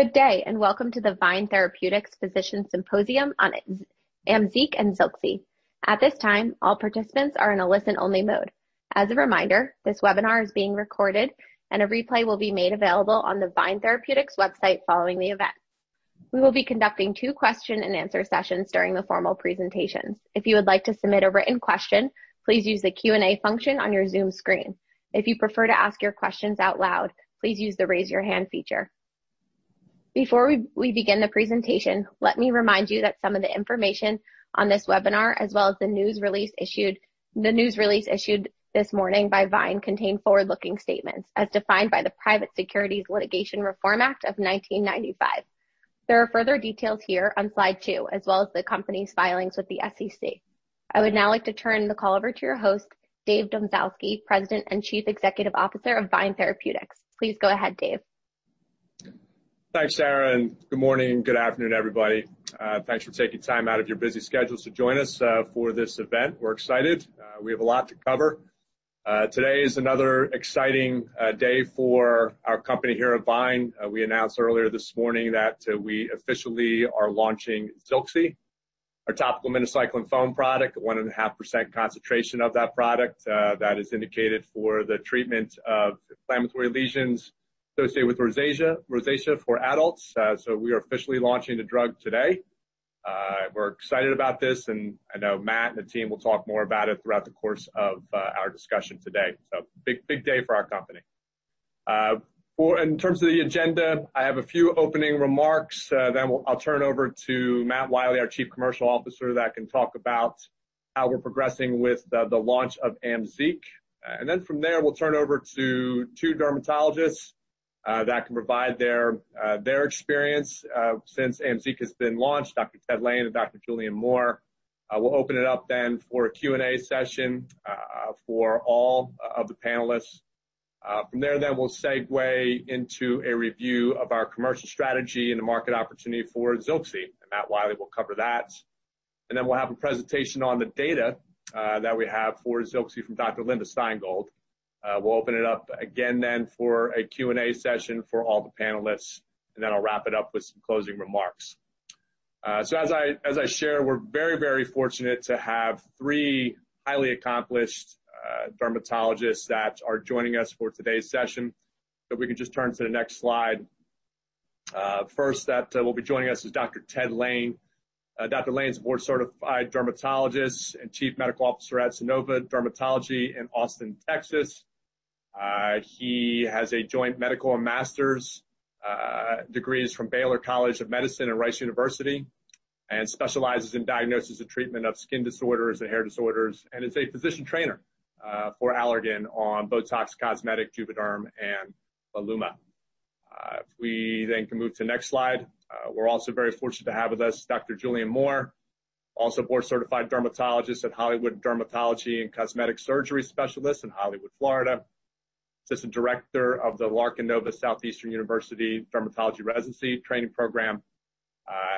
Good day, and welcome to the VYNE Therapeutics Physician Symposium on AMZEEQ and ZILXI. At this time, all participants are in a listen-only mode. As a reminder, this webinar is being recorded, and a replay will be made available on the VYNE Therapeutics website following the event. We will be conducting two question and answer sessions during the formal presentations. If you would like to submit a written question, please use the Q&A function on your Zoom screen. If you prefer to ask your questions out loud, please use the raise your hand feature. Before we begin the presentation, let me remind you that some of the information on this webinar, as well as the news release issued this morning by VYNE, contain forward-looking statements as defined by the Private Securities Litigation Reform Act of 1995. There are further details here on slide two, as well as the company's filings with the SEC. I would now like to turn the call over to your host, Dave Domzalski, President and Chief Executive Officer of VYNE Therapeutics. Please go ahead, Dave. Thanks, Sarah. Good morning, good afternoon, everybody. Thanks for taking time out of your busy schedules to join us for this event. We're excited. We have a lot to cover. Today is another exciting day for our company here at VYNE. We announced earlier this morning that we officially are launching ZILXI, our topical minocycline foam product, 1.5% concentration of that product. That is indicated for the treatment of inflammatory lesions associated with rosacea for adults. We are officially launching the drug today. We're excited about this, and I know Matt and the team will talk more about it throughout the course of our discussion today. Big day for our company. In terms of the agenda, I have a few opening remarks. I'll turn over to Matt Wiley, our Chief Commercial Officer, that can talk about how we're progressing with the launch of AMZEEQ. From there, we'll turn over to two dermatologists that can provide their experience since AMZEEQ has been launched, Dr. Ted Lain and Dr. Julian Moore. We'll open it up then for a Q&A session for all of the panelists. From there, we'll segue into a review of our commercial strategy and the market opportunity for ZILXI, and Matt Wiley will cover that. We'll have a presentation on the data that we have for ZILXI from Dr. Linda Stein Gold. We'll open it up again then for a Q&A session for all the panelists, I'll wrap it up with some closing remarks. As I share, we're very fortunate to have three highly accomplished dermatologists that are joining us for today's session. If we can just turn to the next slide. First that will be joining us is Dr. Ted Lain. Dr. Lain's a board-certified dermatologist and Chief Medical Officer at Sanova Dermatology in Austin, Texas. He has a joint medical and Master's degrees from Baylor College of Medicine and Rice University and specializes in diagnosis and treatment of skin disorders and hair disorders, and is a physician trainer for Allergan on BOTOX Cosmetic, JUVÉDERM, and Voluma. If we can move to the next slide. We're also very fortunate to have with us Dr. Julian Moore, also a board-certified dermatologist at Hollywood Dermatology and Cosmetic Surgery Specialists in Hollywood, Florida, Assistant Director of the Larkin Nova Southeastern University Dermatology Residency Training Program,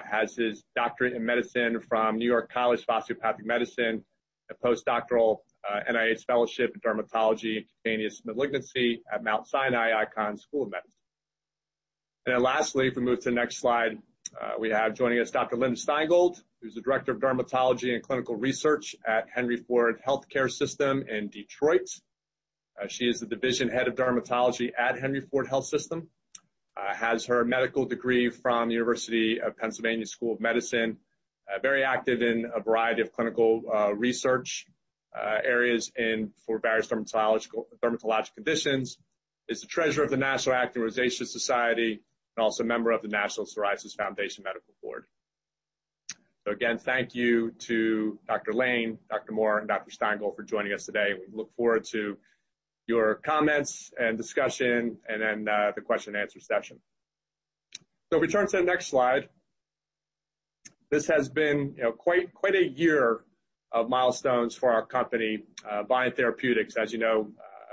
has his Doctorate in Medicine from New York College of Osteopathic Medicine, a post-doctoral NIH fellowship in dermatology and cutaneous malignancy at Mount Sinai Icahn School of Medicine. Lastly, if we move to the next slide, we have joining us Dr. Linda Stein Gold, who is the Director of Dermatology and Clinical Research at Henry Ford Health System in Detroit. She is the Division Head of Dermatology at Henry Ford Health System, has her medical degree from University of Pennsylvania School of Medicine. Very active in a variety of clinical research areas for various dermatologic conditions, is the Treasurer of the American Acne and Rosacea Society, and also a member of the National Psoriasis Foundation Medical Board. Again, thank you to Dr. Lain, Dr. Moore, and Dr. Stein Gold for joining us today. We look forward to your comments and discussion and then the question and answer session. If we turn to the next slide. This has been quite a year of milestones for our company, VYNE Therapeutics. As you know,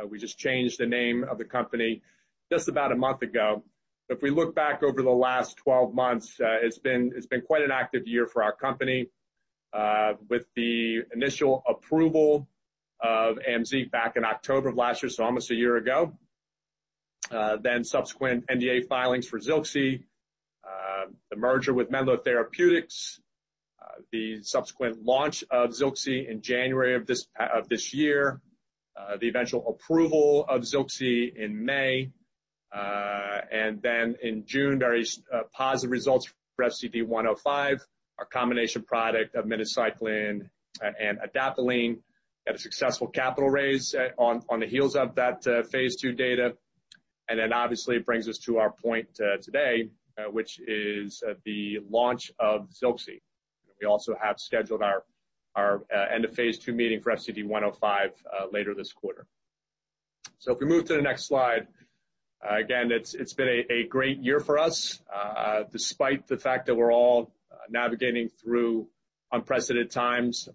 we just changed the name of the company just about a month ago. If we look back over the last 12 months, it has been quite an active year for our company with the initial approval of AMZEEQ back in October of last year, so almost a year ago. Subsequent NDA filings for ZILXI, the merger with Menlo Therapeutics, the subsequent launch of ZILXI in January of this year, the eventual approval of ZILXI in May. In June, very positive results for FCD105, our combination product of minocycline and adapalene, had a successful capital raise on the heels of that phase II data. Obviously, it brings us to our point today, which is the launch of ZILXI. We also have scheduled our end of phase II meeting for FCD105 later this quarter. If we move to the next slide. It's been a great year for us, despite the fact that we're all navIGAting through unprecedented times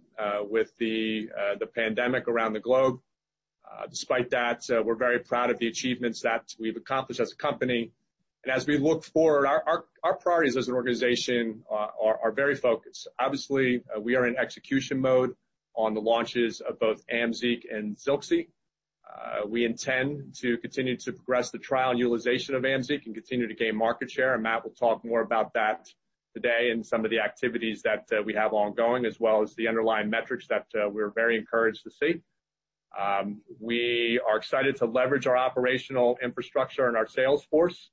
with the pandemic around the globe. Despite that, we're very proud of the achievements that we've accomplished as a company. As we look forward, our priorities as an organization are very focused. Obviously, we are in execution mode on the launches of both AMZEEQ and ZILXI. We intend to continue to progress the trial and utilization of AMZEEQ and continue to gain market share, and Matt will talk more about that today and some of the activities that we have ongoing, as well as the underlying metrics that we're very encouraged to see. We are excited to leverage our operational infrastructure and our sales force,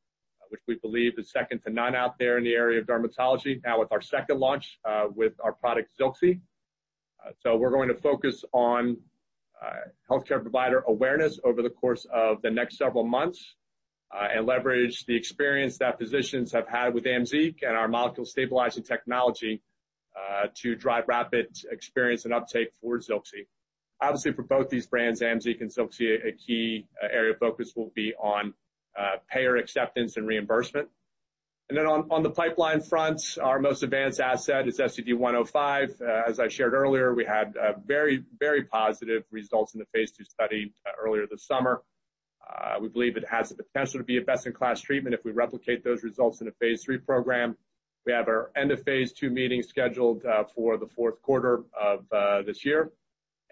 which we believe is second to none out there in the area of dermatology, now with our second launch with our product, ZILXI. We're going to focus on healthcare provider awareness over the course of the next several months, and leverage the experience that physicians have had with AMZEEQ and our Molecule Stabilizing Technology to drive rapid experience and uptake for ZILXI. Obviously, for both these brands, AMZEEQ and ZILXI, a key area of focus will be on payer acceptance and reimbursement. On the pipeline front, our most advanced asset is FCD105. As I shared earlier, we had very, very positive results in the phase II study earlier this summer. We believe it has the potential to be a best-in-class treatment if we replicate those results in a phase III program. We have our end of phase II meeting scheduled for the fourth quarter of this year,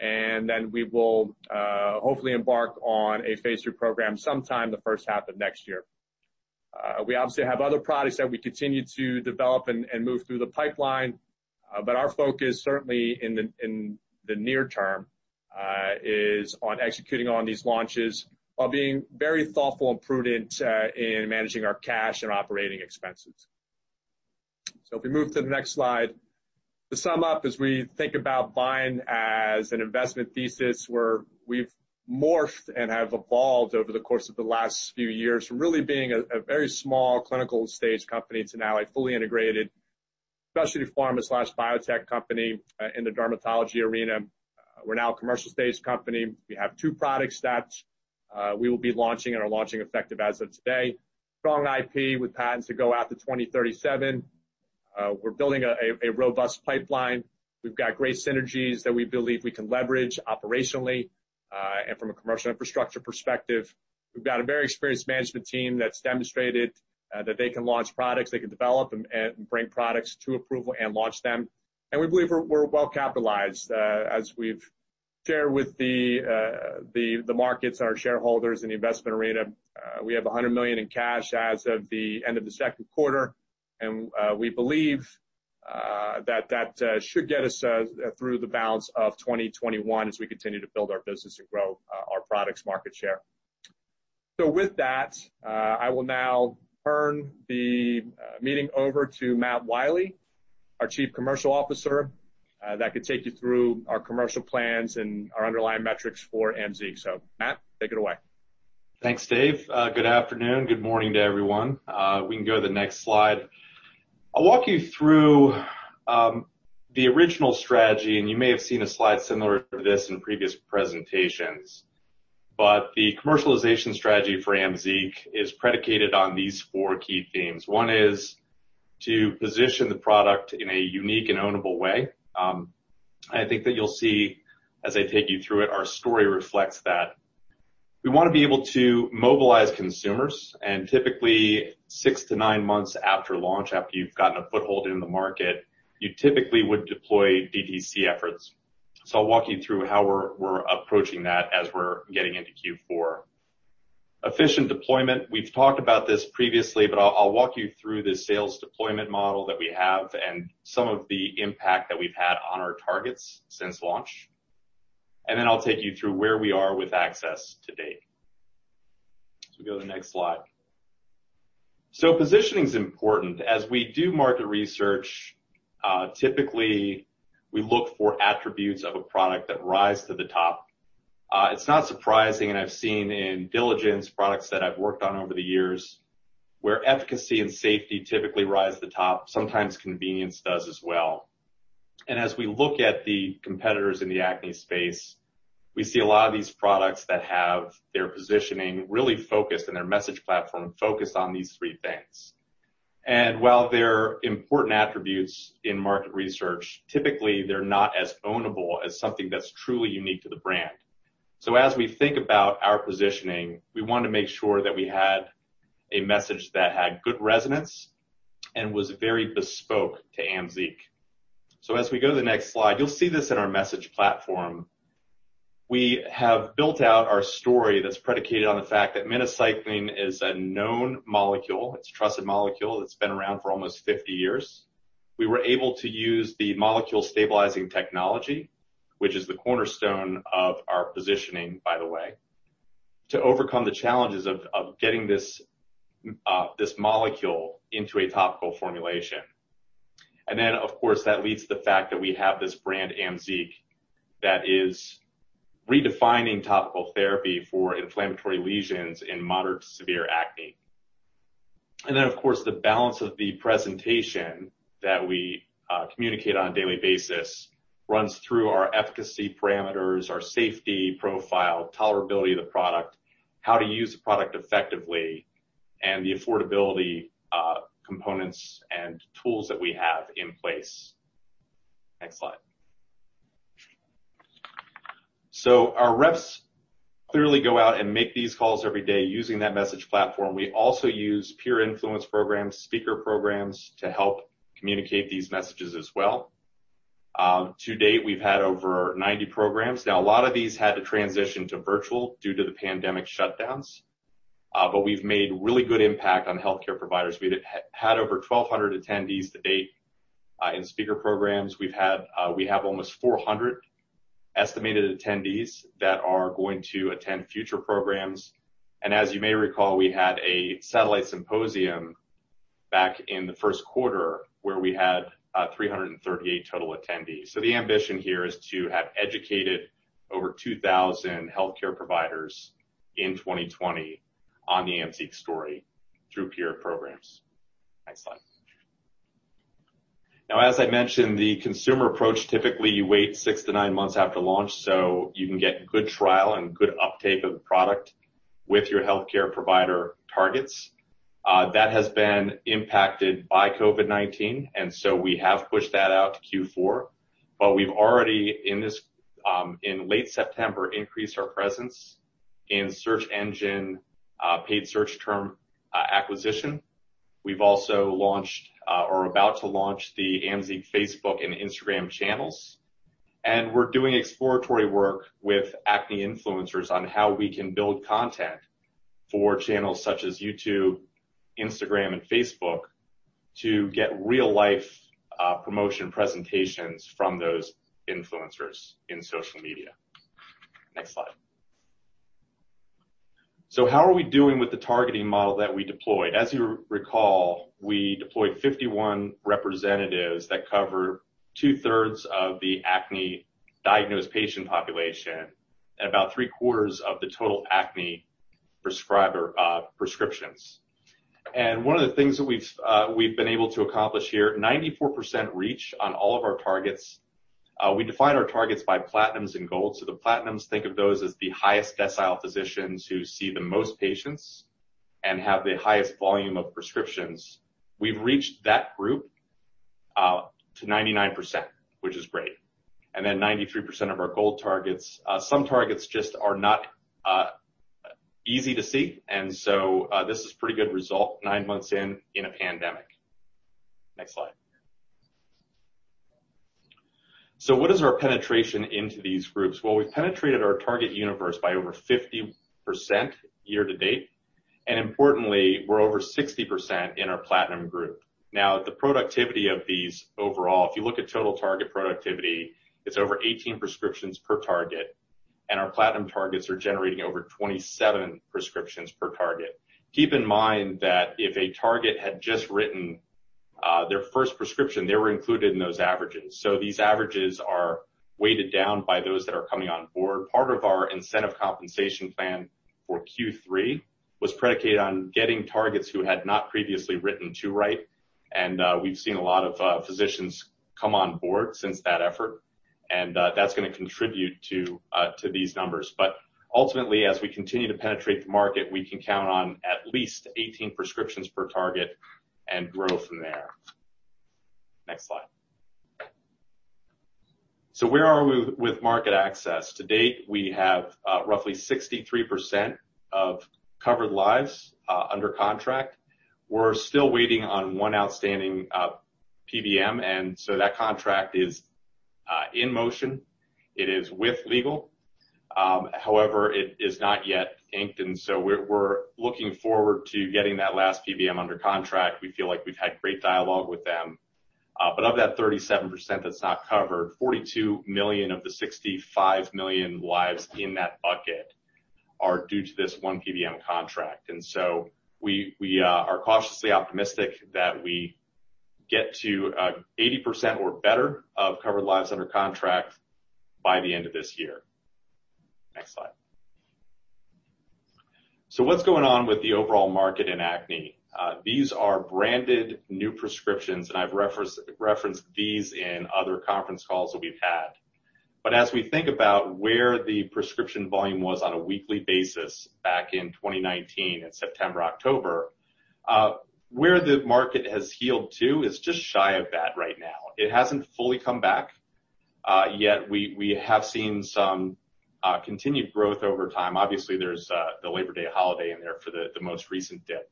we will hopefully embark on a phase III program sometime the first half of next year. We obviously have other products that we continue to develop and move through the pipeline. Our focus certainly in the near term is on executing on these launches while being very thoughtful and prudent in managing our cash and operating expenses. If we move to the next slide. To sum up, as we think about VYNE as an investment thesis, we've morphed and have evolved over the course of the last few years from really being a very small clinical-stage company to now a fully integrated specialty pharma/biotech company in the dermatology arena. We're now a commercial-stage company. We have two products that we will be launching and are launching effective as of today. Strong IP with patents that go out to 2037. We're building a robust pipeline. We've got great synergies that we believe we can leverage operationally and from a commercial infrastructure perspective. We've got a very experienced management team that's demonstrated that they can launch products, they can develop and bring products to approval and launch them. We believe we're well-capitalized. As we've shared with the markets and our shareholders in the investment arena, we have $100 million in cash as of the end of the second quarter. We believe that that should get us through the balance of 2021 as we continue to build our business and grow our products market share. With that, I will now turn the meeting over to Matt Wiley, our Chief Commercial Officer, that could take you through our commercial plans and our underlying metrics for AMZEEQ. Matt, take it away. Thanks, Dave. Good afternoon. Good morning to everyone. We can go to the next slide. I'll walk you through the original strategy. You may have seen a slide similar to this in previous presentations. The commercialization strategy for AMZEEQ is predicated on these four key themes. One is to position the product in a unique and ownable way. I think that you'll see, as I take you through it, our story reflects that. We want to be able to mobilize consumers. Typically six to nine months after launch, after you've gotten a foothold in the market, you typically would deploy DTC efforts. I'll walk you through how we're approaching that as we're getting into Q4. Efficient deployment. We've talked about this previously, but I'll walk you through the sales deployment model that we have and some of the impact that we've had on our targets since launch. Then I'll take you through where we are with access to date. Go to the next slide. Positioning is important. As we do market research, typically, we look for attributes of a product that rise to the top. It's not surprising, and I've seen in diligence products that I've worked on over the years, where efficacy and safety typically rise to the top, sometimes convenience does as well. As we look at the competitors in the acne space, we see a lot of these products that have their positioning really focused and their message platform focused on these three things. While they're important attributes in market research, typically they're not as ownable as something that's truly unique to the brand. As we think about our positioning, we want to make sure that we had a message that had good resonance and was very bespoke to AMZEEQ. As we go to the next slide, you'll see this in our message platform. We have built out our story that's predicated on the fact that minocycline is a known molecule. It's a trusted molecule that's been around for almost 50 years. We were able to use the Molecule Stabilizing Technology, which is the cornerstone of our positioning, by the way, to overcome the challenges of getting this molecule into a topical formulation. Then, of course, that leads to the fact that we have this brand, AMZEEQ, that is redefining topical therapy for inflammatory lesions in moderate to severe acne. Then, of course, the balance of the presentation that we communicate on a daily basis runs through our efficacy parameters, our safety profile, tolerability of the product, how to use the product effectively, and the affordability components and tools that we have in place. Next slide. Our reps clearly go out and make these calls every day using that message platform. We also use peer influence programs, speaker programs to help communicate these messages as well. To date, we've had over 90 programs. A lot of these had to transition to virtual due to the pandemic shutdowns, but we've made really good impact on healthcare providers. We've had over 1,200 attendees to date in speaker programs. We have almost 400 estimated attendees that are going to attend future programs. As you may recall, we had a satellite symposium back in the first quarter, where we had 338 total attendees. The ambition here is to have educated over 2,000 healthcare providers in 2020 on the AMZEEQ story through peer programs. Next slide. As I mentioned, the consumer approach, typically, you wait six to nine months after launch so you can get good trial and good uptake of the product with your healthcare provider targets. That has been impacted by COVID-19, we have pushed that out to Q4. We've already, in late September, increased our presence in search engine paid search term acquisition. We've also launched or are about to launch the AMZEEQ Facebook and Instagram channels. We're doing exploratory work with acne influencers on how we can build content for channels such as YouTube, Instagram, and Facebook to get real-life promotion presentations from those influencers in social media. Next slide. How are we doing with the targeting model that we deployed? As you recall, we deployed 51 representatives that cover two-thirds of the acne-diagnosed patient population and about three-quarters of the total acne prescriptions. One of the things that we've been able to accomplish here, 94% reach on all of our targets. We define our targets by platinums and golds. The platinums, think of those as the highest decile physicians who see the most patients and have the highest volume of prescriptions. We've reached that group to 99%, which is great. 93% of our gold targets. Some targets just are not easy to see. This is a pretty good result nine months in a pandemic. Next slide. What is our penetration into these groups? Well, we've penetrated our target universe by over 50% year-to-date. Importantly, we're over 60% in our platinum group. Now, the productivity of these overall, if you look at total target productivity, it's over 18 prescriptions per target. Our platinum targets are generating over 27 prescriptions per target. Keep in mind that if a target had just written their first prescription, they were included in those averages. These averages are weighted down by those that are coming on board. Part of our incentive compensation plan for Q3 was predicated on getting targets who had not previously written to write. We've seen a lot of physicians come on board since that effort. That's going to contribute to these numbers. Ultimately, as we continue to penetrate the market, we can count on at least 18 prescriptions per target and grow from there. Next slide. Where are we with market access? To date, we have roughly 63% of covered lives under contract. We're still waiting on one outstanding PBM. That contract is in motion. It is with legal. However, it is not yet inked. We're looking forward to getting that last PBM under contract. We feel like we've had great dialogue with them. Of that 37% that's not covered, 42 million of the 65 million lives in that bucket are due to this one PBM contract. We are cautiously optimistic that we get to 80% or better of covered lives under contract by the end of this year. Next slide. What's going on with the overall market in acne? These are branded new prescriptions, and I've referenced these in other conference calls that we've had. As we think about where the prescription volume was on a weekly basis back in 2019 in September, October, where the market has healed to is just shy of that right now. It hasn't fully come back. We have seen some continued growth over time. Obviously, there's the Labor Day holiday in there for the most recent dip.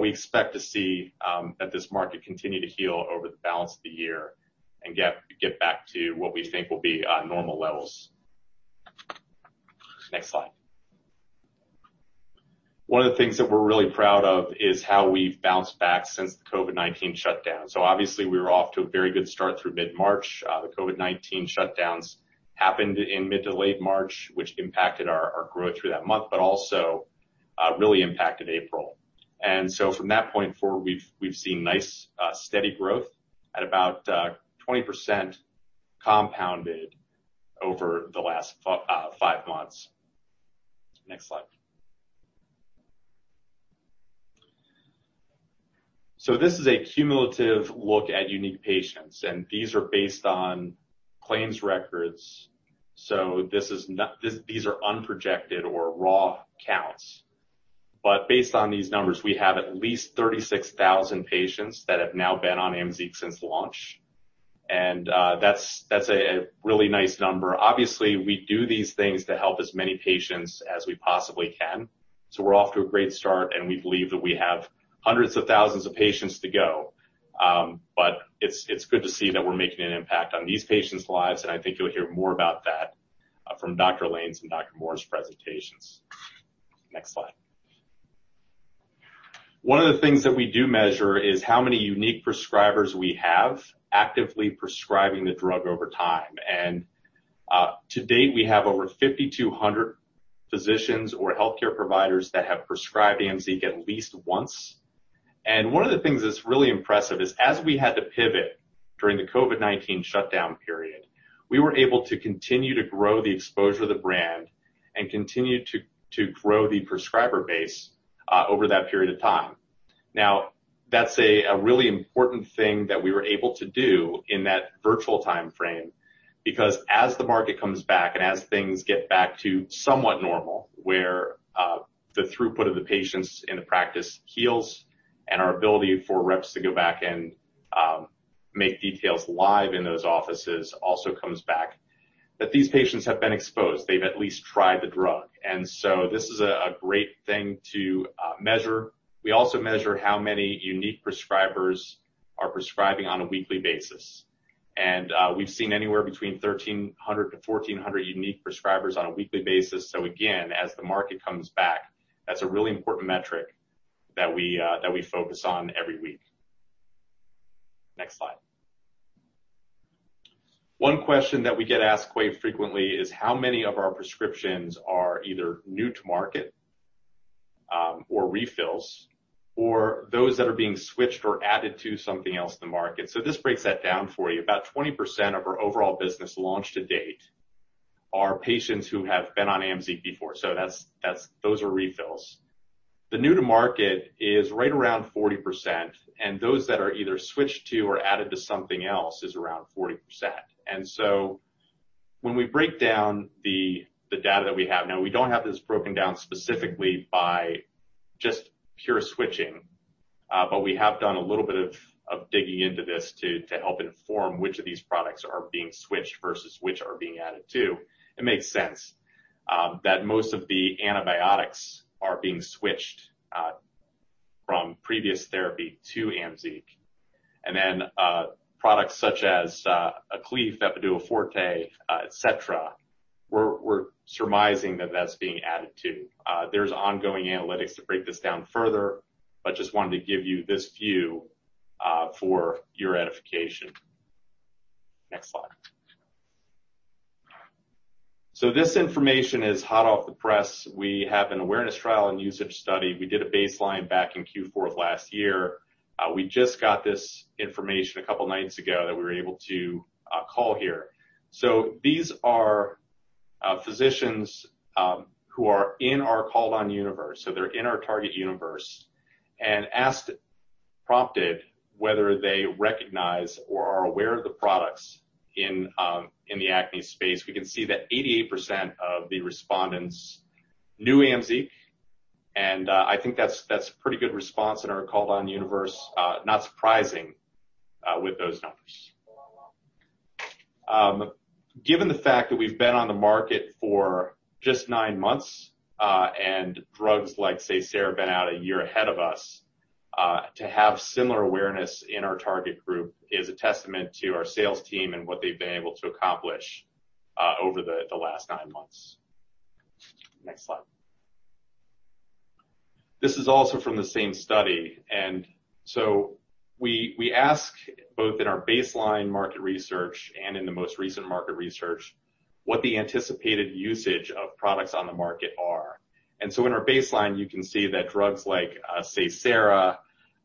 We expect to see that this market continue to heal over the balance of the year and get back to what we think will be normal levels. Next slide. One of the things that we're really proud of is how we've bounced back since the COVID-19 shutdown. Obviously, we were off to a very good start through mid-March. The COVID-19 shutdowns happened in mid to late March, which impacted our growth through that month, but also really impacted April. From that point forward, we've seen nice, steady growth at about 20% compounded over the last five months. Next slide. This is a cumulative look at unique patients, and these are based on claims records. These are unprojected or raw counts. Based on these numbers, we have at least 36,000 patients that have now been on AMZEEQ since launch. That's a really nice number. Obviously, we do these things to help as many patients as we possibly can. We're off to a great start, and we believe that we have hundreds of thousands of patients to go. It's good to see that we're making an impact on these patients' lives, and I think you'll hear more about that from Dr. Lain's and Dr. Moore's presentations. Next slide. One of the things that we do measure is how many unique prescribers we have actively prescribing the drug over time. To date, we have over 5,200 physicians or healthcare providers that have prescribed AMZEEQ at least once. One of the things that's really impressive is, as we had to pivot during the COVID-19 shutdown period, we were able to continue to grow the exposure of the brand and continue to grow the prescriber base over that period of time. That's a really important thing that we were able to do in that virtual timeframe, because as the market comes back and as things get back to somewhat normal, where the throughput of the patients in the practice heals and our ability for reps to go back and make details live in those offices also comes back, that these patients have been exposed. They've at least tried the drug. This is a great thing to measure. We also measure how many unique prescribers are prescribing on a weekly basis. We've seen anywhere between 1,300 to 1,400 unique prescribers on a weekly basis. Again, as the market comes back, that's a really important metric that we focus on every week. Next slide. One question that we get asked quite frequently is how many of our prescriptions are either new to market, or refills, or those that are being switched or added to something else in the market. This breaks that down for you. About 20% of our overall business launched to date are patients who have been on AMZEEQ before. Those are refills. The new to market is right around 40%, and those that are either switched to or added to something else is around 40%. When we break down the data that we have, now we don't have this broken down specifically by just pure switching, but we have done a little bit of digging into this to help inform which of these products are being switched versus which are being added to. It makes sense that most of the antibiotics are being switched from previous therapy to AMZEEQ. Products such as Aklief, Epiduo Forte, et cetera, we're surmising that that's being added to. There's ongoing analytics to break this down further, but just wanted to give you this view for your edification. Next slide. This information is hot off the press. We have an awareness trial and usage study. We did a baseline back in Q4 of last year. We just got this information a couple nights ago that we were able to call here. These are physicians who are in our called on universe, so they're in our target universe. Prompted whether they recognize or are aware of the products in the acne space, we can see that 88% of the respondents knew AMZEEQ, and I think that's a pretty good response in our called on universe. Not surprising with those numbers. Given the fact that we've been on the market for just nine months, and drugs like Seysara have been out a year ahead of us, to have similar awareness in our target group is a testament to our sales team and what they've been able to accomplish over the last nine months. Next slide. This is also from the same study. We ask both in our baseline market research and in the most recent market research what the anticipated usage of products on the market are. In our baseline, you can see that drugs like Seysara,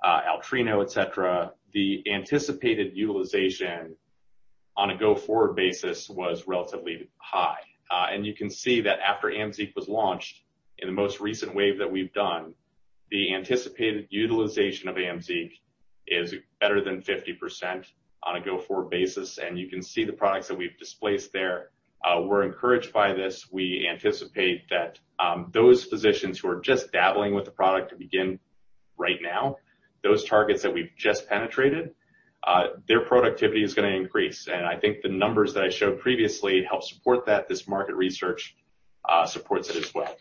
Altreno, et cetera, the anticipated utilization on a go-forward basis was relatively high. You can see that after AMZEEQ was launched in the most recent wave that we've done, the anticipated utilization of AMZEEQ is better than 50% on a go-forward basis, and you can see the products that we've displaced there. We're encouraged by this. We anticipate that those physicians who are just dabbling with the product to begin right now, those targets that we've just penetrated, their productivity is going to increase. I think the numbers that I showed previously help support that. This market research supports it as well.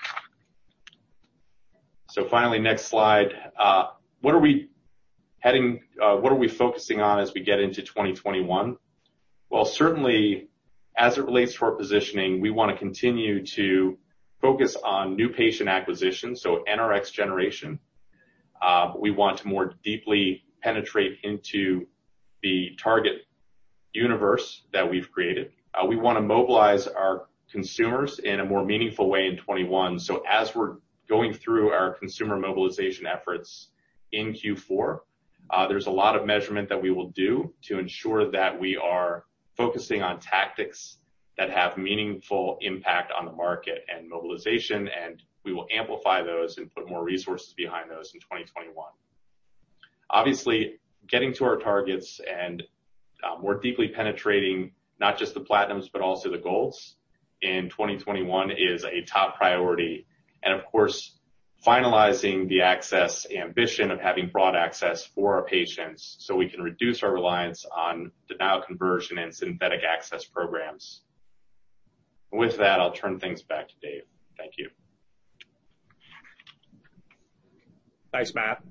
Finally, next slide. What are we focusing on as we get into 2021? Well, certainly as it relates to our positioning, we want to continue to focus on new patient acquisition, so NRx generation. We want to more deeply penetrate into the target universe that we've created. We want to mobilize our consumers in a more meaningful way in 2021. As we're going through our consumer mobilization efforts in Q4, there's a lot of measurement that we will do to ensure that we are focusing on tactics that have meaningful impact on the market and mobilization, and we will amplify those and put more resources behind those in 2021. Obviously, getting to our targets and more deeply penetrating not just the platinums, but also the golds in 2021 is a top priority. Of course, finalizing the access ambition of having broad access for our patients so we can reduce our reliance on the bio conversion and synthetic access programs. With that, I'll turn things back to Dave. Thank you. Thanks, Matt.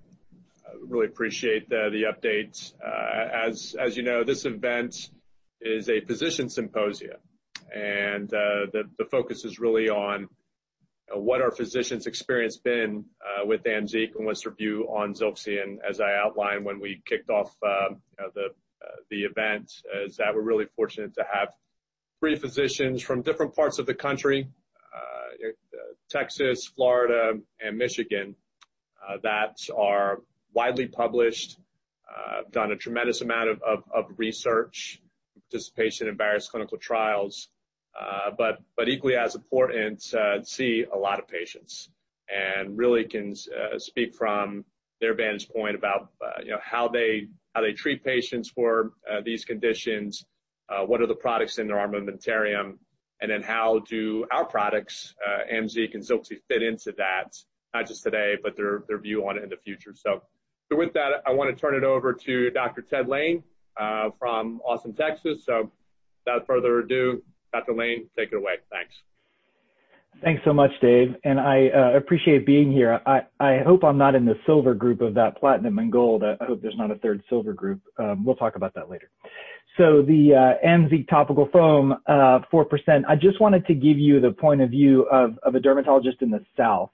Really appreciate the update. As you know, this event is a physician symposia, and the focus is really on what our physicians' experience been with AMZEEQ and what's their view on ZILXI. As I outlined when we kicked off the event, is that we're really fortunate to have three physicians from different parts of the country, Texas, Florida, and Michigan, that are widely published, done a tremendous amount of research, participation in various clinical trials. Equally as important, see a lot of patients and really can speak from their vantage point about how they treat patients for these conditions, what are the products in their armamentarium, then how do our products, AMZEEQ and ZILXI, fit into that, not just today, but their view on it in the future. With that, I want to turn it over to Dr. Ted Lain from Austin, Texas. Without further ado, Dr. Lain, take it away. Thanks. Thanks so much, Dave, and I appreciate being here. I hope I'm not in the silver group of that platinum and gold. I hope there's not a third silver group. We'll talk about that later. The AMZEEQ topical foam, 4%. I just wanted to give you the point of view of a dermatologist in the South.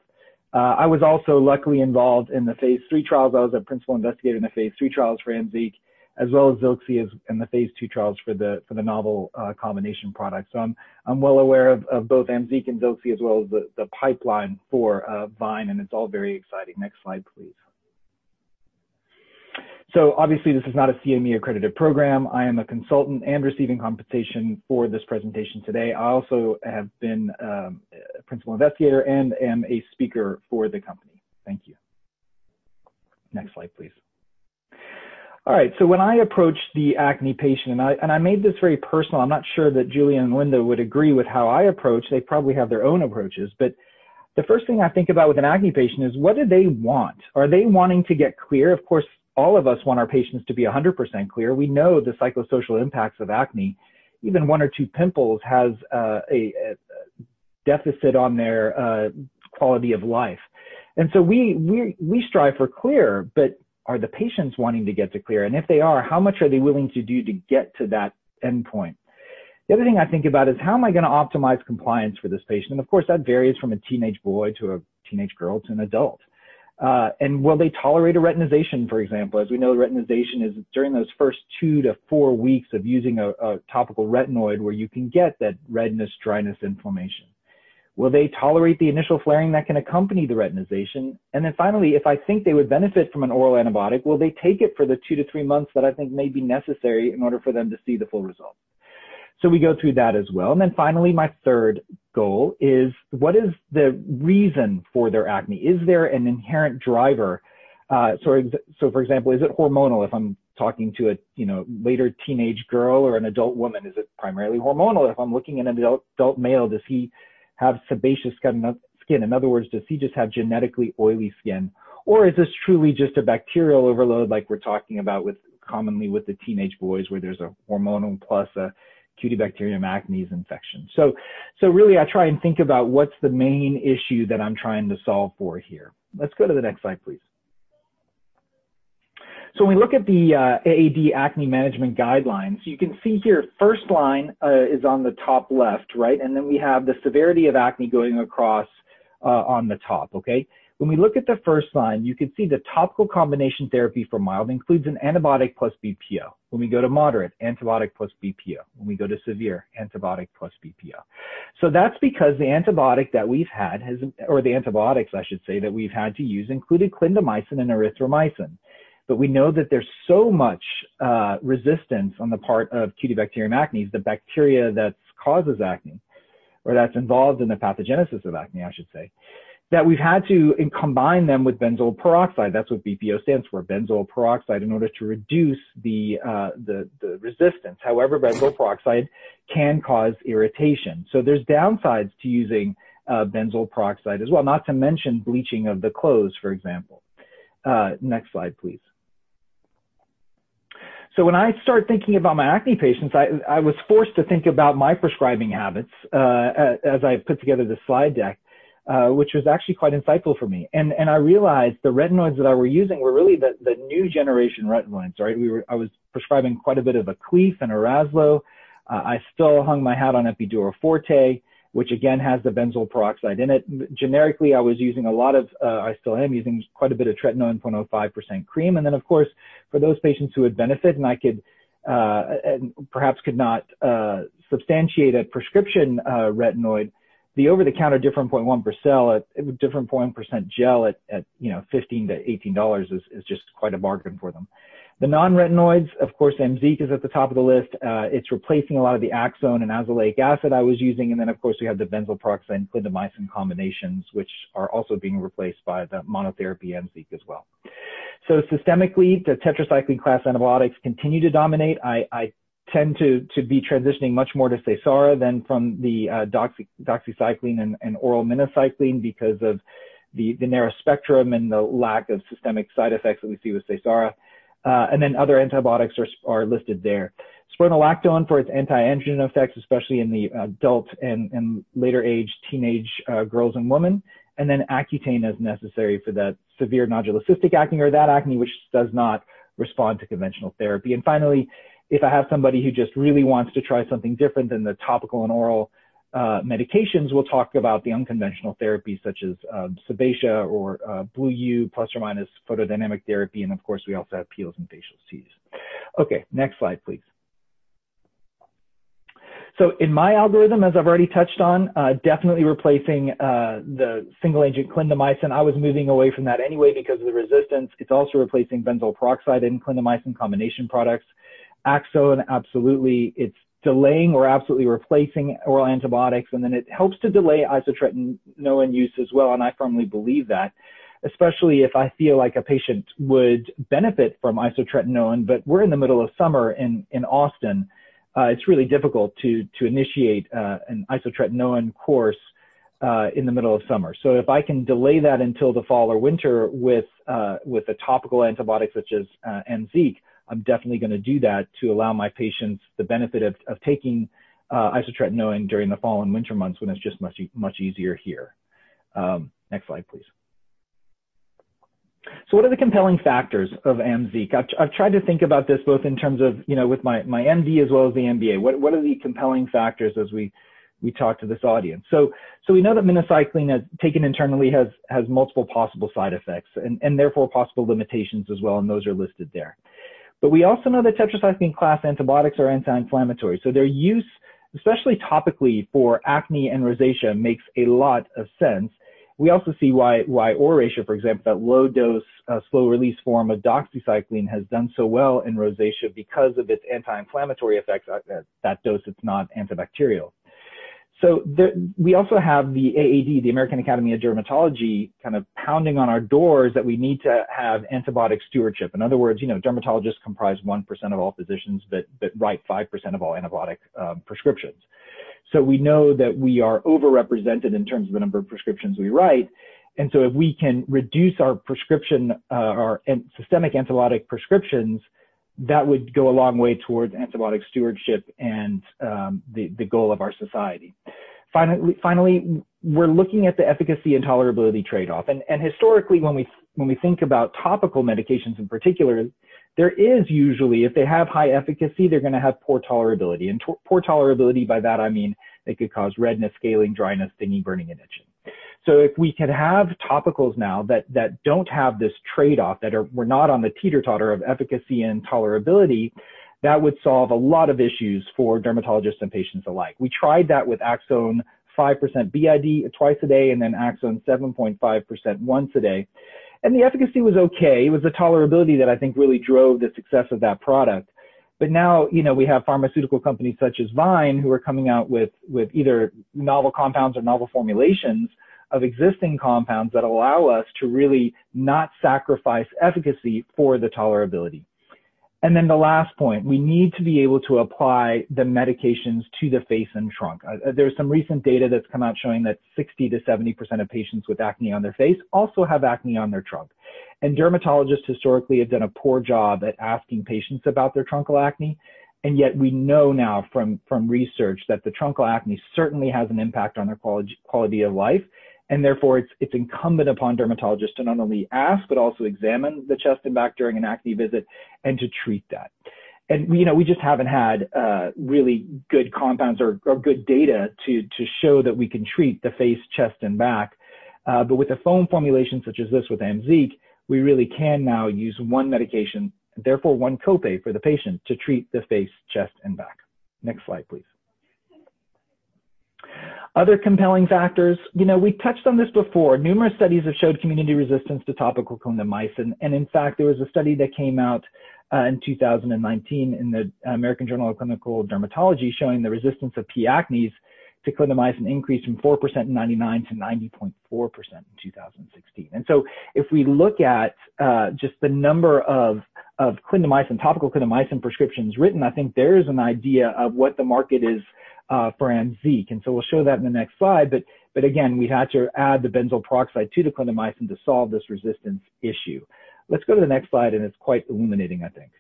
I was also luckily involved in the phase III trials. I was a principal investigator in the phase III trials for AMZEEQ, as well as ZILXI in the phase II trials for the novel combination product. I'm well aware of both AMZEEQ and ZILXI as well as the pipeline for VYNE, and it's all very exciting. Next slide, please. Obviously, this is not a CME accredited program. I am a consultant and receiving compensation for this presentation today. I also have been principal investigator and am a speaker for the company. Thank you. Next slide, please. All right. When I approach the acne patient, I made this very personal. I'm not sure that Julian and Linda would agree with how I approach. They probably have their own approaches. The first thing I think about with an acne patient is what do they want? Are they wanting to get clear? Of course, all of us want our patients to be 100% clear. We know the psychosocial impacts of acne. Even one or two pimples has a deficit on their quality of life. We strive for clear, are the patients wanting to get to clear? If they are, how much are they willing to do to get to that endpoint? The other thing I think about is how am I going to optimize compliance for this patient? Of course, that varies from a teenage boy to a teenage girl to an adult. Will they tolerate a retinization, for example? As we know, retinization is during those first two to four weeks of using a topical retinoid where you can get that redness, dryness, inflammation. Will they tolerate the initial flaring that can accompany the retinization? Finally, if I think they would benefit from an oral antibiotic, will they take it for the two to three months that I think may be necessary in order for them to see the full result? We go through that as well. Finally, my third goal is what is the reason for their acne? Is there an inherent driver? For example, is it hormonal? If I'm talking to a later teenage girl or an adult woman, is it primarily hormonal? If I'm looking at an adult male, does he have sebaceous skin? In other words, does he just have genetically oily skin? Is this truly just a bacterial overload like we're talking about commonly with the teenage boys, where there's a hormonal plus a Cutibacterium acnes infection. Really, I try and think about what's the main issue that I'm trying to solve for here. Let's go to the next slide, please. When we look at the AAD acne management guidelines, you can see here, first line is on the top left, right? Then we have the severity of acne going across on the top. Okay? When we look at the first line, you can see the topical combination therapy for mild includes an antibiotic plus BPO. When we go to moderate, antibiotic plus BPO. When we go to severe, antibiotic plus BPO. That's because the antibiotic that we've had, or the antibiotics I should say, that we've had to use included clindamycin and erythromycin. We know that there's so much resistance on the part of Cutibacterium acnes, the bacteria that causes acne, or that's involved in the pathogenesis of acne, I should say, that we've had to combine them with benzoyl peroxide, that's what BPO stands for, benzoyl peroxide, in order to reduce the resistance. However, benzoyl peroxide can cause irritation. There's downsides to using benzoyl peroxide as well, not to mention bleaching of the clothes, for example. Next slide, please. When I start thinking about my acne patients, I was forced to think about my prescribing habits as I put together this slide deck, which was actually quite insightful for me. I realized the retinoids that I were using were really the new generation retinoids, right? I was prescribing quite a bit of Aklief and ARAZLO. I still hung my hat on Epiduo Forte, which again has the benzoyl peroxide in it. Generically, I was using a lot of, I still am using quite a bit of tretinoin 0.05% cream. Of course, for those patients who would benefit and perhaps could not substantiate a prescription retinoid, the over-the-counter Differin 0.1% gel at $15-$18 is just quite a bargain for them. Of course, AMZEEQ is at the top of the list. It's replacing a lot of the Aczone and azelaic acid I was using, of course, we have the benzoyl peroxide and clindamycin combinations, which are also being replaced by the monotherapy AMZEEQ as well. Systemically, the tetracycline class antibiotics continue to dominate. I tend to be transitioning much more to Seysara than from the doxycycline and oral minocycline because of the narrow spectrum and the lack of systemic side effects that we see with Seysara. Then other antibiotics are listed there. Spironolactone for its anti-androgen effects, especially in the adult and later age teenage girls and women, then Accutane as necessary for that severe nodulocystic acne or that acne which does not respond to conventional therapy. Finally, if I have somebody who just really wants to try something different than the topical and oral medications, we'll talk about the unconventional therapies such as Sebacia or BLU-U plus or minus photodynamic therapy. Of course, we also have peels and facial Cs. Next slide, please. In my algorithm, as I've already touched on, definitely replacing the single agent clindamycin. I was moving away from that anyway because of the resistance. It's also replacing benzoyl peroxide and clindamycin combination products. Aczone, absolutely. It's delaying or absolutely replacing oral antibiotics, and then it helps to delay isotretinoin use as well, and I firmly believe that, especially if I feel like a patient would benefit from isotretinoin. We're in the middle of summer in Austin. It's really difficult to initiate an isotretinoin course in the middle of summer. If I can delay that until the fall or winter with a topical antibiotic such as AMZEEQ, I'm definitely going to do that to allow my patients the benefit of taking isotretinoin during the fall and winter months when it's just much easier here. Next slide, please. What are the compelling factors of AMZEEQ? I've tried to think about this both in terms of with my MD as well as the MBA. What are the compelling factors as we talk to this audience? We know that minocycline taken internally has multiple possible side effects and therefore possible limitations as well, and those are listed there. We also know that tetracycline-class antibiotics are anti-inflammatory, so their use, especially topically for acne and rosacea, makes a lot of sense. We also see why ORACEA, for example, that low dose, slow-release form of doxycycline has done so well in rosacea because of its anti-inflammatory effects. At that dose, it's not antibacterial. We also have the AAD, the American Academy of Dermatology, kind of pounding on our doors that we need to have antibiotic stewardship. In other words, dermatologists comprise 1% of all physicians, but write 5% of all antibiotic prescriptions. We know that we are over-represented in terms of the number of prescriptions we write, if we can reduce our systemic antibiotic prescriptions, that would go a long way towards antibiotic stewardship and the goal of our society. Finally, we're looking at the efficacy and tolerability trade-off, and historically when we think about topical medications in particular, there is usually, if they have high efficacy, they're going to have poor tolerability. Poor tolerability, by that I mean they could cause redness, scaling, dryness, stinging, burning, and itching. If we could have topicals now that don't have this trade-off, that we're not on the teeter-totter of efficacy and tolerability, that would solve a lot of issues for dermatologists and patients alike. We tried that with Aczone 5% BID twice a day, and then Aczone 7.5% once a day. The efficacy was okay. It was the tolerability that I think really drove the success of that product. Now, we have pharmaceutical companies such as VYNE who are coming out with either novel compounds or novel formulations of existing compounds that allow us to really not sacrifice efficacy for the tolerability. The last point, we need to be able to apply the medications to the face and trunk. There's some recent data that's come out showing that 60%-70% of patients with acne on their face also have acne on their trunk. Dermatologists historically have done a poor job at asking patients about their truncal acne, and yet we know now from research that the truncal acne certainly has an impact on their quality of life. Therefore, it's incumbent upon dermatologists to not only ask but also examine the chest and back during an acne visit and to treat that. We just haven't had really good compounds or good data to show that we can treat the face, chest, and back. With a foam formulation such as this with AMZEEQ, we really can now use one medication, therefore one copay for the patient to treat the face, chest, and back. Next slide, please. Other compelling factors. We touched on this before. Numerous studies have showed community resistance to topical clindamycin, and in fact, there was a study that came out in 2019 in the American Journal of Clinical Dermatology showing the resistance of P. acnes to clindamycin increased from 4% in 1999 to 90.4% in 2016. If we look at just the number of clindamycin, topical clindamycin prescriptions written, I think there's an idea of what the market is for AMZEEQ. We'll show that in the next slide, but again, we had to add the benzoyl peroxide to the clindamycin to solve this resistance issue. Let's go to the next slide, and it's quite illuminating, I think.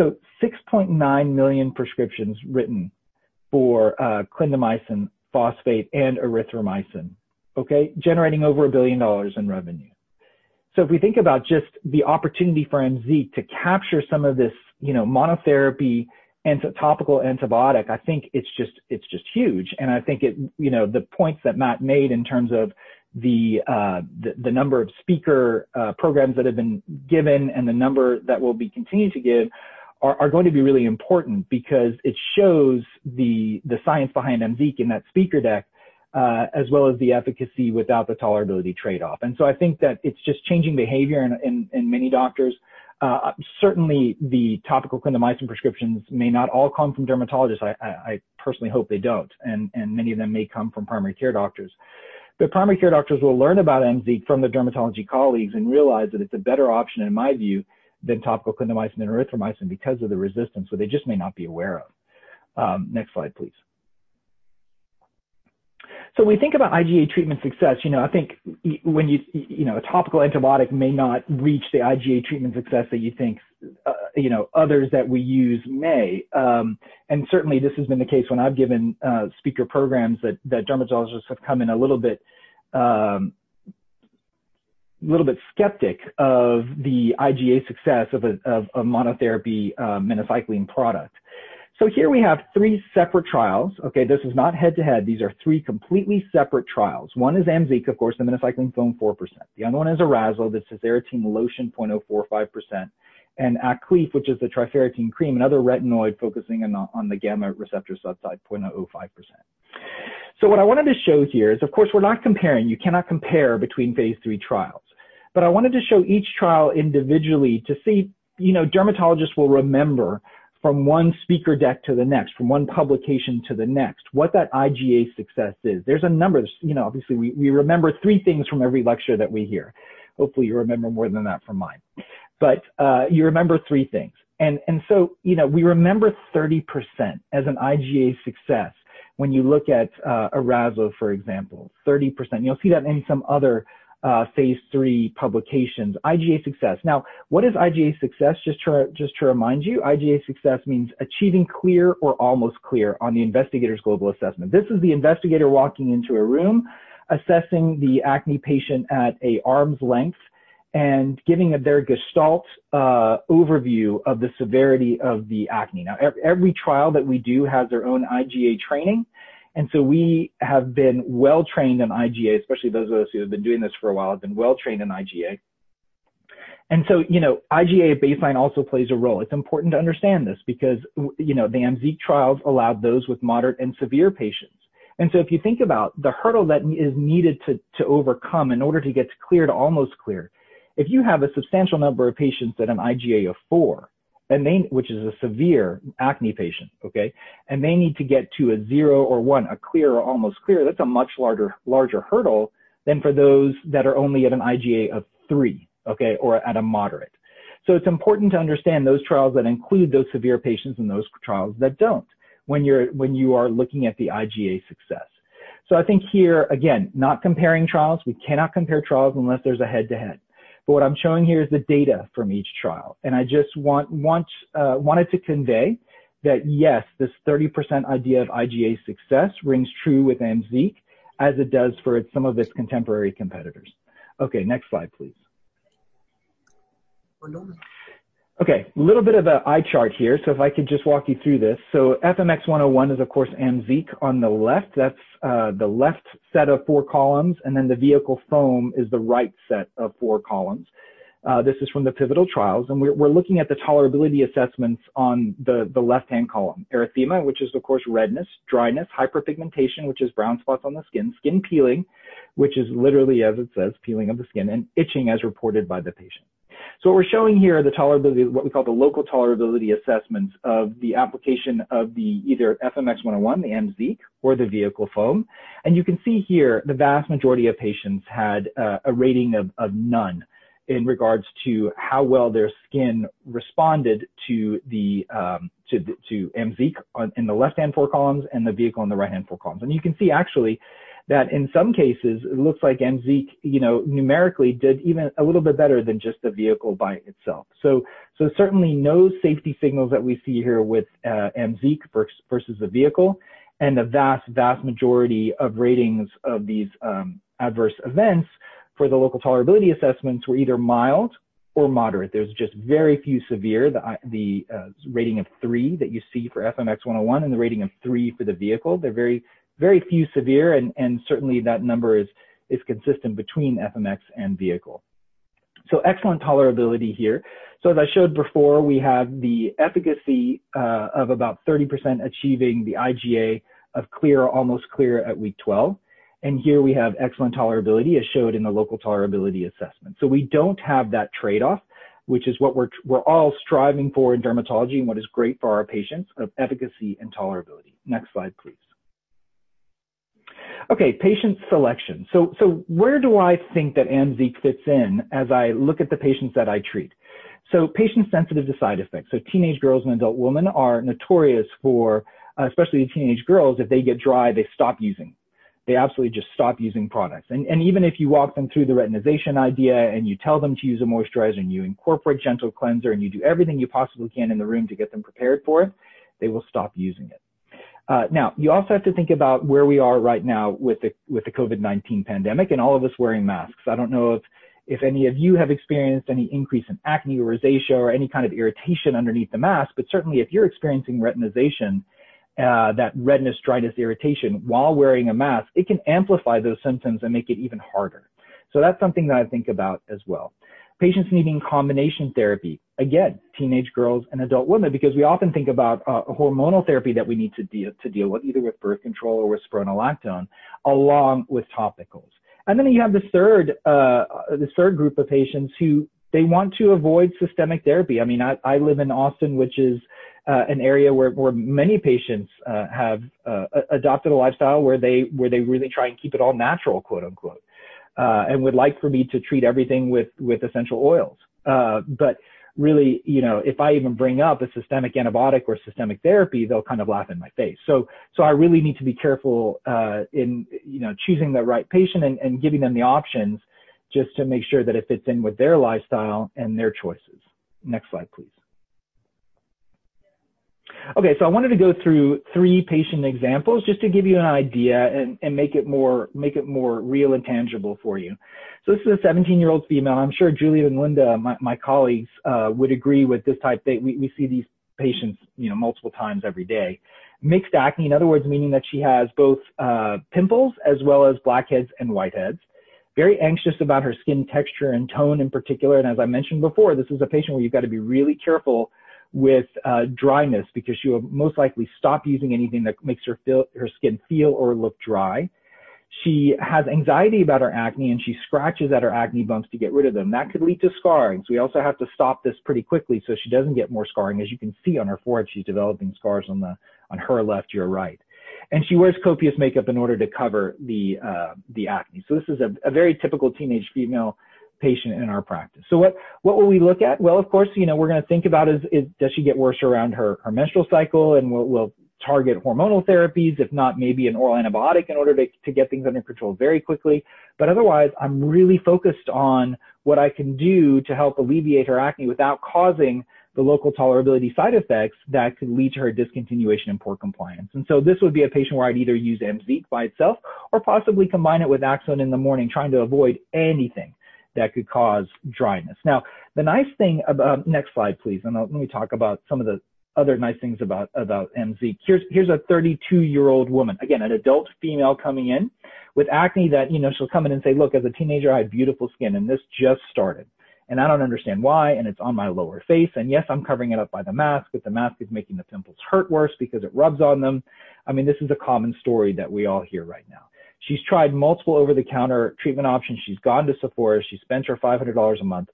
6.9 million prescriptions written for clindamycin phosphate and erythromycin. Okay? Generating over a billion dollars in revenue. If we think about just the opportunity for AMZEEQ to capture some of this monotherapy topical antibiotic, I think it's just huge. I think the points that Matt made in terms of the number of speaker programs that have been given and the number that we'll be continuing to give are going to be really important because it shows the science behind AMZEEQ in that speaker deck, as well as the efficacy without the tolerability trade-off. I think that it's just changing behavior in many doctors. Certainly, the topical clindamycin prescriptions may not all come from dermatologists. I personally hope they don't. Many of them may come from primary care doctors. Primary care doctors will learn about AMZEEQ from their dermatology colleagues and realize that it's a better option, in my view, than topical clindamycin and erythromycin because of the resistance, which they just may not be aware of. Next slide, please. When we think about IGA treatment success, I think a topical antibiotic may not reach the IGA treatment success that you think others that we use may. Certainly, this has been the case when I've given speaker programs that dermatologists have come in a little bit skeptic of the IGA success of a monotherapy minocycline product. Here we have three separate trials. Okay, this is not head-to-head. These are three completely separate trials. One is AMZEEQ, of course, the minocycline foam 4%. The other one is ARAZLO. This is tazarotene lotion 0.045%. Aklief, which is the trifarotene cream, another retinoid focusing on the gamma receptor subtype, 0.05%. What I wanted to show here is, of course, we're not comparing, you cannot compare between phase III trials. I wanted to show each trial individually to see, dermatologists will remember from one speaker deck to the next, from one publication to the next, what that IGA success is. There's a number. Obviously, we remember three things from every lecture that we hear. Hopefully, you remember more than that from mine. You remember three things. We remember 30% as an IGA success when you look at ARAZLO, for example, 30%. You'll see that in some other phase III publications. IGA success. Now, what is IGA success? Just to remind you, IGA success means achieving clear or almost clear on the investigator's global assessment. This is the investigator walking into a room, assessing the acne patient at an arm's length and giving their gestalt overview of the severity of the acne. Every trial that we do has their own IGA training. We have been well-trained in IGA, especially those of us who have been doing this for a while, have been well-trained in IGA. IGA baseline also plays a role. It's important to understand this because the AMZEEQ trials allowed those with moderate and severe patients. If you think about the hurdle that is needed to overcome in order to get clear to almost clear, if you have a substantial number of patients at an IGA of four, which is a severe acne patient, okay, and they need to get to a zero or one, a clear or almost clear, that's a much larger hurdle than for those that are only at an IGA of three, okay, or at a moderate. It's important to understand those trials that include those severe patients and those trials that don't when you are looking at the IGA success. I think here, again, not comparing trials. We cannot compare trials unless there's a head-to-head. What I'm showing here is the data from each trial, and I just wanted to convey that, yes, this 30% idea of IGA success rings true with AMZEEQ as it does for some of its contemporary competitors. Okay, next slide, please. We're normal. Okay, little bit of a eye chart here. If I could just walk you through this. FMX101 is, of course, AMZEEQ on the left. That's the left set of four columns, and then the vehicle foam is the right set of four columns. This is from the pivotal trials, and we're looking at the tolerability assessments on the left-hand column. Erythema, which is, of course, redness, dryness, hyperpigmentation, which is brown spots on the skin peeling, which is literally as it says, peeling of the skin, and itching as reported by the patient. What we're showing here are the tolerability, what we call the local tolerability assessments of the application of the either FMX101, the AMZEEQ, or the vehicle foam. You can see here the vast majority of patients had a rating of none in regards to how well their skin responded to AMZEEQ in the left-hand four columns and the vehicle in the right-hand four columns. You can see actually that in some cases, it looks like AMZEEQ numerically did even a little bit better than just the vehicle by itself. Certainly no safety signals that we see here with AMZEEQ versus the vehicle, and the vast majority of ratings of these adverse events for the local tolerability assessments were either mild or moderate. There's just very few severe. The rating of three that you see for FMX101 and the rating of three for the vehicle, they're very few severe, and certainly that number is consistent between FMX and vehicle. Excellent tolerability here. As I showed before, we have the efficacy of about 30% achieving the IGA of clear or almost clear at week 12, and here we have excellent tolerability as showed in the local tolerability assessment. We don't have that trade-off, which is what we're all striving for in dermatology and what is great for our patients of efficacy and tolerability. Next slide, please. Okay, patient selection. Where do I think that AMZEEQ fits in as I look at the patients that I treat? Patients sensitive to side effects, teenage girls and adult women are notorious for, especially the teenage girls, if they get dry, they stop using. They absolutely just stop using products. Even if you walk them through the retinization idea and you tell them to use a moisturizer, and you incorporate gentle cleanser, and you do everything you possibly can in the room to get them prepared for it, they will stop using it. You also have to think about where we are right now with the COVID-19 pandemic and all of us wearing masks. I don't know if any of you have experienced any increase in acne or rosacea or any kind of irritation underneath the mask, but certainly, if you're experiencing retinization, that redness, dryness, irritation while wearing a mask, it can amplify those symptoms and make it even harder. That's something that I think about as well. Patients needing combination therapy. Teenage girls and adult women, because we often think about hormonal therapy that we need to deal with, either with birth control or with spironolactone, along with topicals. You have the third group of patients who they want to avoid systemic therapy. I live in Austin, which is an area where many patients have adopted a lifestyle where they really try and keep it all natural, quote, unquote. Would like for me to treat everything with essential oils. Really, if I even bring up a systemic antibiotic or systemic therapy, they'll kind of laugh in my face. I really need to be careful in choosing the right patient and giving them the options just to make sure that it fits in with their lifestyle and their choices. Next slide, please. Okay, I wanted to go through three patient examples just to give you an idea and make it more real and tangible for you. This is a 17-year-old female. I'm sure Julie and Linda, my colleagues, would agree with this type. We see these patients multiple times every day. Mixed acne, in other words, meaning that she has both pimples as well as blackheads and whiteheads. Very anxious about her skin texture and tone in particular. As I mentioned before, this is a patient where you've got to be really careful with dryness because she will most likely stop using anything that makes her skin feel or look dry. She has anxiety about her acne, and she scratches at her acne bumps to get rid of them. That could lead to scarring. We also have to stop this pretty quickly so she doesn't get more scarring. As you can see on her forehead, she's developing scars on her left, your right. She wears copious makeup in order to cover the acne. This is a very typical teenage female patient in our practice. What will we look at? Well, of course, we're going to think about is, does she get worse around her menstrual cycle? We'll target hormonal therapies, if not, maybe an oral antibiotic in order to get things under control very quickly. Otherwise, I'm really focused on what I can do to help alleviate her acne without causing the local tolerability side effects that could lead to her discontinuation and poor compliance. This would be a patient where I'd either use AMZEEQ by itself or possibly combine it with Accutane in the morning, trying to avoid anything that could cause dryness. Next slide, please. Let me talk about some of the other nice things about AMZEEQ. Here's a 32-year-old woman, again, an adult female coming in with acne that she'll come in and say, "Look, as a teenager, I had beautiful skin, and this just started, and I don't understand why, and it's on my lower face." Yes, I'm covering it up by the mask, but the mask is making the pimples hurt worse because it rubs on them. This is a common story that we all hear right now. She's tried multiple over-the-counter treatment options. She's gone to Sephora. She spends her $500 a month,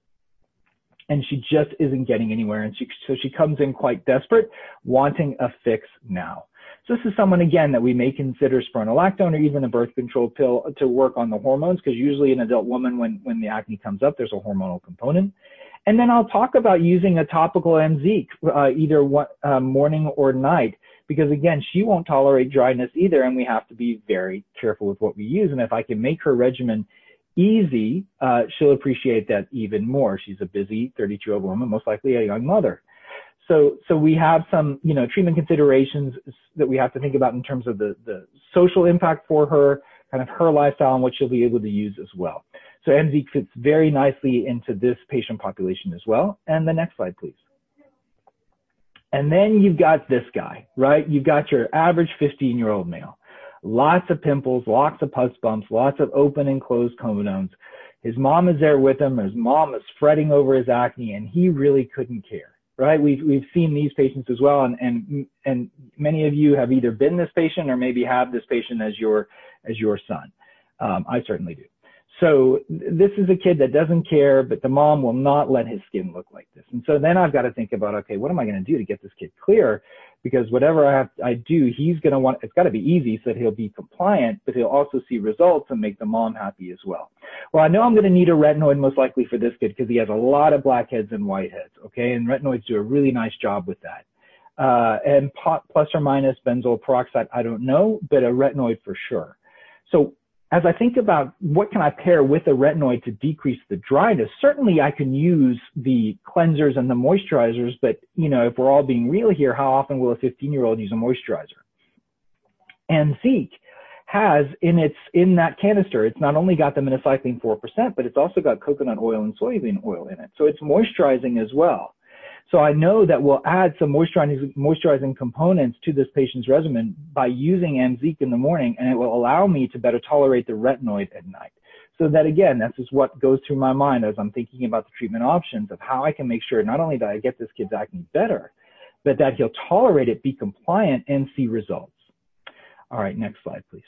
and she just isn't getting anywhere. She comes in quite desperate, wanting a fix now. This is someone, again, that we may consider spironolactone or even a birth control pill to work on the hormones, because usually in adult women, when the acne comes up, there's a hormonal component. I'll talk about using a topical AMZEEQ, either morning or night, because, again, she won't tolerate dryness either, and we have to be very careful with what we use. If I can make her regimen easy, she'll appreciate that even more. She's a busy 32-year-old woman, most likely a young mother. We have some treatment considerations that we have to think about in terms of the social impact for her, kind of her lifestyle, and what she'll be able to use as well. AMZEEQ fits very nicely into this patient population as well. The next slide, please. You've got this guy, right? You've got your average 15-year-old male. Lots of pimples, lots of pus bumps, lots of open and closed comedones. His mom is there with him, and his mom is fretting over his acne, and he really couldn't care, right? We've seen these patients as well, and many of you have either been this patient or maybe have this patient as your son. I certainly do. This is a kid that doesn't care, but the mom will not let his skin look like this. I've got to think about, okay, what am I going to do to get this kid clear? Because whatever I do, it's got to be easy so that he'll be compliant, but he'll also see results and make the mom happy as well. Well, I know I'm going to need a retinoid most likely for this kid because he has a lot of blackheads and whiteheads, okay? Retinoids do a really nice job with that. Plus or minus benzoyl peroxide, I don't know, but a retinoid for sure. As I think about what can I pair with a retinoid to decrease the dryness, certainly I can use the cleansers and the moisturizers, but if we're all being real here, how often will a 15-year-old use a moisturizer? AMZEEQ has in that canister, it's not only got the minocycline 4%, but it's also got coconut oil and soybean oil in it, so it's moisturizing as well. I know that we'll add some moisturizing components to this patient's regimen by using AMZEEQ in the morning, and it will allow me to better tolerate the retinoid at night. That, again, this is what goes through my mind as I'm thinking about the treatment options of how I can make sure not only that I get this kid's acne better, but that he'll tolerate it, be compliant, and see results. All right, next slide, please.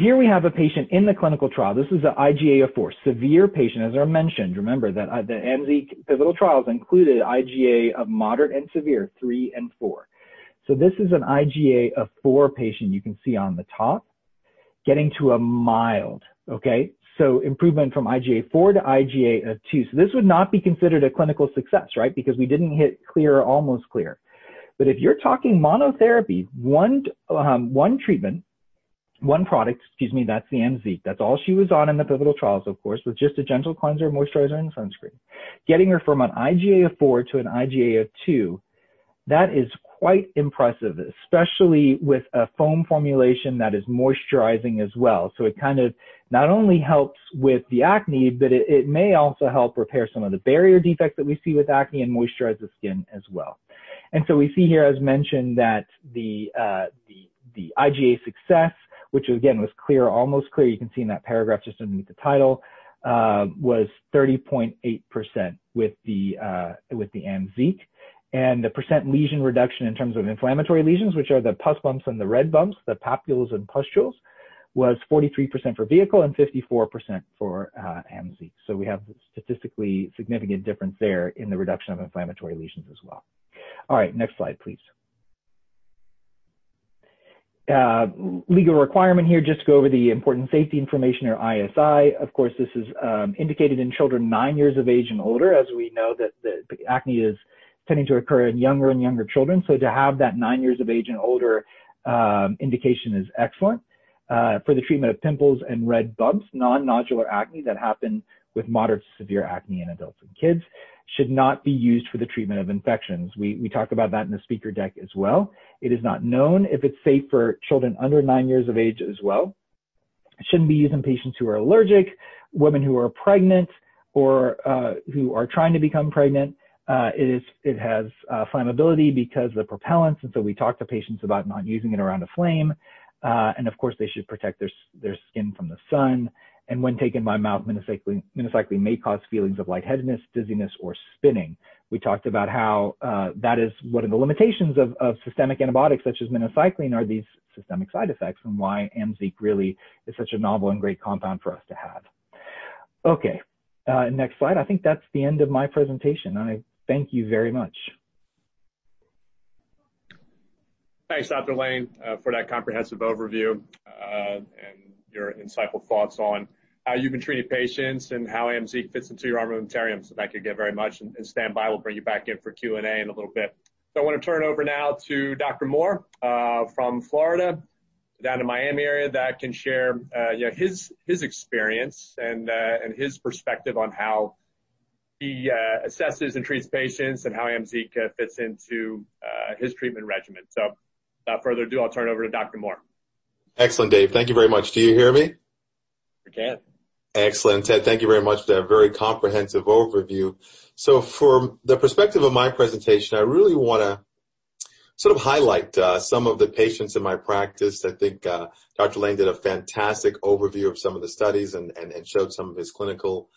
Here we have a patient in the clinical trial. This is an IGA of four, severe patient, as I mentioned. Remember that the AMZEEQ pivotal trials included IGA of moderate and severe, three and four. This is an IGA of four patient you can see on the top, getting to a mild. Okay. Improvement from IGA four to IGA of two. This would not be considered a clinical success, right? Because we didn't hit clear or almost clear. If you're talking monotherapy, one treatment, one product, excuse me, that's the AMZEEQ. That's all she was on in the pivotal trials, of course, with just a gentle cleanser, moisturizer, and sunscreen. Getting her from an IGA of four to an IGA of two, that is quite impressive, especially with a foam formulation that is moisturizing as well. It kind of not only helps with the acne, but it may also help repair some of the barrier defects that we see with acne and moisturize the skin as well. We see here, as mentioned, that the IGA success, which again was clear or almost clear, you can see in that paragraph just underneath the title, was 30.8% with the AMZEEQ. The percent lesion reduction in terms of inflammatory lesions, which are the pus bumps and the red bumps, the papules and pustules, was 43% for vehicle and 54% for AMZEEQ. We have a statistically significant difference there in the reduction of inflammatory lesions as well. All right. Next slide, please. Legal requirement here, just to go over the important safety information or ISI. Of course, this is indicated in children nine years of age and older, as we know that the acne is tending to occur in younger and younger children. To have that nine years of age and older indication is excellent. For the treatment of pimples and red bumps, non-nodular acne that happen with moderate to severe acne in adults and kids. Should not be used for the treatment of infections. We talk about that in the speaker deck as well. It is not known if it's safe for children under nine years of age as well. It shouldn't be used in patients who are allergic, women who are pregnant or who are trying to become pregnant. It has flammability because of the propellants. We talk to patients about not using it around a flame. Of course, they should protect their skin from the sun. When taken by mouth, minocycline may cause feelings of lightheadedness, dizziness, or spinning. We talked about how that is one of the limitations of systemic antibiotics such as minocycline are these systemic side effects and why AMZEEQ really is such a novel and great compound for us to have. Okay. Next slide. I think that's the end of my presentation. I thank you very much. Thanks, Dr. Lain, for that comprehensive overview and your insightful thoughts on how you've been treating patients and how AMZEEQ fits into your armamentarium. Thank you again very much, and stand by, we'll bring you back in for Q&A in a little bit. I want to turn it over now to Dr. Moore from Florida, down in Miami area, that can share his experience and his perspective on how he assesses and treats patients and how AMZEEQ fits into his treatment regimen. Without further ado, I'll turn it over to Dr. Moore. Excellent, Dave. Thank you very much. Do you hear me? We can. Excellent. Ted, thank you very much for that very comprehensive overview. For the perspective of my presentation, I really want to sort of highlight some of the patients in my practice. I think Dr. Lain did a fantastic overview of some of the studies and showed some of his clinical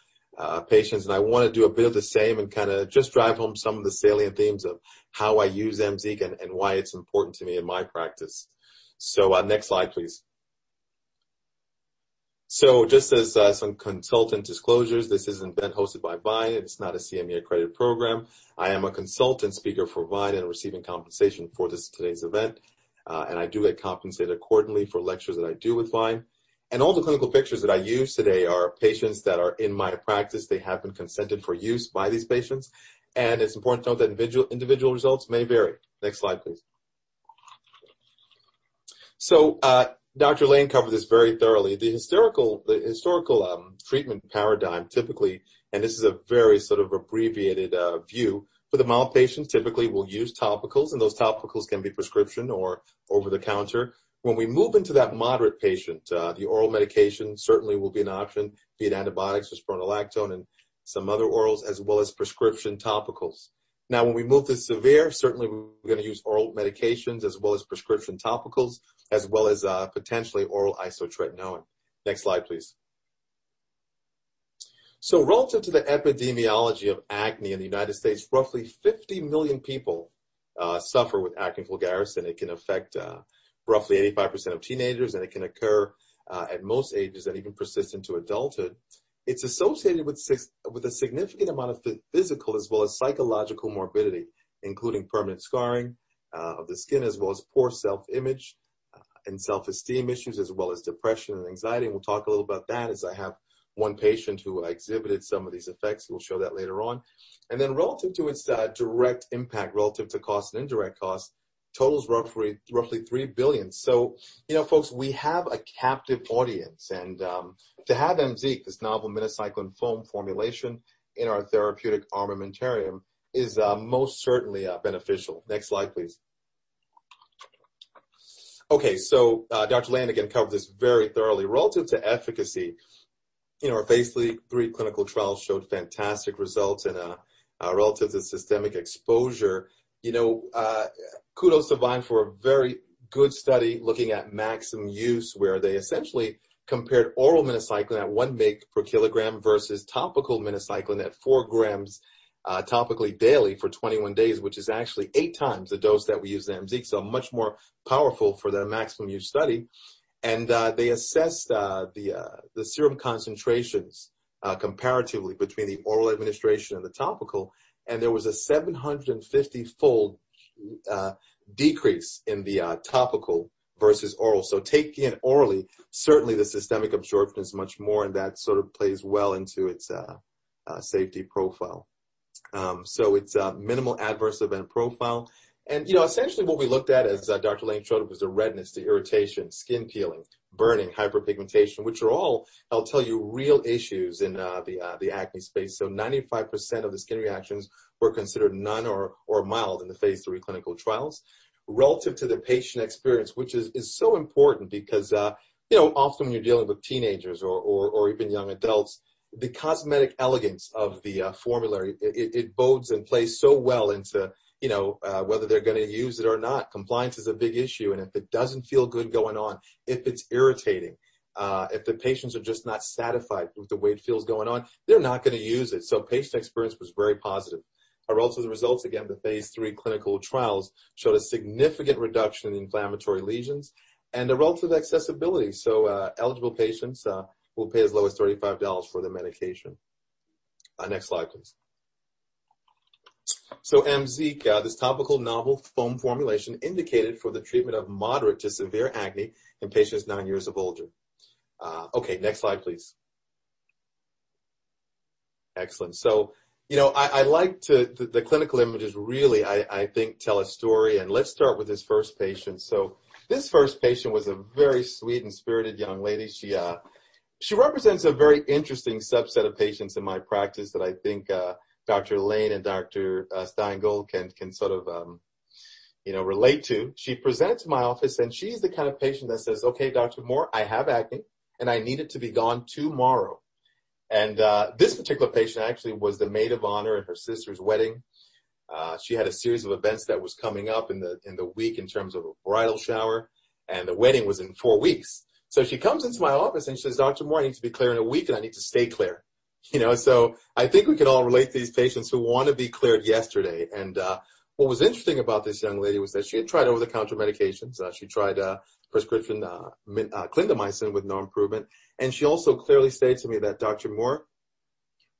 patients. I want to do a bit of the same and kind of just drive home some of the salient themes of how I use AMZEEQ and why it's important to me in my practice. Next slide, please. Just as some consultant disclosures, this event's hosted by VYNE. It's not a CME accredited program. I am a consultant speaker for VYNE and receiving compensation for today's event. I do get compensated accordingly for lectures that I do with VYNE. All the clinical pictures that I use today are patients that are in my practice. They have been consented for use by these patients. It's important to note that individual results may vary. Next slide, please. Dr. Lain covered this very thoroughly. The historical treatment paradigm, typically, and this is a very sort of abbreviated view, for the mild patients, typically we'll use topicals, and those topicals can be prescription or over-the-counter. When we move into that moderate patient, the oral medication certainly will be an option, be it antibiotics or spironolactone and some other orals, as well as prescription topicals. Now, when we move to severe, certainly we're going to use oral medications as well as prescription topicals, as well as potentially oral isotretinoin. Next slide, please. Relative to the epidemiology of acne in the U.S., roughly 50 million people suffer with acne vulgaris, it can affect roughly 85% of teenagers, and it can occur at most ages and even persist into adulthood. It's associated with a significant amount of physical as well as psychological morbidity, including permanent scarring of the skin, as well as poor self-image and self-esteem issues, as well as depression and anxiety. We'll talk a little about that as I have one patient who exhibited some of these effects. We'll show that later on. Relative to its direct impact, relative to cost and indirect cost, totals roughly $3 billion. Folks, we have a captive audience. To have AMZEEQ, this novel minocycline foam formulation in our therapeutic armamentarium is most certainly beneficial. Next slide, please. Okay. Dr. Lain, again, covered this very thoroughly. Relative to efficacy, our phase III clinical trials showed fantastic results in relative to systemic exposure. Kudos to VYNE for a very good study looking at maximum use where they essentially compared oral minocycline at 1 mg per kg versus topical minocycline at four grams topically daily for 21 days, which is actually eight times the dose that we use in AMZEEQ, so much more powerful for their maximum use study. They assessed the serum concentrations comparatively between the oral administration and the topical. There was a 750-fold decrease in the topical versus oral. Taken orally, certainly the systemic absorption is much more, and that sort of plays well into its safety profile. It's a minimal adverse event profile. Essentially what we looked at, as Dr. Lain showed, was the redness, the irritation, skin peeling, burning, hyperpigmentation, which are all, I'll tell you, real issues in the acne. 95% of the skin reactions were considered none or mild in the phase III clinical trials. Relative to the patient experience, which is so important because often when you're dealing with teenagers or even young adults, the cosmetic elegance of the formulary, it bodes and plays so well into whether they're going to use it or not. Compliance is a big issue, and if it doesn't feel good going on, if it's irritating, if the patients are just not satisfied with the way it feels going on, they're not going to use it. Patient experience was very positive. Relative results, again, the phase III clinical trials showed a significant reduction in inflammatory lesions and a relative accessibility. Eligible patients will pay as low as $35 for the medication. Next slide, please. AMZEEQ, this topical novel foam formulation indicated for the treatment of moderate to severe acne in patients nine years of older. Okay, next slide, please. Excellent. The clinical images really, I think, tell a story, and let's start with this first patient. This first patient was a very sweet and spirited young lady. She represents a very interesting subset of patients in my practice that I think Dr. Lain and Dr. Stein Gold can sort of relate to. She presents to my office, and she's the kind of patient that says, "Okay, Dr. Moore, I have acne, and I need it to be gone tomorrow." This particular patient actually was the maid of honor at her sister's wedding. She had a series of events that was coming up in the week in terms of a bridal shower, and the wedding was in four weeks. She comes into my office, and she says, "Dr. Moore, I need to be clear in a week, and I need to stay clear." I think we can all relate to these patients who want to be cleared yesterday. What was interesting about this young lady was that she had tried over-the-counter medications. She tried prescription clindamycin with no improvement. She also clearly stated to me that, "Dr. Moore,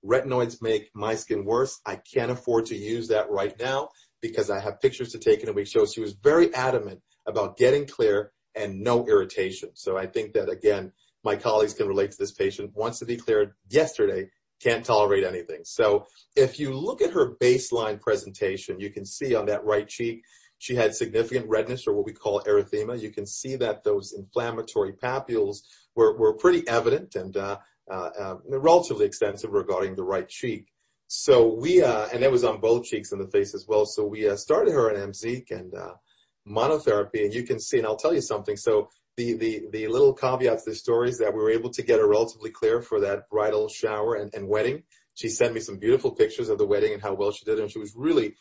retinoids make my skin worse. I can't afford to use that right now because I have pictures to take in a week." She was very adamant about getting clear and no irritation. I think that, again, my colleagues can relate to this patient, wants to be cleared yesterday, can't tolerate anything. If you look at her baseline presentation, you can see on that right cheek, she had significant redness or what we call erythema. You can see that those inflammatory papules were pretty evident and relatively extensive regarding the right cheek. It was on both cheeks and the face as well. We started her on AMZEEQ and monotherapy. You can see, and I'll tell you something, so the little caveat to the story is that we were able to get her relatively clear for that bridal shower and wedding. She sent me some beautiful pictures of the wedding and how well she did, and she was really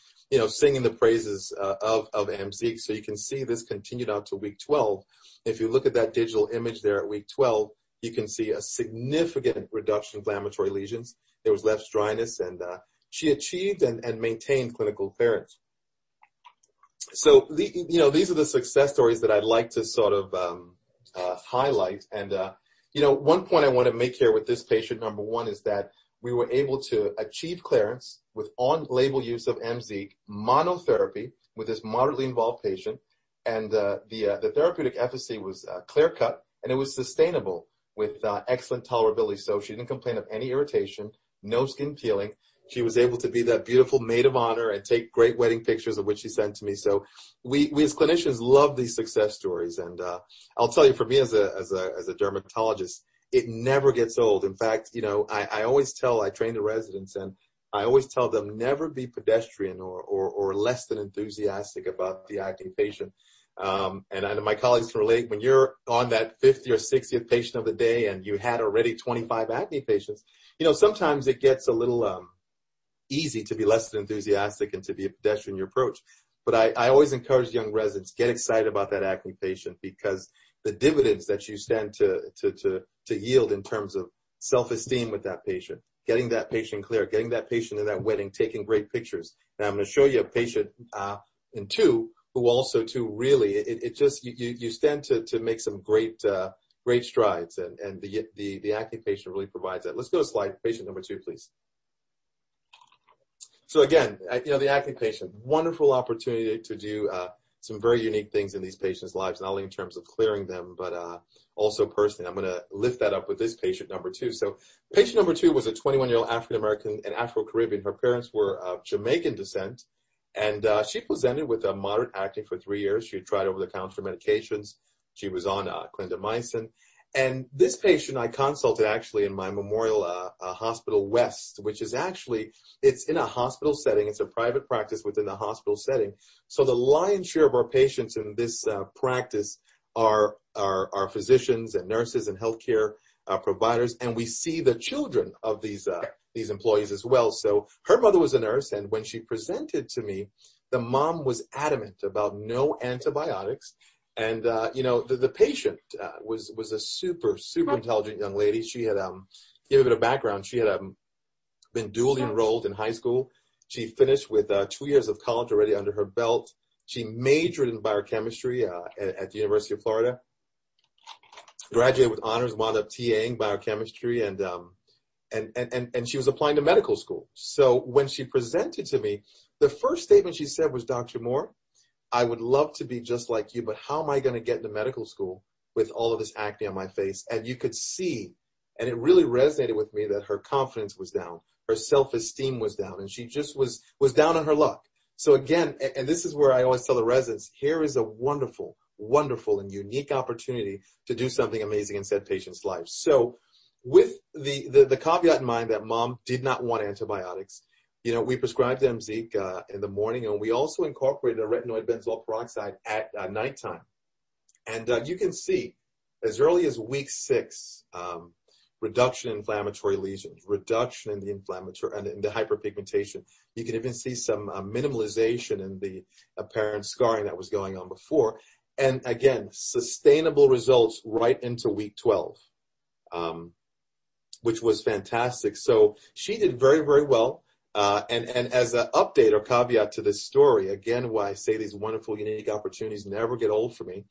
singing the praises of AMZEEQ. You can see this continued out to week 12. If you look at that digital image there at week 12, you can see a significant reduction in inflammatory lesions. There was less dryness, she achieved and maintained clinical clearance. These are the success stories that I'd like to sort of highlight. One point I want to make here with this patient, number one is that we were able to achieve clearance with on-label use of AMZEEQ monotherapy with this moderately involved patient. The therapeutic efficacy was clear-cut, and it was sustainable with excellent tolerability. She didn't complain of any irritation, no skin peeling. She was able to be that beautiful maid of honor and take great wedding pictures of which she sent to me. We, as clinicians, love these success stories. I'll tell you, for me as a dermatologist, it never gets old. I train the residents, and I always tell them, "Never be pedestrian or less than enthusiastic about the acne patient." I know my colleagues can relate. When you're on that fifth or 60th patient of the day and you had already 25 acne patients, sometimes it gets a little easy to be less than enthusiastic and to be a pedestrian approach. I always encourage young residents, get excited about that acne patient because the dividends that you stand to yield in terms of self-esteem with that patient, getting that patient clear, getting that patient in that wedding, taking great pictures. Now I'm going to show you a patient in two, who also really, you stand to make some great strides. The acne patient really provides that. Let's go to slide patient number two, please. Again, the acne patient. Wonderful opportunity to do some very unique things in these patients' lives, not only in terms of clearing them, but also personally. I'm going to lift that up with this patient number two. Patient number two was a 21-year-old African American and Afro-Caribbean. Her parents were of Jamaican descent. She presented with moderate acne for three years. She had tried over-the-counter medications. She was on clindamycin. This patient I consulted actually in my Memorial Hospital West, which is actually in a hospital setting. It's a private practice within a hospital setting. The lion's share of our patients in this practice are physicians and nurses and healthcare providers. We see the children of these employees as well. Her mother was a nurse, and when she presented to me, the mom was adamant about no antibiotics. The patient was a super intelligent young lady. To give a bit of background, she had been dually enrolled in high school. She finished with two years of college already under her belt. She majored in biochemistry at the University of Florida, graduated with honors, wound up TA-ing biochemistry, and she was applying to medical school. When she presented to me, the first statement she said was, "Dr. Moore, I would love to be just like you, but how am I going to get into medical school with all of this acne on my face?" You could see, and it really resonated with me that her confidence was down, her self-esteem was down, and she just was down on her luck. Again, this is where I always tell the residents, "Here is a wonderful, and unique opportunity to do something amazing in said patient's life." With the caveat in mind that mom did not want antibiotics, we prescribed AMZEEQ in the morning, and we also incorporated a retinoid benzoyl peroxide at nighttime. You can see as early as week six, reduction in inflammatory lesions, reduction in the hyperpigmentation. You can even see some minimalization in the apparent scarring that was going on before. Again, sustainable results right into week 12, which was fantastic. She did very, very well. As an update or caveat to this story, again, why I say these wonderful, unique opportunities never get old for me.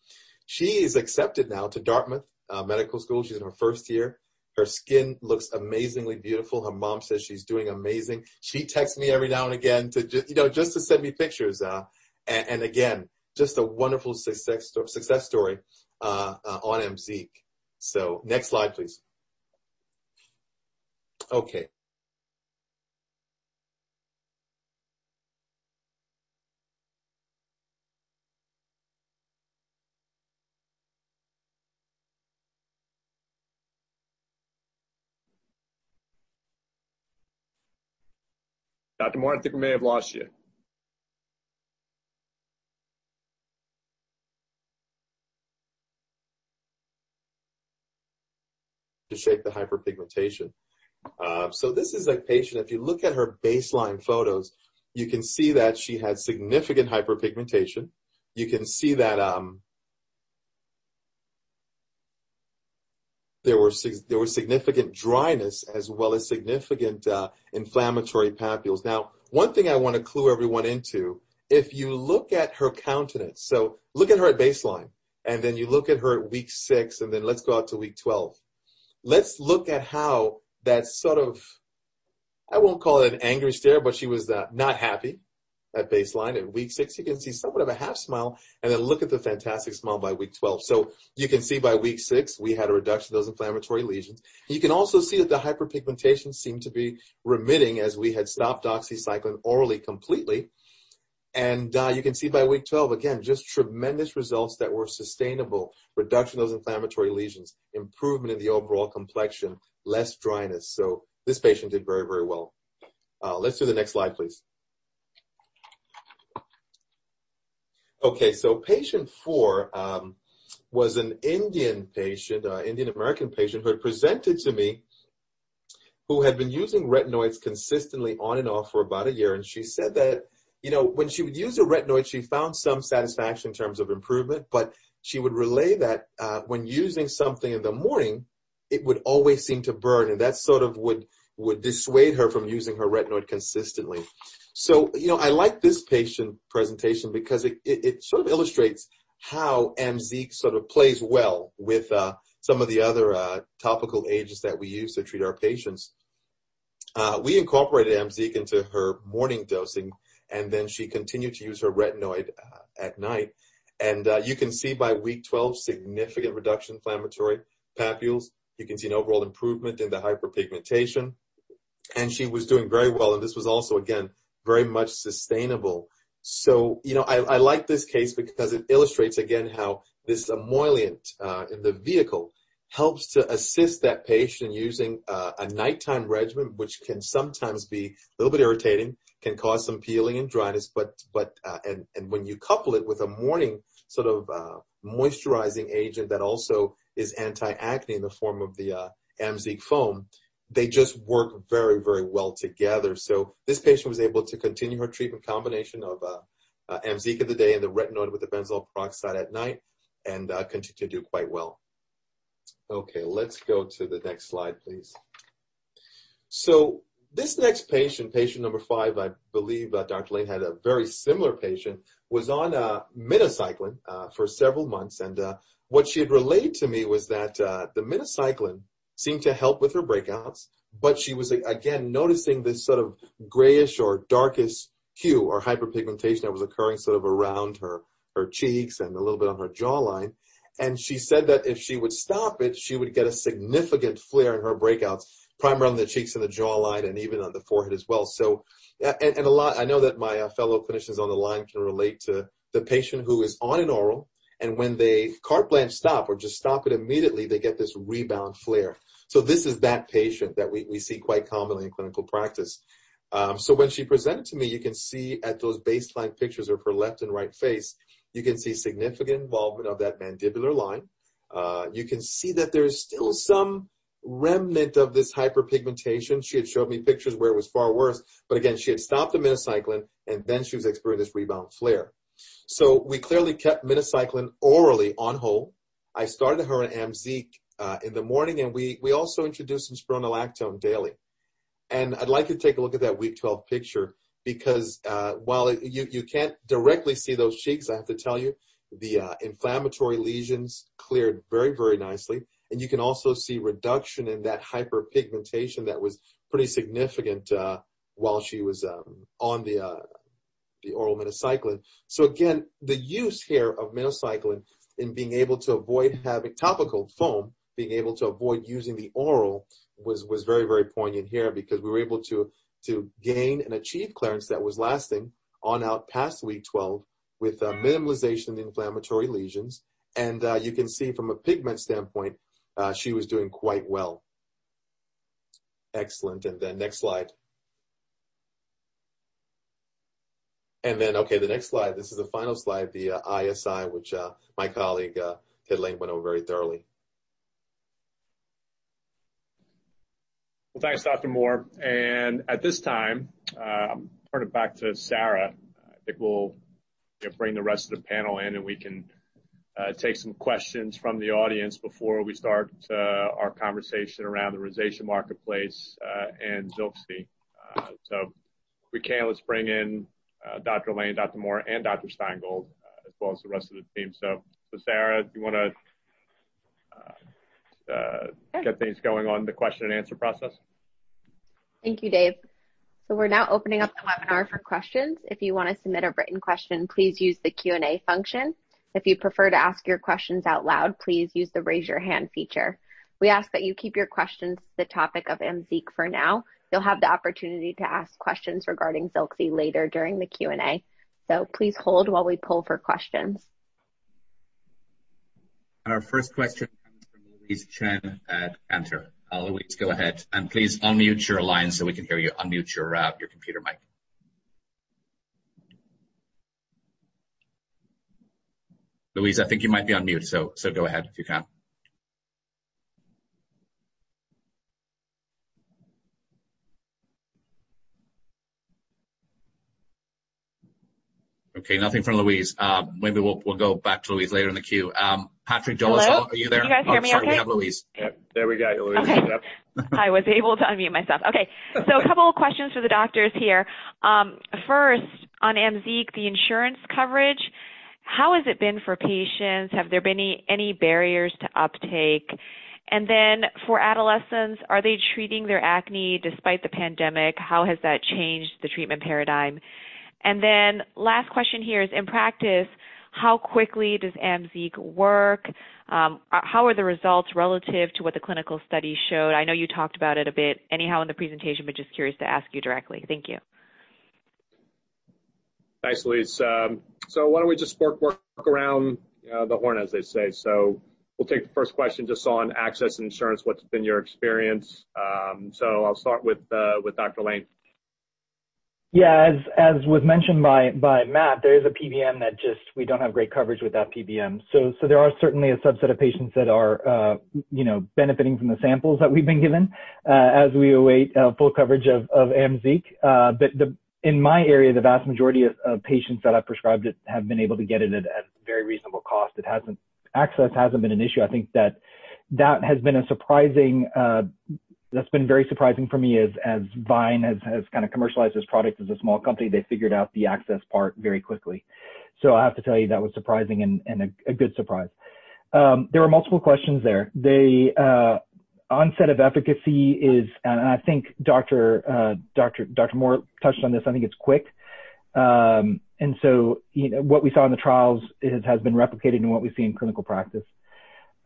She is accepted now to Dartmouth Medical School. She's in her first year. Her skin looks amazingly beautiful. Her mom says she's doing amazing. She texts me every now and again just to send me pictures. Again, just a wonderful success story on AMZEEQ. Next slide, please. Okay. Dr. Moore, I think we may have lost you. To shape the hyperpigmentation. This is a patient, if you look at her baseline photos, you can see that she had significant hyperpigmentation. You can see that there was significant dryness as well as significant inflammatory papules. One thing I want to clue everyone into, if you look at her countenance, look at her at baseline, and then you look at her at week six, and then let's go out to week 12. Let's look at how that sort of, I won't call it an angry stare, but she was not happy at baseline. At week six, you can see somewhat of a half smile, and then look at the fantastic smile by week 12. You can see by week six, we had a reduction of those inflammatory lesions. You can also see that the hyperpigmentation seemed to be remitting as we had stopped doxycycline orally completely. You can see by week 12, again, just tremendous results that were sustainable. Reduction of those inflammatory lesions, improvement in the overall complexion, less dryness. This patient did very well. Let's do the next slide, please. Patient four was an Indian-American patient who had presented to me who had been using retinoids consistently on and off for about a year. She said that when she would use a retinoid, she found some satisfaction in terms of improvement. She would relay that when using something in the morning, it would always seem to burn. That sort of would dissuade her from using her retinoid consistently. I like this patient presentation because it sort of illustrates how AMZEEQ sort of plays well with some of the other topical agents that we use to treat our patients. We incorporated AMZEEQ into her morning dosing, and then she continued to use her retinoid at night. You can see by week 12, significant reduction in inflammatory papules. You can see an overall improvement in the hyperpigmentation. She was doing very well, and this was also, again, very much sustainable. I like this case because it illustrates again how this emollient in the vehicle helps to assist that patient in using a nighttime regimen, which can sometimes be a little bit irritating, can cause some peeling and dryness. When you couple it with a morning sort of moisturizing agent that also is anti-acne in the form of the AMZEEQ foam, they just work very well together. This patient was able to continue her treatment combination of AMZEEQ in the day and the retinoid with the benzoyl peroxide at night and continued to do quite well. Let's go to the next slide, please. This next patient number five, I believe Dr. Lain had a very similar patient, was on minocycline for several months. What she had relayed to me was that the minocycline seemed to help with her breakouts, but she was again noticing this sort of grayish or darkest hue or hyperpigmentation that was occurring sort of around her cheeks and a little bit on her jawline. She said that if she would stop it, she would get a significant flare in her breakouts, primarily on the cheeks and the jawline and even on the forehead as well. I know that my fellow clinicians on the line can relate to the patient who is on an oral, and when they carte blanche stop or just stop it immediately, they get this rebound flare. This is that patient that we see quite commonly in clinical practice. When she presented to me, you can see at those baseline pictures of her left and right face, you can see significant involvement of that mandibular line. You can see that there's still some remnant of this hyperpigmentation. She had showed me pictures where it was far worse. Again, she had stopped the minocycline, and then she was experiencing this rebound flare. We clearly kept minocycline orally on hold. I started her on AMZEEQ in the morning, we also introduced spironolactone daily. I'd like you to take a look at that week 12 picture because while you can't directly see those cheeks, I have to tell you, the inflammatory lesions cleared very nicely. You can also see reduction in that hyperpigmentation that was pretty significant while she was on the oral minocycline. Again, the use here of minocycline in being able to avoid having topical foam, being able to avoid using the oral was very poignant here because we were able to gain and achieve clearance that was lasting on out past week 12 with a minimization of the inflammatory lesions. You can see from a pigment standpoint, she was doing quite well. Excellent. Next slide. Okay, the next slide. This is the final slide, the ISI, which my colleague, Ted Lain, went over very thoroughly. Well, thanks, Dr. Moore. At this time, I'll turn it back to Sarah. I think we'll bring the rest of the panel in, and we can take some questions from the audience before we start our conversation around the rosacea marketplace and ZILXI. If we can, let's bring in Dr. Lain, Dr. Moore, and Dr. Stein Gold, as well as the rest of the team. Sarah, do you want to get things going on the question and answer process? Thank you, Dave. We're now opening up the webinar for questions. If you want to submit a written question, please use the Q&A function. If you'd prefer to ask your questions out loud, please use the raise your hand feature. We ask that you keep your questions to the topic of AMZEEQ for now. You'll have the opportunity to ask questions regarding ZILXI later during the Q&A. Please hold while we poll for questions. Our first question comes from Louise Chen at Cantor. Louise, go ahead. Please unmute your line so we can hear you. Unmute your computer mic. Louise, I think you might be on mute, go ahead if you can. Okay, nothing from Louise. Maybe we'll go back to Louise later in the queue. Patrick Jones- Hello Are you there? Can you guys hear me okay? I'm sorry. We have Louise. Yep, there we go. Louise is up. I was able to unmute myself. A couple of questions for the doctors here. First, on AMZEEQ, the insurance coverage, how has it been for patients? Have there been any barriers to uptake? For adolescents, are they treating their acne despite the pandemic? How has that changed the treatment paradigm? Last question here is, in practice, how quickly does AMZEEQ work? How are the results relative to what the clinical study showed? I know you talked about it a bit anyhow in the presentation, just curious to ask you directly. Thank you. Thanks, Louise. Why don't we just work around the horn, as they say? We'll take the first question just on access and insurance, what's been your experience. I'll start with Dr. Lain. Yeah. As was mentioned by Matt, there is a PBM that we don't have great coverage with that PBM. There are certainly a subset of patients that are benefiting from the samples that we've been given as we await full coverage of AMZEEQ. In my area, the vast majority of patients that I've prescribed it have been able to get it at a very reasonable cost. Access hasn't been an issue. I think that has been very surprising for me as VYNE has commercialized this product. As a small company, they figured out the access part very quickly. I have to tell you, that was surprising and a good surprise. There were multiple questions there. The onset of efficacy is, and I think Dr. Moore touched on this, I think it's quick. What we saw in the trials has been replicated in what we see in clinical practice.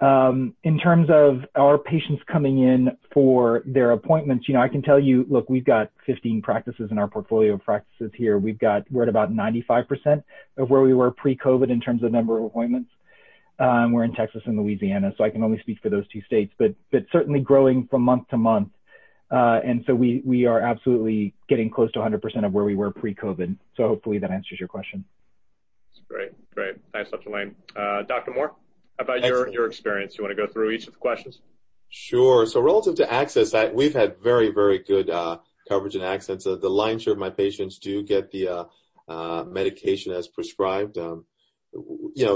In terms of our patients coming in for their appointments, I can tell you, look, we've got 15 practices in our portfolio of practices here. We're at about 95% of where we were pre-COVID in terms of number of appointments. We're in Texas and Louisiana, I can only speak for those two states, but certainly growing from month-over-month. We are absolutely getting close to 100% of where we were pre-COVID. Hopefully that answers your question. That's great. Thanks, Dr. Lain. Dr. Moore, how about your experience? You want to go through each of the questions? Sure. Relative to access, we've had very, very good coverage and access. The lion's share of my patients do get the medication as prescribed.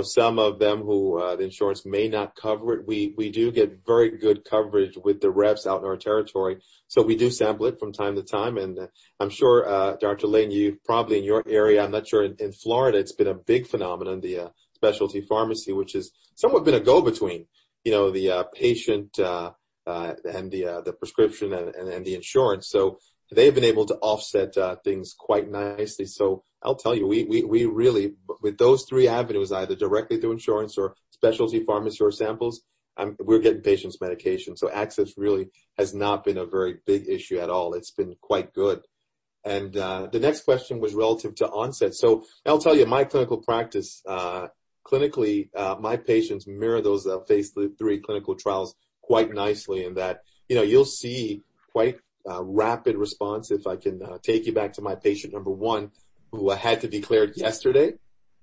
Some of them who the insurance may not cover it, we do get very good coverage with the reps out in our territory. We do sample it from time to time, and I'm sure, Dr. Lain, you probably in your area, I'm not sure, in Florida, it's been a big phenomenon, the specialty pharmacy, which has somewhat been a go-between. The patient and the prescription and the insurance. They've been able to offset things quite nicely. I'll tell you, with those three avenues, either directly through insurance or specialty pharmacy or samples, we're getting patients medication. Access really has not been a very big issue at all. It's been quite good. The next question was relative to onset. I'll tell you, my clinical practice, clinically, my patients mirror those that faced the three clinical trials quite nicely in that you'll see quite a rapid response. If I can take you back to my patient number one, who I had to declare yesterday.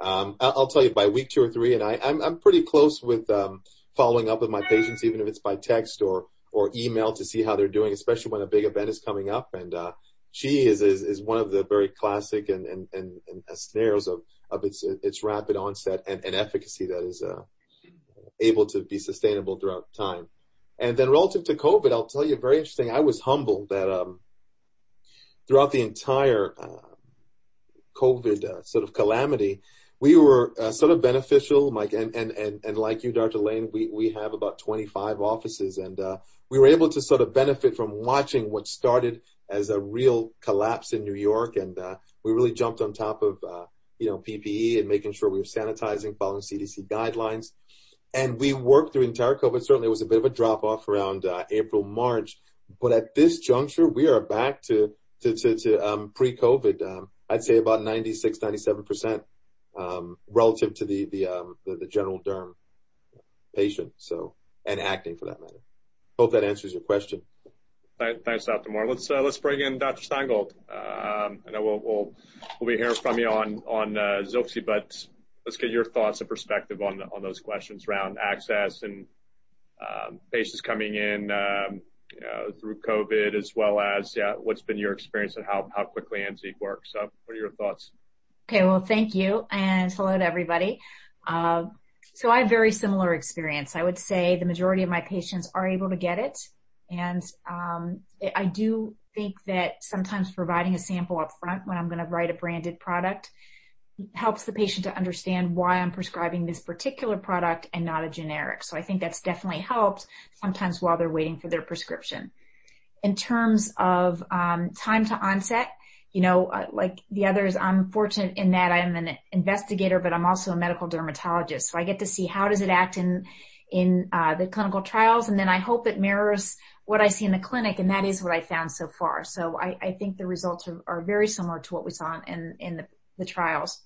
I'll tell you, by week two or three, and I'm pretty close with following up with my patients, even if it's by text or email to see how they're doing, especially when a big event is coming up. She is one of the very classic scenarios of its rapid onset and efficacy that is able to be sustainable throughout time. Relative to COVID, I'll tell you, very interesting. I was humbled that throughout the entire COVID calamity, we were sort of beneficial. Like you, Dr. Lain, we have about 25 offices, and we were able to sort of benefit from watching what started as a real collapse in New York, and we really jumped on top of PPE and making sure we were sanitizing, following CDC guidelines. We worked through the entire COVID. Certainly, it was a bit of a drop-off around April, March. At this juncture, we are back to pre-COVID. I'd say about 96%, 97% relative to the general derm patient and acne, for that matter. Hope that answers your question. Thanks, Dr. Moore. Let's bring in Dr. Stein Gold, and we'll be hearing from you on ZILXI, but let's get your thoughts and perspective on those questions around access and patients coming in through COVID as well as, yeah, what's been your experience and how quickly AMZEEQ works? What are your thoughts? Okay. Well, thank you, and hello to everybody. I have very similar experience. I would say the majority of my patients are able to get it, and I do think that sometimes providing a sample up front when I'm going to write a branded product helps the patient to understand why I'm prescribing this particular product and not a generic. I think that's definitely helped sometimes while they're waiting for their prescription. In terms of time to onset, like the others, I'm fortunate in that I'm an investigator, but I'm also a medical dermatologist, so I get to see how does it act in the clinical trials, and then I hope it mirrors what I see in the clinic, and that is what I've found so far. I think the results are very similar to what we saw in the trials.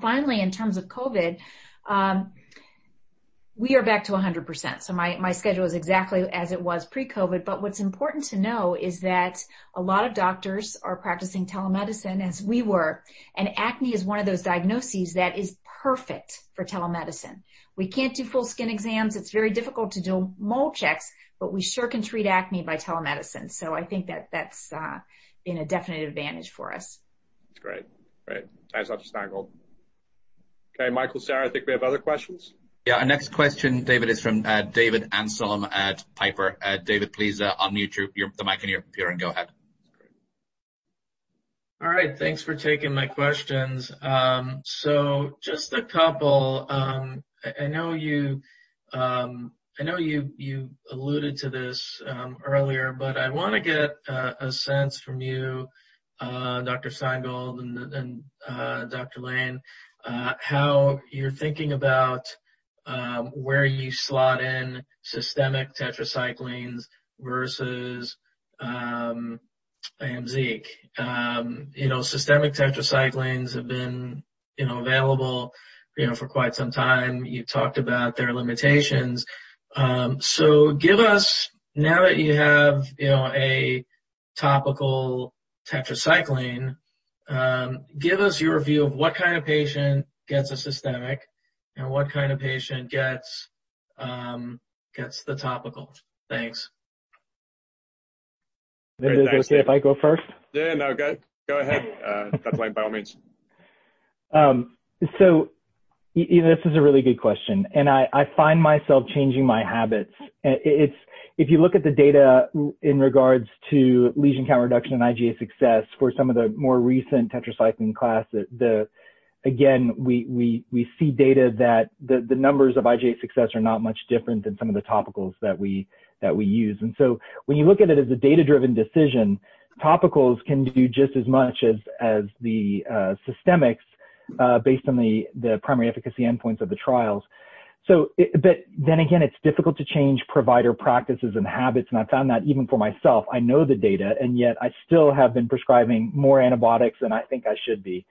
Finally, in terms of COVID, we are back to 100%. My schedule is exactly as it was pre-COVID, but what's important to know is that a lot of doctors are practicing telemedicine as we were, and acne is one of those diagnoses that is perfect for telemedicine. We can't do full skin exams. It's very difficult to do mole checks, but we sure can treat acne by telemedicine. I think that's been a definite advantage for us. That's great. Thanks, Dr. Stein Gold. Okay, Michael, Sarah, I think we have other questions. Yeah. Our next question, David, is from David Amsellem at Piper. David, please unmute the mic on your computer and go ahead. That's great. All right. Thanks for taking my questions. Just a couple. I know you alluded to this earlier, I want to get a sense from you, Dr. Stein Gold and Dr. Lain, how you're thinking about where you slot in systemic tetracyclines versus AMZEEQ. Systemic tetracyclines have been available for quite some time. You talked about their limitations. Now that you have a topical tetracycline, give us your view of what kind of patient gets a systemic and what kind of patient gets the topical. Thanks. Great. Thanks, David. Is it okay if I go first? Yeah, no, go ahead, Dr. Lain, by all means. This is a really good question, and I find myself changing my habits. If you look at the data in regards to lesion count reduction and IGA success for some of the more recent tetracycline classes, again, we see data that the numbers of IGA success are not much different than some of the topicals that we use. When you look at it as a data-driven decision, topicals can do just as much as the systemics based on the primary efficacy endpoints of the trials. Then again, it's difficult to change provider practices and habits, and I found that even for myself. I know the data, and yet I still have been prescribing more antibiotics than I think I should be.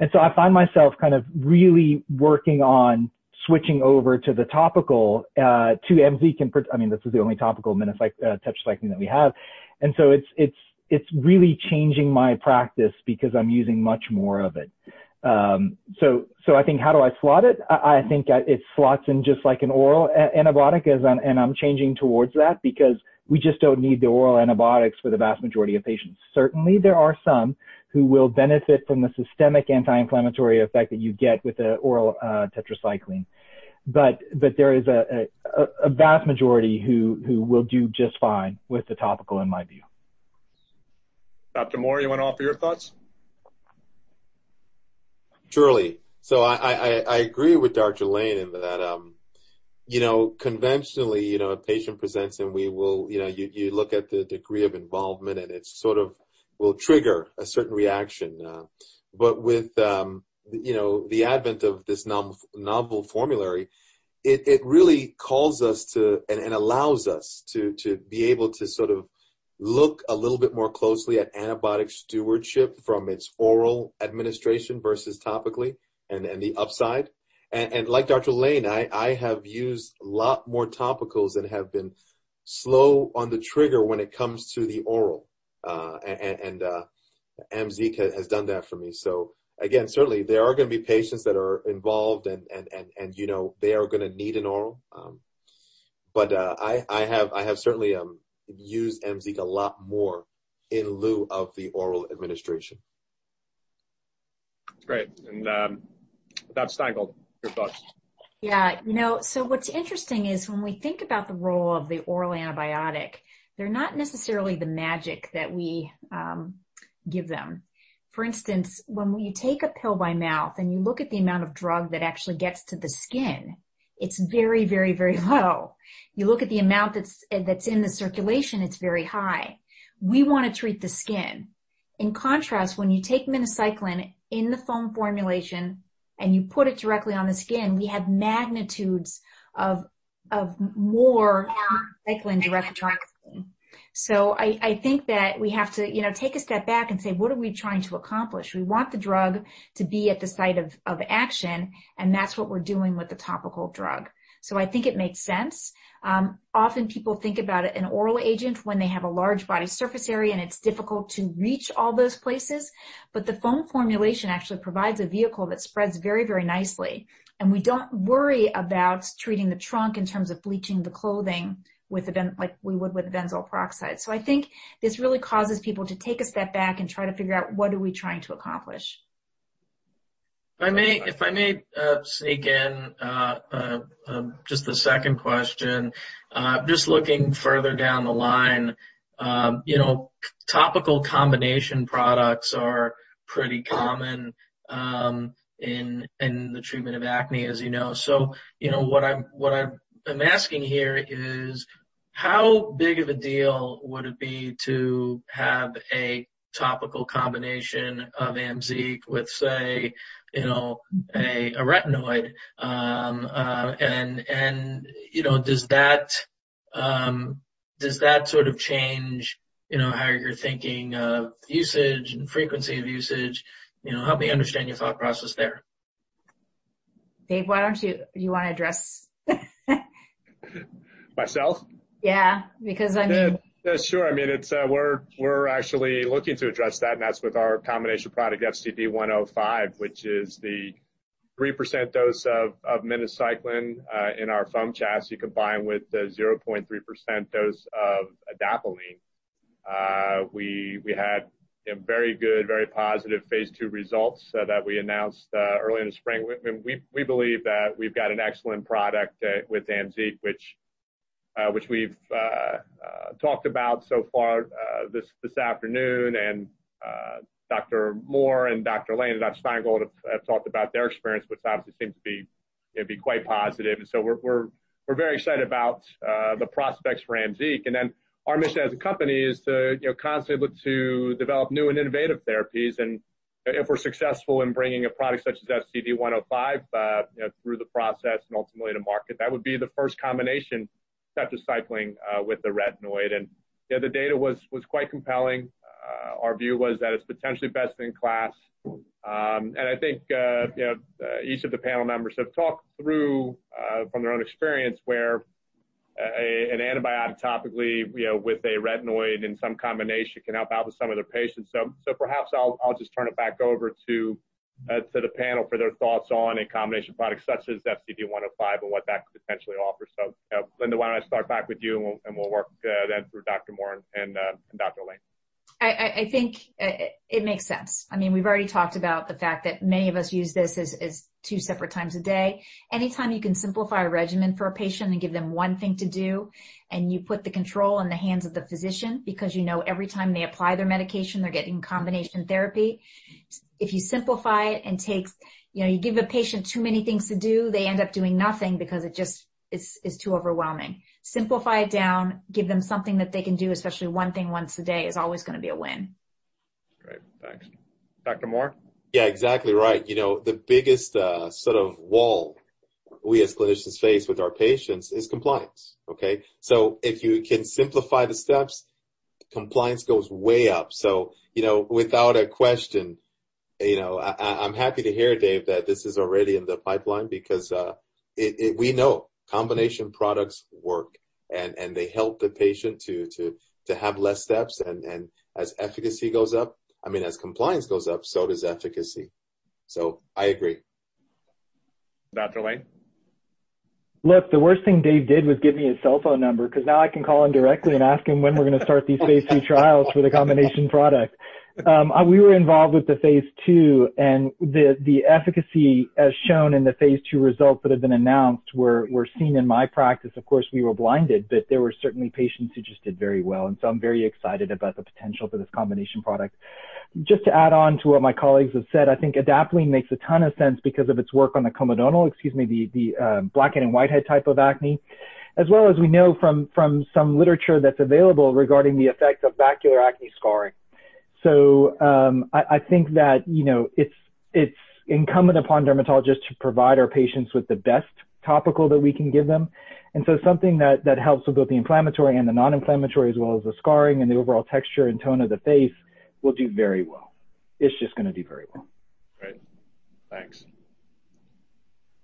I find myself kind of really working on switching over to the topical, to AMZEEQ in particular. This is the only topical minocycline tetracycline that we have. It's really changing my practice because I'm using much more of it. I think, how do I slot it? I think it slots in just like an oral antibiotic, and I'm changing towards that because we just don't need the oral antibiotics for the vast majority of patients. Certainly, there are some who will benefit from the systemic anti-inflammatory effect that you get with the oral tetracycline. There is a vast majority who will do just fine with the topical, in my view. Dr. Moore, you want to offer your thoughts? Surely. I agree with Dr. Lain in that conventionally, a patient presents, and you look at the degree of involvement, and it sort of will trigger a certain reaction. With the advent of this novel formulary, it really calls us to and allows us to be able to sort of look a little bit more closely at antibiotic stewardship from its oral administration versus topically and the upside. Like Dr. Lain, I have used a lot more topicals and have been slow on the trigger when it comes to the oral, and AMZEEQ has done that for me. Again, certainly there are going to be patients that are involved, and they are going to need an oral. I have certainly used AMZEEQ a lot more in lieu of the oral administration. Great. Dr. Stein Gold, your thoughts? Yeah. What's interesting is when we think about the role of the oral antibiotic, they're not necessarily the magic that we give them. For instance, when you take a pill by mouth and you look at the amount of drug that actually gets to the skin, it's very, very, very low. You look at the amount that's in the circulation, it's very high. We want to treat the skin. In contrast, when you take minocycline in the foam formulation and you put it directly on the skin, we have magnitudes of more minocycline direct to our skin. I think that we have to take a step back and say, "What are we trying to accomplish?" We want the drug to be at the site of action, and that's what we're doing with the topical drug. I think it makes sense. Often people think about an oral agent when they have a large body surface area and it's difficult to reach all those places, but the foam formulation actually provides a vehicle that spreads very, very nicely, and we don't worry about treating the trunk in terms of bleaching the clothing like we would with benzoyl peroxide. I think this really causes people to take a step back and try to figure out what are we trying to accomplish? If I may sneak in just the second question. Just looking further down the line, topical combination products are pretty common in the treatment of acne, as you know. What I'm asking here is how big of a deal would it be to have a topical combination of AMZEEQ with, say, a retinoid? Does that sort of change how you're thinking of usage and frequency of usage? Help me understand your thought process there. Dave, You want to address? Myself? Yeah. Because, Yeah. Sure. We're actually looking to address that, and that's with our combination product, FCD-105, which is the 3% dose of minocycline in our foam chassis combined with a 0.3% dose of adapalene. We had very good, very positive phase II results that we announced early in the spring. We believe that we've got an excellent product with AMZEEQ, which we've talked about so far this afternoon, and Dr. Moore and Dr. Lain, and Dr. Stein Gold have talked about their experience, which obviously seems to be quite positive. We're very excited about the prospects for AMZEEQ. Our mission as a company is to constantly look to develop new and innovative therapies. If we're successful in bringing a product such as FCD-105 through the process and ultimately to market, that would be the first combination tetracycline with a retinoid. Yeah, the data was quite compelling. Our view was that it's potentially best in class. I think each of the panel members have talked through, from their own experience, where an antibiotic topically with a retinoid in some combination can help out with some of their patients. Perhaps I'll just turn it back over to the panel for their thoughts on a combination product such as FCD-105 and what that could potentially offer. Linda, why don't I start back with you, and we'll work then through Dr. Moore and Dr. Lain. I think it makes sense. We've already talked about the fact that many of us use this as two separate times a day. Anytime you can simplify a regimen for a patient and give them one thing to do, and you put the control in the hands of the physician because you know every time they apply their medication, they're getting combination therapy. If you simplify it and you give a patient too many things to do, they end up doing nothing because it just is too overwhelming. Simplify it down, give them something that they can do, especially one thing once a day, is always going to be a win. Great, thanks. Dr. Moore? Yeah, exactly right. The biggest sort of wall we as clinicians face with our patients is compliance. Okay. If you can simplify the steps, compliance goes way up. Without a question, I'm happy to hear, Dave, that this is already in the pipeline because we know combination products work, and they help the patient to have less steps. As compliance goes up, so does efficacy. I agree. Dr. Lain? The worst thing Dave did was give me his cell phone number because now I can call him directly and ask him when we're going to start these phase II trials for the combination product. We were involved with the phase II, the efficacy as shown in the phase II results that have been announced were seen in my practice. Of course, we were blinded, there were certainly patients who just did very well. I'm very excited about the potential for this combination product. Just to add on to what my colleagues have said, I think adapalene makes a ton of sense because of its work on the comedonal, excuse me, the blackhead and whitehead type of acne. As well as we know from some literature that's available regarding the effect of vascular acne scarring. I think that it's incumbent upon dermatologists to provide our patients with the best topical that we can give them. Something that helps with both the inflammatory and the non-inflammatory, as well as the scarring and the overall texture and tone of the face will do very well. It's just going to do very well. Great. Thanks.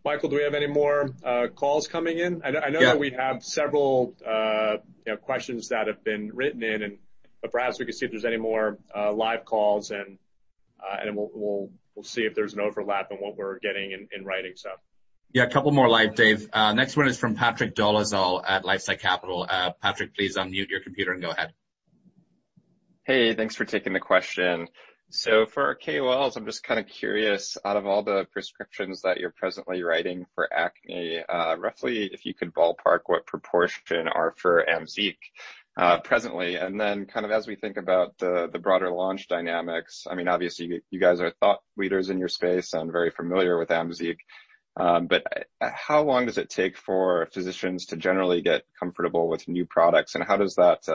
Michael, do we have any more calls coming in? Yeah. I know that we have several questions that have been written in, but perhaps we can see if there's any more live calls, and we'll see if there's an overlap in what we're getting in writing. Yeah. A couple more live, Dave. Next one is from Patrick Dolezal at LifeSci Capital. Patrick, please unmute your computer and go ahead. Hey, thanks for taking the question. For KOLs, I'm just kind of curious, out of all the prescriptions that you're presently writing for acne, roughly, if you could ballpark what proportion are for AMZEEQ presently. Then kind of as we think about the broader launch dynamics, obviously you guys are thought leaders in your space and very familiar with AMZEEQ. How long does it take for physicians to generally get comfortable with new products, and how does that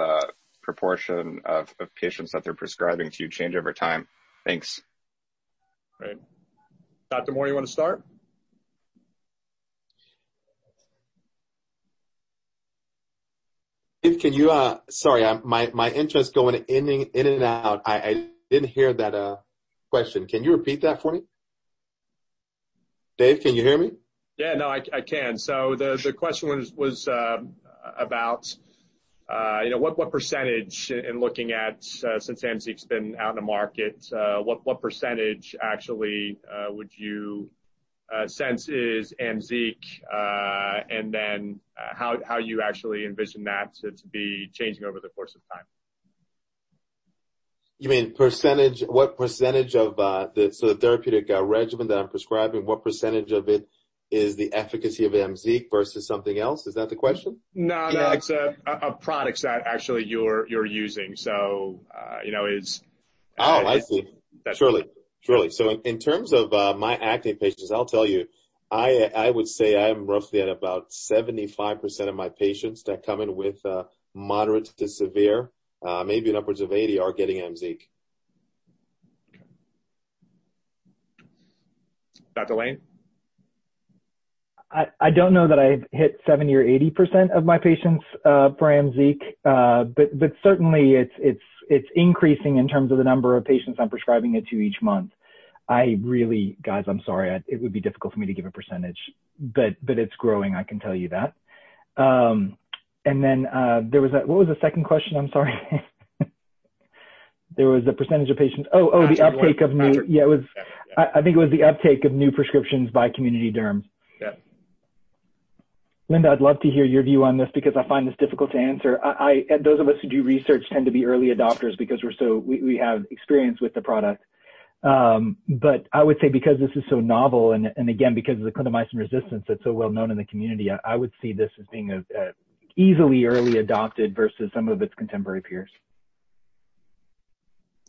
proportion of patients that they're prescribing to change over time? Thanks. Great. Dr. Moore, you want to start? Sorry, my internet's going in and out. I didn't hear that question. Can you repeat that for me? Dave, can you hear me? Yeah. No, I can. The question was about what percentage, in looking at since AMZEEQ's been out in the market, what percentage actually would you sense is AMZEEQ? How you actually envision that to be changing over the course of time? You mean what percentage of the therapeutic regimen that I'm prescribing, what percentage of it is the efficacy of AMZEEQ versus something else? Is that the question? No, it's of products that actually you're using. Oh, I see. Surely. In terms of my acne patients, I'll tell you, I would say roughly at about 75% of my patients that come in with moderate to severe, maybe upwards of 80% are getting AMZEEQ. Okay. Dr. Lain? I don't know that I hit 70% or 80% of my patients for AMZEEQ. Certainly, it's increasing in terms of the number of patients I'm prescribing it to each month. Really, guys, I'm sorry, it would be difficult for me to give a percentage. It's growing, I can tell you that. What was the second question? I'm sorry. There was a percentage of patients. Yeah, I think it was the uptake of new prescriptions by community derms. Yeah. Linda, I'd love to hear your view on this because I find this difficult to answer. Those of us who do research tend to be early adopters because we have experience with the product. I would say because this is so novel and again, because of the clindamycin resistance that's so well-known in the community, I would see this as being easily early adopted versus some of its contemporary peers.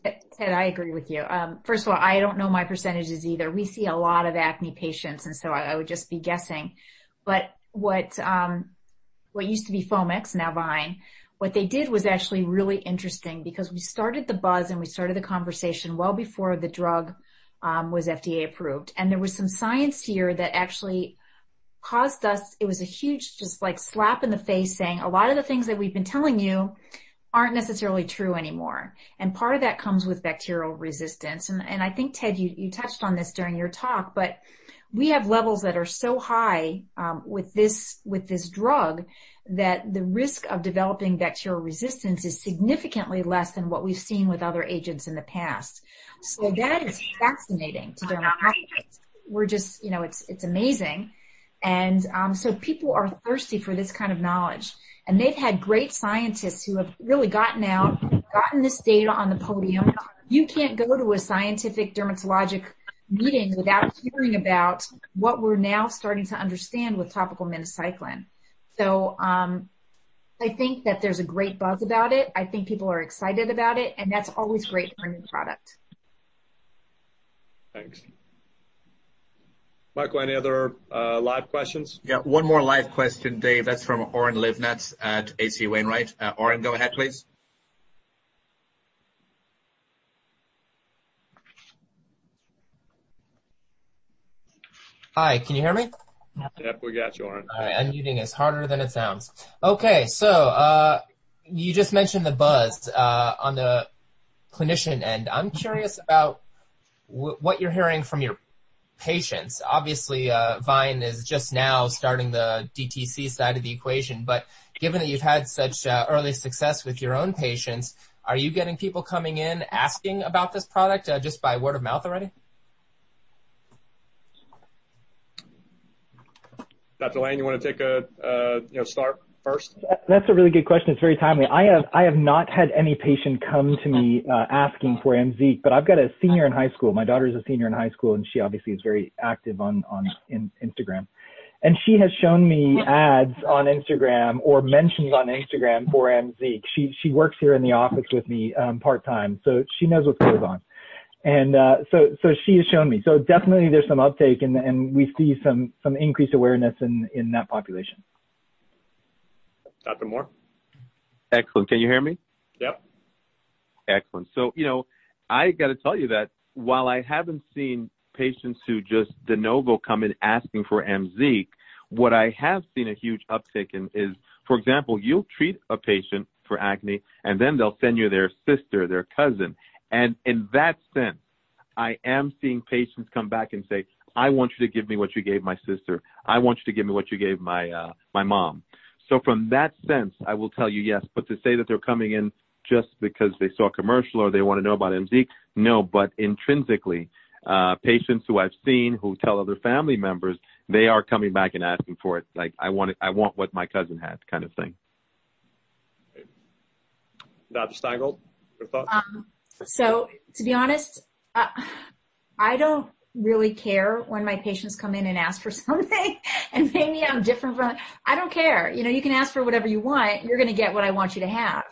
Ted, I agree with you. First of all, I don't know my percentages either. We see a lot of acne patients, I would just be guessing. What used to be Foamix Pharmaceuticals, now VYNE Therapeutics, what they did was actually really interesting because we started the buzz and we started the conversation well before the drug was FDA approved. There was some science here that actually caused us. It was a huge slap in the face saying, "A lot of the things that we've been telling you aren't necessarily true anymore." Part of that comes with bacterial resistance. I think, Ted, you touched on this during your talk, we have levels that are so high with this drug that the risk of developing bacterial resistance is significantly less than what we've seen with other agents in the past. That is fascinating to dermatologists. It's amazing, people are thirsty for this kind of knowledge. They've had great scientists who have really gotten out, gotten this data on the podium. You can't go to a scientific dermatologic meeting without hearing about what we're now starting to understand with topical minocycline. I think that there's a great buzz about it. I think people are excited about it, and that's always great for a new product. Thanks. Michael, any other live questions? Yeah. One more live question, Dave. That's from Oren Livnat at H.C. Wainwright. Oren, go ahead, please. Hi, can you hear me? Yep, we got you, Oren. All right, unmuting is harder than it sounds. You just mentioned the buzz on the clinician end. I'm curious about what you're hearing from your patients. Obviously, VYNE is just now starting the DTC side of the equation, but given that you've had such early success with your own patients, are you getting people coming in asking about this product just by word of mouth already? Dr. Lain, you want to take a start first? That's a really good question. It's very timely. I have not had any patient come to me asking for AMZEEQ, but I've got a senior in high school. My daughter's a senior in high school, and she obviously is very active on Instagram. She has shown me ads on Instagram or mentions on Instagram for AMZEEQ. She works here in the office with me part-time, so she knows what goes on. She has shown me. So definitely there's some uptake, and we see some increased awareness in that population. Dr. Moore? Excellent. Can you hear me? Yep. Excellent. I got to tell you that while I haven't seen patients who just de novo come in asking for AMZEEQ, what I have seen a huge uptick in is, for example, you'll treat a patient for acne, then they'll send you their sister, their cousin. In that sense, I am seeing patients come back and say, "I want you to give me what you gave my sister. I want you to give me what you gave my mom." From that sense, I will tell you, yes. To say that they're coming in just because they saw a commercial or they want to know about AMZEEQ, no. Intrinsically, patients who I've seen who tell other family members, they are coming back and asking for it. Like, "I want what my cousin has" kind of thing. Dr. Stein Gold, your thoughts? To be honest, I don't really care when my patients come in and ask for something. Maybe I'm different. I don't care. You can ask for whatever you want, you're going to get what I want you to have.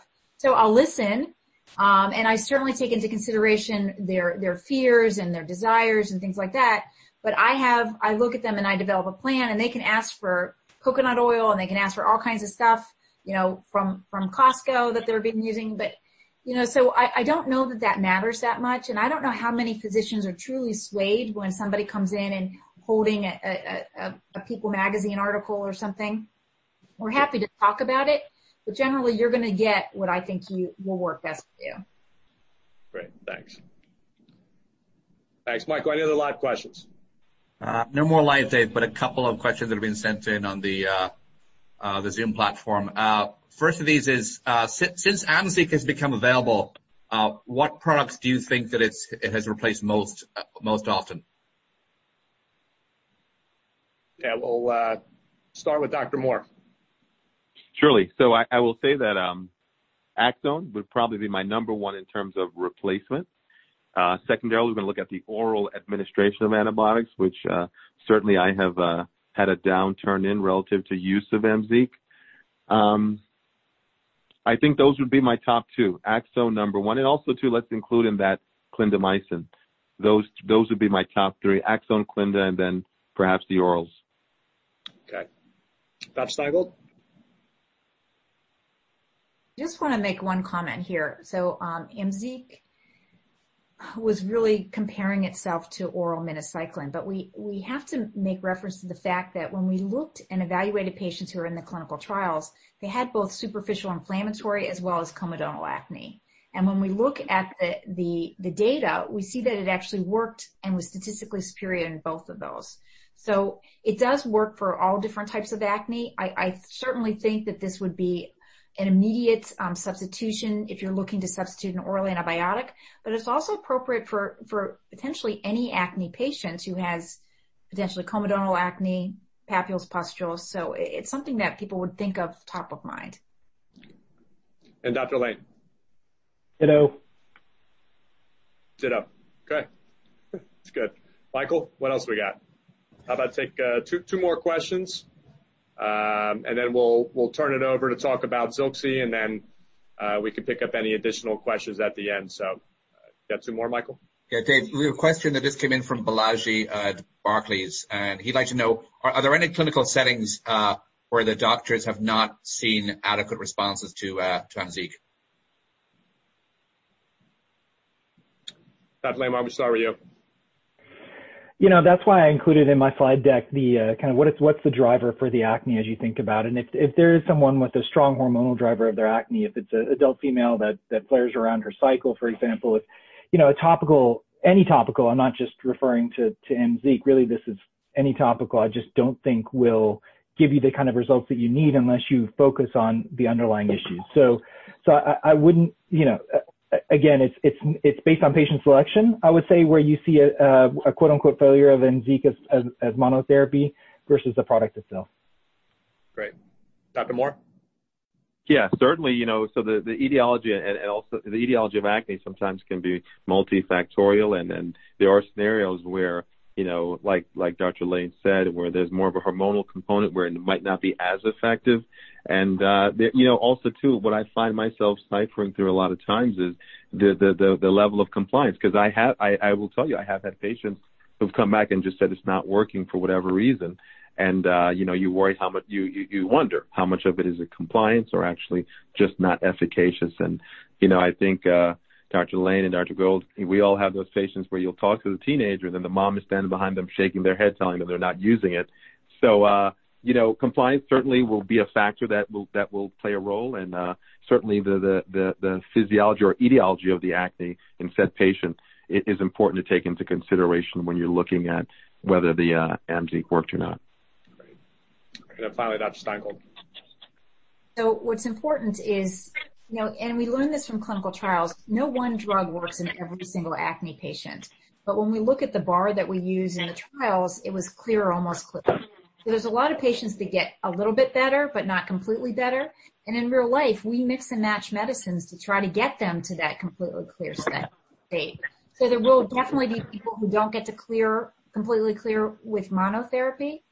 I'll listen. I certainly take into consideration their fears and their desires and things like that. I look at them and I develop a plan, and they can ask for coconut oil, and they can ask for all kinds of stuff from Costco that they've been using. I don't know that that matters that much, and I don't know how many physicians are truly swayed when somebody comes in and holding a People magazine article or something. We're happy to talk about it, but generally, you're going to get what I think will work best for you. Great. Thanks. Michael, any other live questions? No more live, Dave, but a couple of questions that have been sent in on the Zoom platform. First of these is, since AMZEEQ has become available, what products do you think that it has replaced most often? Yeah. We'll start with Dr. Moore. Surely. I will say that Aczone would probably be my number one in terms of replacement. Secondarily, we're going to look at the oral administration of antibiotics, which certainly I have had a downturn in relative to use of AMZEEQ. I think those would be my top two. Aczone number one. Also too, let's include in that clindamycin. Those would be my top three, Aczone, clinda, and then perhaps the orals. Okay. Dr. Stein Gold? Just want to make one comment here. AMZEEQ was really comparing itself to oral minocycline. We have to make reference to the fact that when we looked and evaluated patients who were in the clinical trials, they had both superficial inflammatory as well as comedonal acne. When we look at the data, we see that it actually worked and was statistically superior in both of those. It does work for all different types of acne. I certainly think that this would be an immediate substitution if you're looking to substitute an oral antibiotic. It's also appropriate for potentially any acne patients who has potentially comedonal acne, papules, pustules. It's something that people would think of top of mind. Dr. Lain. Ditto. Ditto. Okay. That's good. Michael, what else we got? How about take two more questions, and then we'll turn it over to talk about ZILXI, and then we can pick up any additional questions at the end. Got two more, Michael? Yeah, Dave. We have a question that just came in from Balaji at Barclays, and he'd like to know, are there any clinical settings where the doctors have not seen adequate responses to AMZEEQ? Dr. Lain, why don't we start with you? That's why I included in my slide deck the kind of what's the driver for the acne as you think about it. If there is someone with a strong hormonal driver of their acne, if it's an adult female that flares around her cycle, for example, any topical, I'm not just referring to AMZEEQ, really this is any topical, I just don't think will give you the kind of results that you need unless you focus on the underlying issues. Again, it's based on patient selection, I would say, where you see a quote, unquote "failure" of AMZEEQ as monotherapy versus the product itself. Great. Dr. Moore? Yeah, certainly. The etiology of acne sometimes can be multifactorial, and there are scenarios where, like Dr. Lain said, where there's more of a hormonal component where it might not be as effective. Also too, what I find myself ciphering through a lot of times is the level of compliance, because I will tell you, I have had patients who've come back and just said it's not working for whatever reason. You wonder how much of it is a compliance or actually just not efficacious. I think, Dr. Lain and Dr. Gold, we all have those patients where you'll talk to the teenager, then the mom is standing behind them shaking their head telling them they're not using it. Compliance certainly will be a factor that will play a role. Certainly the physiology or etiology of the acne in said patient is important to take into consideration when you're looking at whether the AMZEEQ worked or not. Great. Finally, Dr. Stein Gold. What's important is, and we learned this from clinical trials, no one drug works in every single acne patient. When we look at the bar that we use in the trials, it was clear almost clear. There's a lot of patients that get a little bit better but not completely better. In real life, we mix and match medicines to try to get them to that completely clear state. There will definitely be people who don't get to completely clear with monotherapy.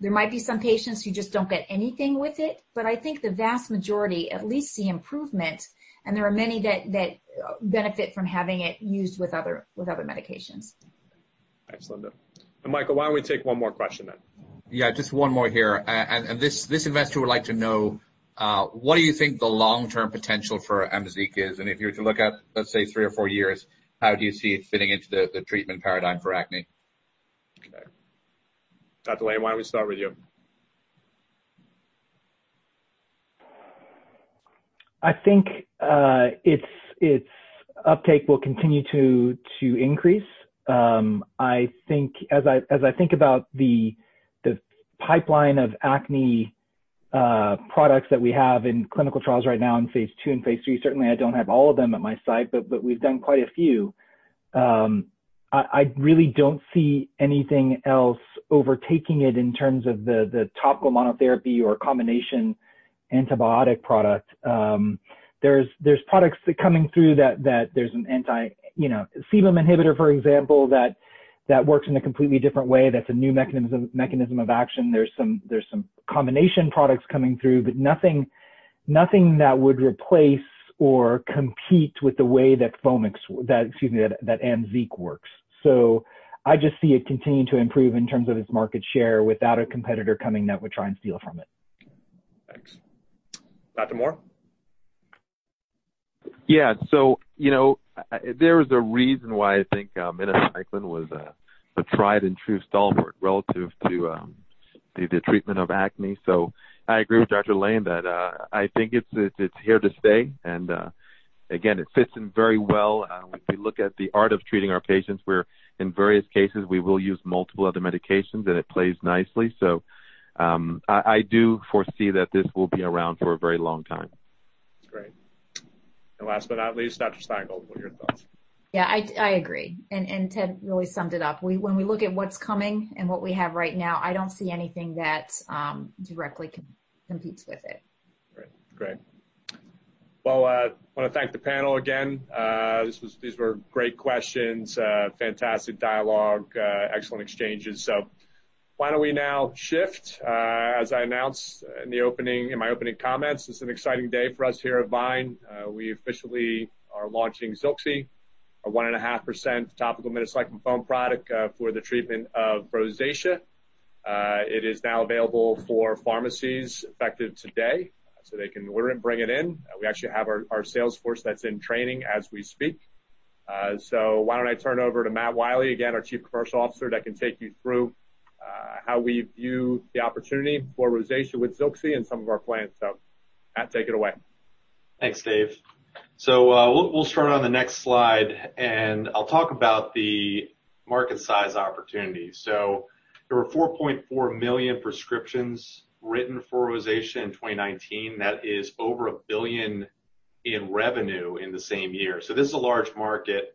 There might be some patients who just don't get anything with it. I think the vast majority at least see improvement, and there are many that benefit from having it used with other medications. Excellent. Michael, why don't we take one more question then? Yeah, just one more here. This investor would like to know, what do you think the long-term potential for AMZEEQ is? If you were to look at, let's say, three or four years, how do you see it fitting into the treatment paradigm for acne? Okay. Dr. Lain, why don't we start with you? I think its uptake will continue to increase. As I think about the pipeline of acne products that we have in clinical trials right now in phase II and phase III, certainly I don't have all of them at my site, but we've done quite a few. I really don't see anything else overtaking it in terms of the topical monotherapy or combination antibiotic product. There's products coming through that there's an anti-sebum inhibitor, for example, that works in a completely different way, that's a new mechanism of action. Nothing that would replace or compete with the way that AMZEEQ works. I just see it continuing to improve in terms of its market share without a competitor coming that would try and steal from it. Thanks. Dr. Moore? There is a reason why I think minocycline was a tried and true stalwart relative to the treatment of acne. I agree with Dr. Lain that I think it's here to stay. Again, it fits in very well. When we look at the art of treating our patients, where in various cases we will use multiple other medications, and it plays nicely. I do foresee that this will be around for a very long time. Great. Last but not least, Dr. Stein Gold, what are your thoughts? Yeah, I agree. Ted really summed it up. When we look at what's coming and what we have right now, I don't see anything that directly competes with it. Great. Well, I want to thank the panel again. These were great questions, fantastic dialogue, excellent exchanges. Why don't we now shift, as I announced in my opening comments, it's an exciting day for us here at VYNE. We officially are launching ZILXI, our 1.5% topical minocycline foam product for the treatment of rosacea. It is now available for pharmacies effective today, so they can order it and bring it in. We actually have our sales force that's in training as we speak. Why don't I turn it over to Matt Wiley, again, our Chief Commercial Officer, that can take you through how we view the opportunity for rosacea with ZILXI and some of our plans. Matt, take it away. Thanks, Dave. We'll start on the next slide, and I'll talk about the market size opportunity. There were 4.4 million prescriptions written for rosacea in 2019. That is over $1 billion in revenue in the same year. This is a large market.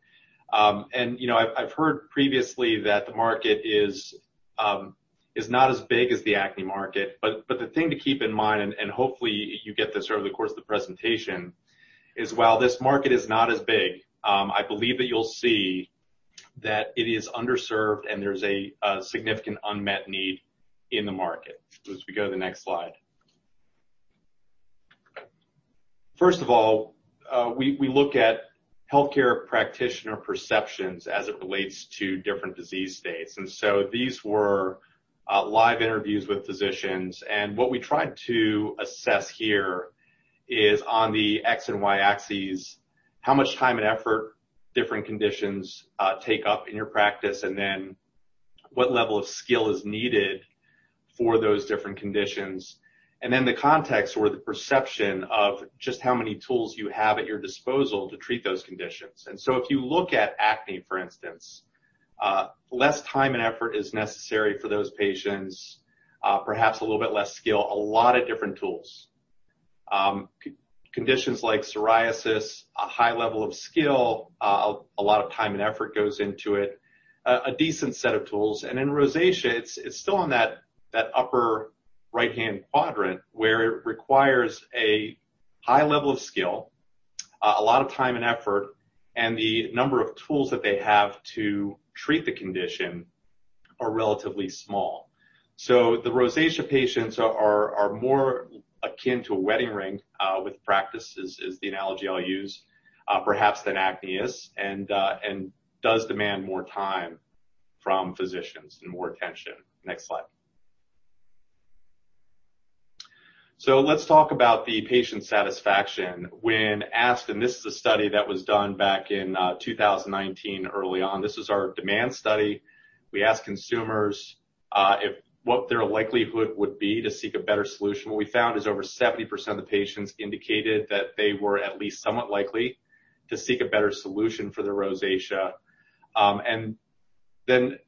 I've heard previously that the market is not as big as the acne market, but the thing to keep in mind, and hopefully you get this over the course of the presentation, is while this market is not as big, I believe that you'll see that it is underserved and there's a significant unmet need in the market. As we go to the next slide. First of all, we look at healthcare practitioner perceptions as it relates to different disease states, and so these were live interviews with physicians. What we tried to assess here is on the X and Y axes, how much time and effort different conditions take up in your practice, and then what level of skill is needed for those different conditions. The context or the perception of just how many tools you have at your disposal to treat those conditions. If you look at acne, for instance, less time and effort is necessary for those patients, perhaps a little bit less skill, a lot of different tools. Conditions like psoriasis, a high level of skill, a lot of time and effort goes into it, a decent set of tools. In rosacea, it's still in that upper right-hand quadrant where it requires a high level of skill, a lot of time and effort, and the number of tools that they have to treat the condition are relatively small. The rosacea patients are more akin to a wedding ring with practices is the analogy I'll use, perhaps than acne is, and does demand more time from physicians and more attention. Next slide. Let's talk about the patient satisfaction. When asked, and this is a study that was done back in 2019 early on. This is our demand study. We asked consumers what their likelihood would be to seek a better solution. What we found is over 70% of the patients indicated that they were at least somewhat likely to seek a better solution for their rosacea. In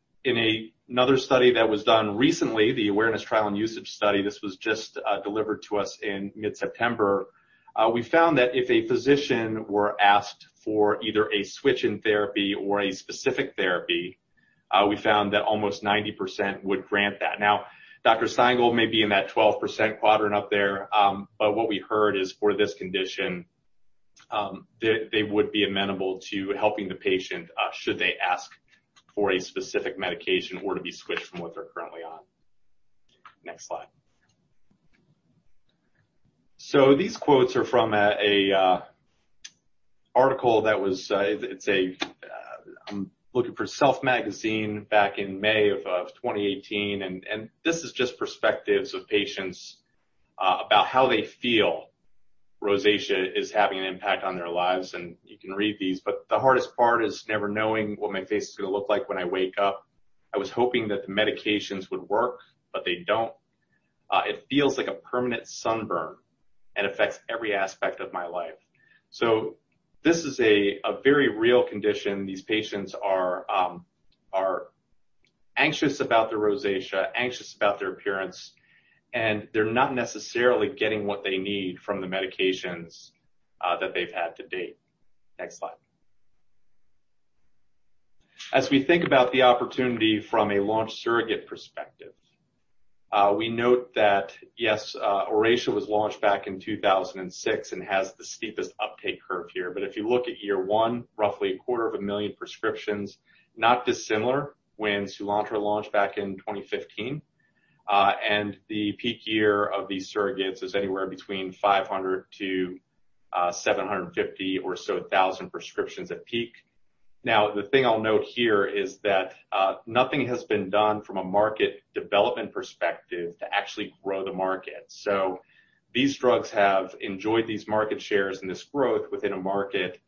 another study that was done recently, the awareness trial and usage study, this was just delivered to us in mid-September, we found that if a physician were asked for either a switch in therapy or a specific therapy, we found that almost 90% would grant that. Dr. Stein Gold may be in that 12% quadrant up there, but what we heard is for this condition, they would be amenable to helping the patient should they ask for a specific medication or to be switched from what they're currently on. Next slide. These quotes are from an article in Self May 2018, and this is just perspectives of patients about how they feel rosacea is having an impact on their lives, and you can read these. "The hardest part is never knowing what my face is going to look like when I wake up." "I was hoping that the medications would work, but they don't." "It feels like a permanent sunburn and affects every aspect of my life." This is a very real condition. These patients are anxious about their rosacea, anxious about their appearance, and they're not necessarily getting what they need from the medications that they've had to date. Next slide. As we think about the opportunity from a launch surrogate perspective, we note that, yes ORACEA was launched back in 2006 and has the steepest uptake curve here. If you look at year one, roughly a quarter of a million prescriptions, not dissimilar when Soolantra launched back in 2015. The peak year of these surrogates is anywhere between 500 to 750 or so thousand prescriptions at peak. Now, the thing I'll note here is that nothing has been done from a market development perspective to actually grow the market. These drugs have enjoyed these market shares and this growth within a market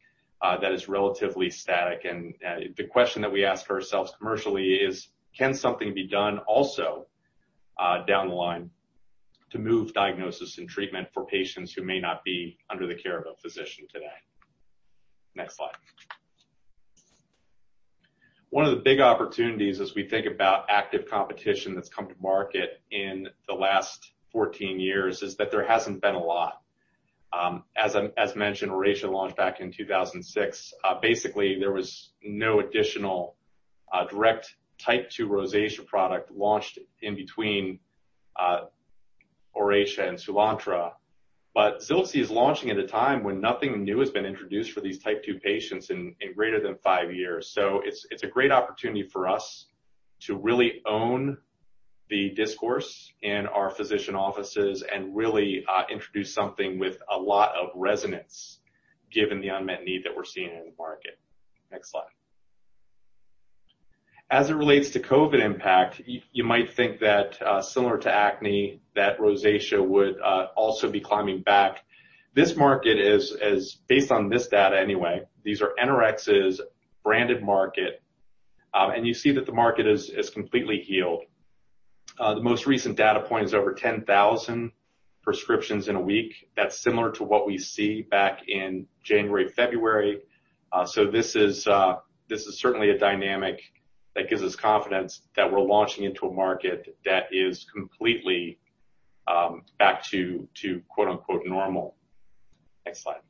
that is relatively static. The question that we ask ourselves commercially is can something be done also down the line to move diagnosis and treatment for patients who may not be under the care of a physician today? Next slide. One of the big opportunities as we think about active competition that's come to market in the last 14 years is that there hasn't been a lot. As mentioned, ORACEA launched back in 2006. Basically, there was no additional direct type two rosacea product launched in between ORACEA and Soolantra. ZILXI is launching at a time when nothing new has been introduced for these type two patients in greater than five years. It's a great opportunity for us to really own the discourse in our physician offices and really introduce something with a lot of resonance given the unmet need that we're seeing in the market. Next slide. As it relates to COVID impact, you might think that similar to acne, that rosacea would also be climbing back. This market is, based on this data anyway, these are NRx's branded market. You see that the market is completely healed. The most recent data point is over 10,000 prescriptions in a week. That's similar to what we see back in January, February. This is certainly a dynamic that gives us confidence that we're launching into a market that is completely back to quote unquote normal. Next slide.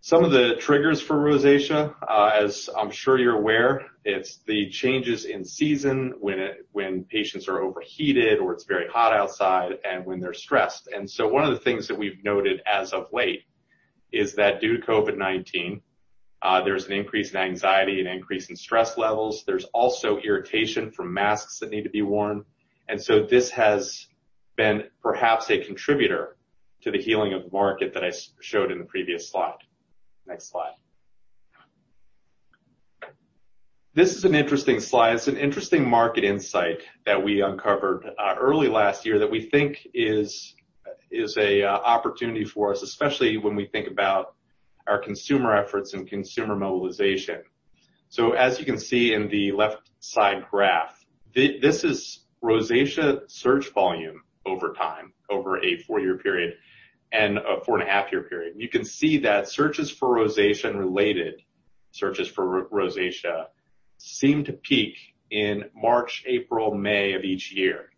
Some of the triggers for rosacea, as I'm sure you're aware, it's the changes in season, when patients are overheated or it's very hot outside, and when they're stressed. One of the things that we've noted as of late is that due to COVID-19, there's an increase in anxiety and an increase in stress levels. There's also irritation from masks that need to be worn. This has been perhaps a contributor to the healing of the market that I showed in the previous slide. Next slide. This is an interesting slide. It's an interesting market insight that we uncovered early last year that we think is an opportunity for us, especially when we think about our consumer efforts and consumer mobilization. As you can see in the left side graph, this is rosacea search volume over time, over a four-and-a-half year period. You can see that searches for rosacea and related searches for rosacea seem to peak in March, April, May of each year.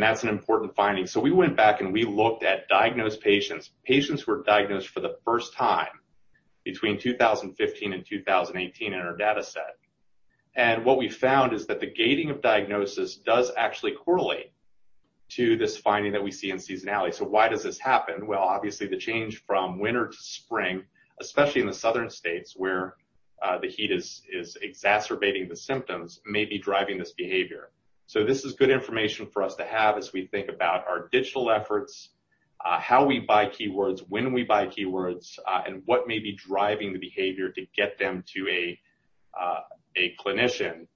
That's an important finding. We went back and we looked at diagnosed patients. Patients who were diagnosed for the first time between 2015 and 2018 in our data set. What we found is that the gating of diagnosis does actually correlate to this finding that we see in seasonality. Why does this happen? Well, obviously the change from winter to spring, especially in the Southern states where the heat is exacerbating the symptoms, may be driving this behavior. This is good information for us to have as we think about our digital efforts, how we buy keywords, when we buy keywords, and what may be driving the behavior to get them to a clinician.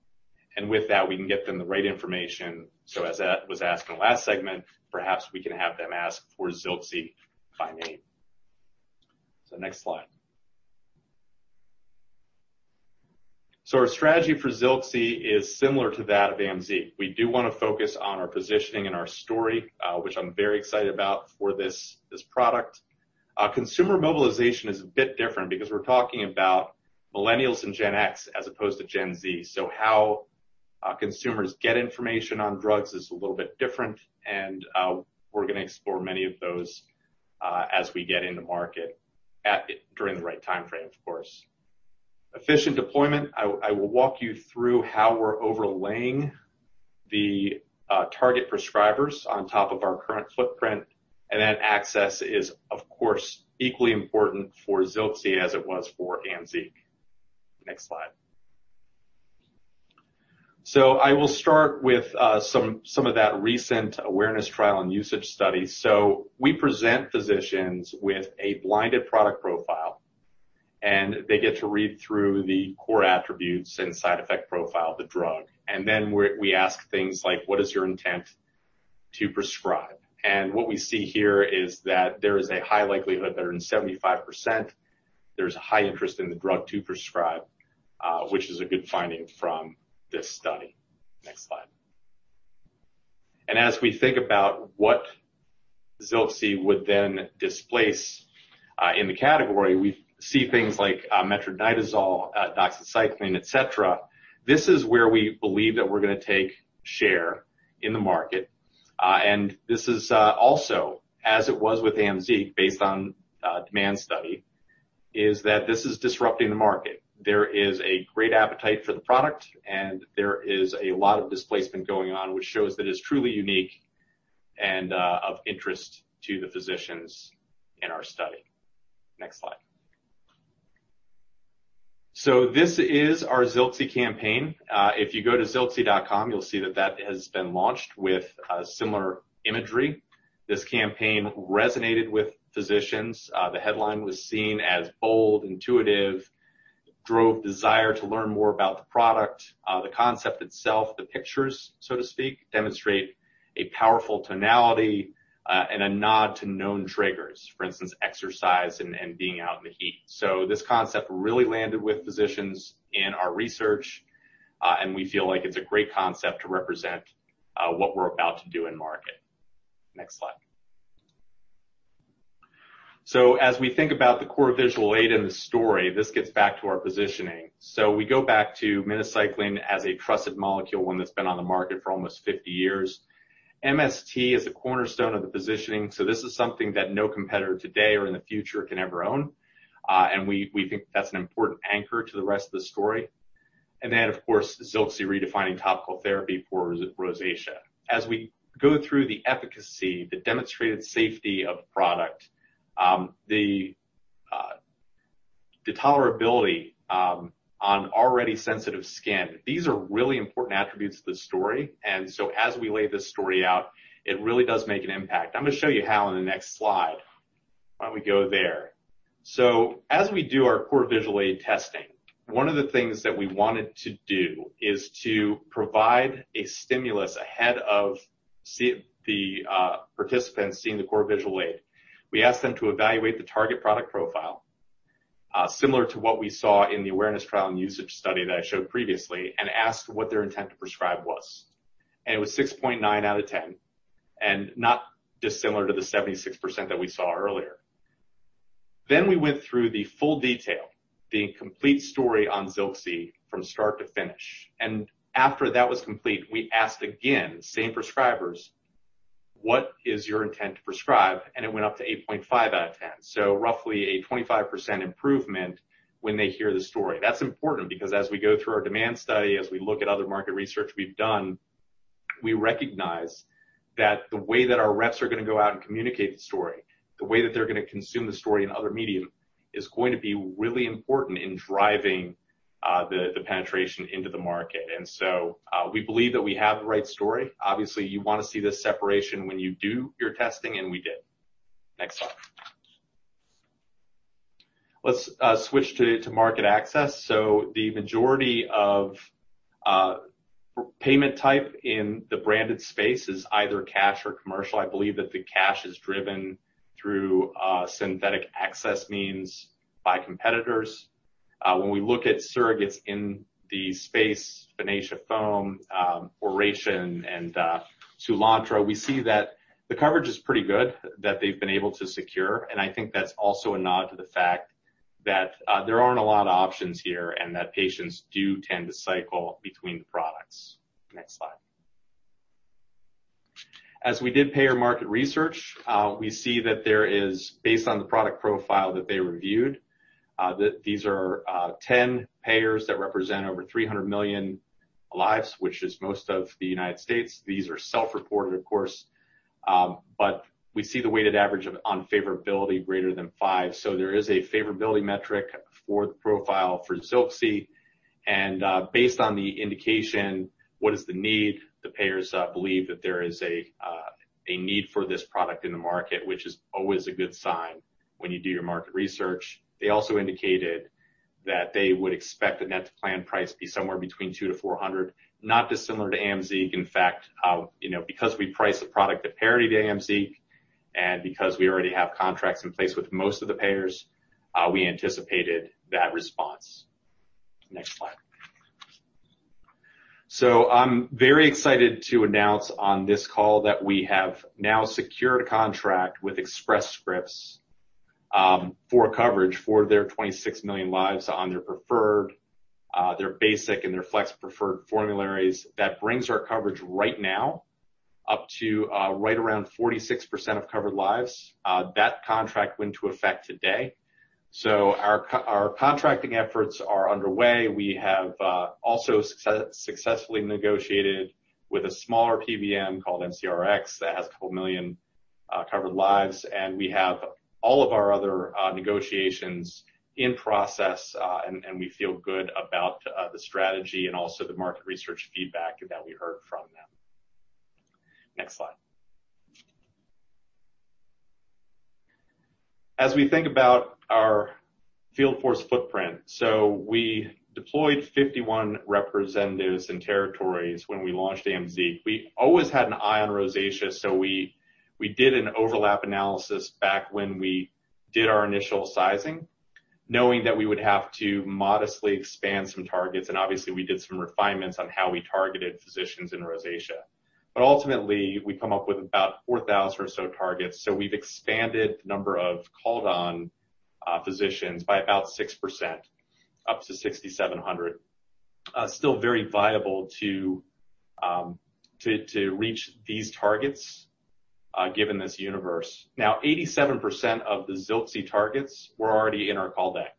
With that, we can get them the right information. As Ed was asking last segment, perhaps we can have them ask for ZILXI by name. Next slide. Our strategy for ZILXI is similar to that of AMZEEQ. We do want to focus on our positioning and our story, which I'm very excited about for this product. Consumer mobilization is a bit different because we're talking about millennials and Gen X as opposed to Gen Z. How consumers get information on drugs is a little bit different, and we're going to explore many of those as we get into market during the right timeframe, of course. Efficient deployment, I will walk you through how we're overlaying the target prescribers on top of our current footprint. Access is, of course, equally important for ZILXI as it was for AMZEEQ. Next slide. I will start with some of that recent awareness trial and usage study. We present physicians with a blinded product profile, and they get to read through the core attributes and side effect profile of the drug. We ask things like, what is your intent to prescribe? What we see here is that there is a high likelihood, better than 75%, there is a high interest in the drug to prescribe, which is a good finding from this study. Next slide. As we think about what ZILXI would then displace in the category, we see things like metronidazole, doxycycline, et cetera. This is where we believe that we're going to take share in the market. This is also, as it was with AMZEEQ, based on a demand study, is that this is disrupting the market. There is a great appetite for the product, and there is a lot of displacement going on, which shows that it is truly unique and of interest to the physicians in our study. Next slide. This is our ZILXI campaign. If you go to zilxi.com, you'll see that that has been launched with similar imagery. This campaign resonated with physicians. The headline was seen as bold, intuitive, drove desire to learn more about the product. The concept itself, the pictures, so to speak, demonstrate a powerful tonality and a nod to known triggers. For instance, exercise and being out in the heat. This concept really landed with physicians in our research, and we feel like it's a great concept to represent what we're about to do in market. Next slide. As we think about the core visual aid in the story, this gets back to our positioning. We go back to minocycline as a trusted molecule, one that's been on the market for almost 50 years. MST is a cornerstone of the positioning, this is something that no competitor today or in the future can ever own. We think that's an important anchor to the rest of the story. Then, of course, ZILXI redefining topical therapy for rosacea. As we go through the efficacy, the demonstrated safety of the product, the tolerability on already sensitive skin, these are really important attributes to the story. As we lay this story out, it really does make an impact. I'm going to show you how in the next slide. Why don't we go there? As we do our core visual aid testing, one of the things that we wanted to do is to provide a stimulus ahead of the participants seeing the core visual aid. We asked them to evaluate the target product profile, similar to what we saw in the awareness trial and usage study that I showed previously, and asked what their intent to prescribe was. It was 6.9 out of 10, and not dissimilar to the 76% that we saw earlier. We went through the full detail, the complete story on ZILXI from start to finish. After that was complete, we asked again, the same prescribers, "What is your intent to prescribe?" It went up to 8.5 out of 10. Roughly a 25% improvement when they hear the story. That's important because as we go through our demand study, as we look at other market research we've done, we recognize that the way that our reps are going to go out and communicate the story, the way that they're going to consume the story in other medium, is going to be really important in driving the penetration into the market. We believe that we have the right story. Obviously, you want to see this separation when you do your testing, and we did. Next slide. Let's switch to market access. The majority of payment type in the branded space is either cash or commercial. I believe that the cash is driven through synthetic access means by competitors. When we look at surrogates in the space, Finacea foam, ORACEA, and Soolantra, we see that the coverage is pretty good, that they've been able to secure. I think that's also a nod to the fact that there aren't a lot of options here, and that patients do tend to cycle between the products. Next slide. As we did payer market research, we see that there is, based on the product profile that they reviewed, that these are 10 payers that represent over 300 million lives, which is most of the U.S. These are self-reported, of course, but we see the weighted average of unfavorability greater than five. There is a favorability metric for the profile for ZILXI. Based on the indication, what is the need? The payers believe that there is a need for this product in the market, which is always a good sign when you do your market research. They also indicated that they would expect the net plan price be somewhere between $200-$400, not dissimilar to AMZEEQ. In fact, because we price the product at parity to AMZEEQ, and because we already have contracts in place with most of the payers, we anticipated that response. Next slide. I'm very excited to announce on this call that we have now secured a contract with Express Scripts for coverage for their 26 million lives on their preferred, their basic, and their flex preferred formularies. That brings our coverage right now up to right around 46% of covered lives. That contract went into effect today. Our contracting efforts are underway. We have also successfully negotiated with a smaller PBM called MC-Rx that has 2 million covered lives. We have all of our other negotiations in process. We feel good about the strategy and also the market research feedback that we heard from them. Next slide. As we think about our field force footprint, we deployed 51 representatives and territories when we launched AMZEEQ. We always had an eye on rosacea, we did an overlap analysis back when we did our initial sizing, knowing that we would have to modestly expand some targets. Obviously, we did some refinements on how we targeted physicians in rosacea. Ultimately, we come up with about 4,000 or so targets. We've expanded the number of called on physicians by about 6%, up to 6,700. Still very viable to reach these targets given this universe. 87% of the ZILXI targets were already in our callback.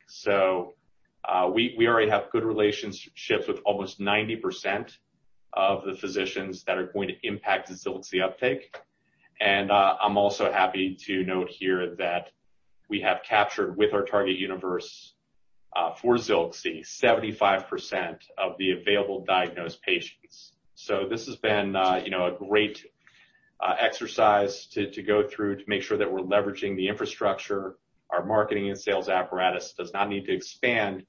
We already have good relationships with almost 90% of the physicians that are going to impact the ZILXI uptake. I'm also happy to note here that we have captured with our target universe for ZILXI, 75% of the available diagnosed patients. This has been a great exercise to go through to make sure that we're leveraging the infrastructure. Our marketing and sales apparatus does not need to expand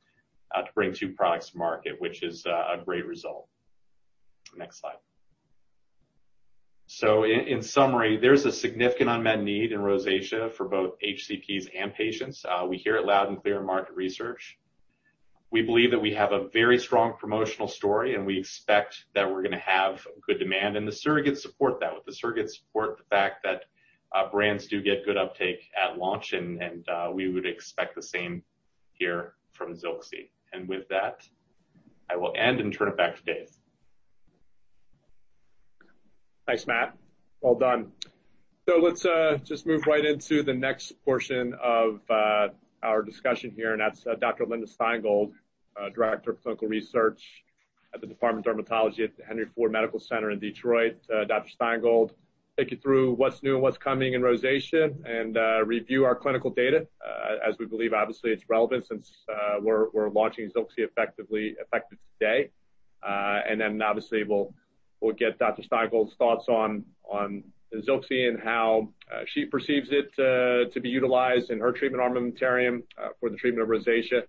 to bring two products to market, which is a great result. Next slide. In summary, there's a significant unmet need in rosacea for both HCPs and patients. We hear it loud and clear in market research. We believe that we have a very strong promotional story, and we expect that we're going to have good demand, and the surrogates support that. The surrogates support the fact that brands do get good uptake at launch and we would expect the same here from ZILXI. With that, I will end and turn it back to Dave. Thanks, Matt. Well done. Let's just move right into the next portion of our discussion here, and that's Dr. Linda Stein Gold, Director of Clinical Research at the Department of Dermatology at the Henry Ford Health System in Detroit. Dr. Stein Gold, take you through what's new and what's coming in rosacea, and review our clinical data, as we believe, obviously, it's relevant since we're launching ZILXI effective today. Then, obviously, we'll get Dr. Stein Gold's thoughts on ZILXI and how she perceives it to be utilized in her treatment armamentarium for the treatment of rosacea.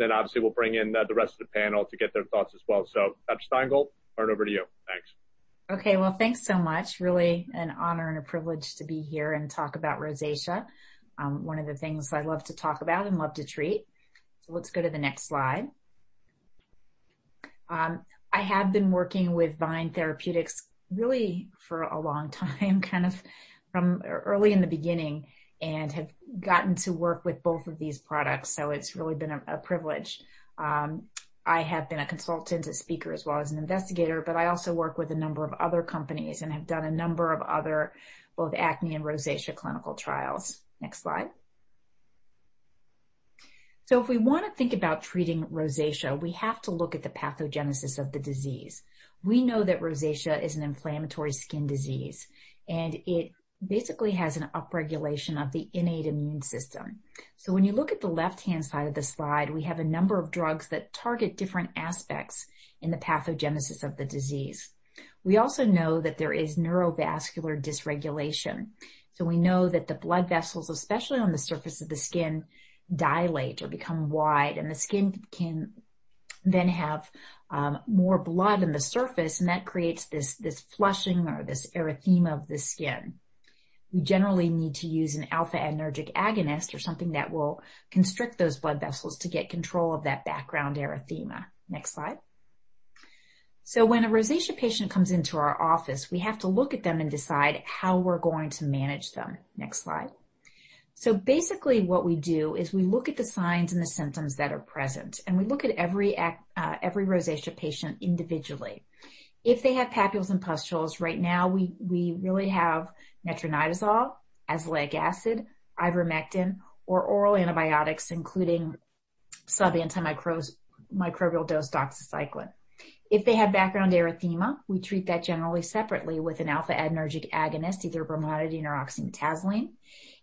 Obviously we'll bring in the rest of the panel to get their thoughts as well. Dr. Stein Gold, turn over to you. Thanks. Okay. Well, thanks so much. Really an honor and a privilege to be here and talk about rosacea. One of the things I love to talk about and love to treat. Let's go to the next slide. I have been working with VYNE Therapeutics really for a long time, kind of from early in the beginning, and have gotten to work with both of these products. It's really been a privilege. I have been a consultant, a speaker, as well as an investigator, but I also work with a number of other companies and have done a number of other both acne and rosacea clinical trials. Next slide. If we want to think about treating rosacea, we have to look at the pathogenesis of the disease. We know that rosacea is an inflammatory skin disease, and it basically has an upregulation of the innate immune system. When you look at the left-hand side of the slide, we have a number of drugs that target different aspects in the pathogenesis of the disease. We also know that there is neurovascular dysregulation. We know that the blood vessels, especially on the surface of the skin, dilate or become wide, and the skin can then have more blood in the surface, and that creates this flushing or this erythema of the skin. We generally need to use an alpha-adrenergic agonist or something that will constrict those blood vessels to get control of that background erythema. Next slide. When a rosacea patient comes into our office, we have to look at them and decide how we're going to manage them. Next slide. Basically what we do is we look at the signs and the symptoms that are present, and we look at every rosacea patient individually. If they have papules and pustules, right now, we really have metronidazole, azelaic acid, ivermectin, or oral antibiotics, including sub-antimicrobial dose doxycycline. If they have background erythema, we treat that generally separately with an alpha-adrenergic agonist, either brimonidine or oxymetazoline.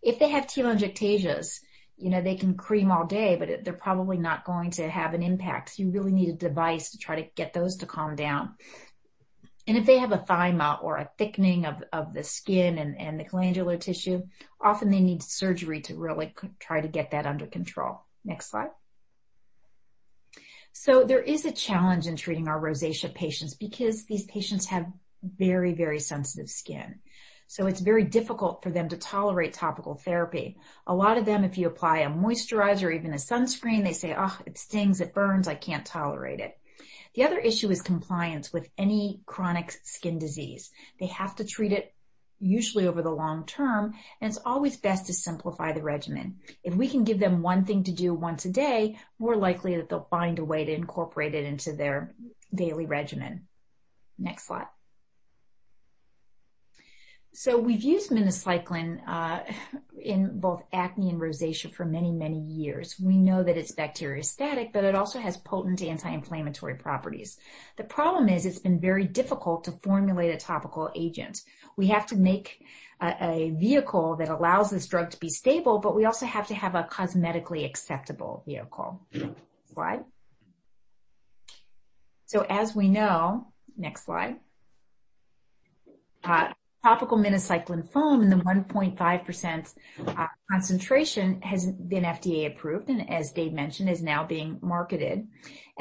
If they have telangiectasias, they can cream all day, but they're probably not going to have an impact. You really need a device to try to get those to calm down. If they have a rhinophyma or a thickening of the skin and the glandular tissue, often they need surgery to really try to get that under control. Next slide. There is a challenge in treating our rosacea patients because these patients have very, very sensitive skin. It's very difficult for them to tolerate topical therapy. A lot of them, if you apply a moisturizer or even a sunscreen, they say, "Ugh, it stings, it burns. I can't tolerate it." The other issue is compliance with any chronic skin disease. They have to treat it usually over the long term, and it's always best to simplify the regimen. If we can give them one thing to do once a day, more likely that they'll find a way to incorporate it into their daily regimen. Next slide. We've used minocycline in both acne and rosacea for many, many years. We know that it's bacteriostatic, but it also has potent anti-inflammatory properties. The problem is it's been very difficult to formulate a topical agent. We have to make a vehicle that allows this drug to be stable, but we also have to have a cosmetically acceptable vehicle. Next slide. As we know, next slide, topical minocycline foam in the 1.5% concentration has been FDA approved and, as Dave mentioned, is now being marketed.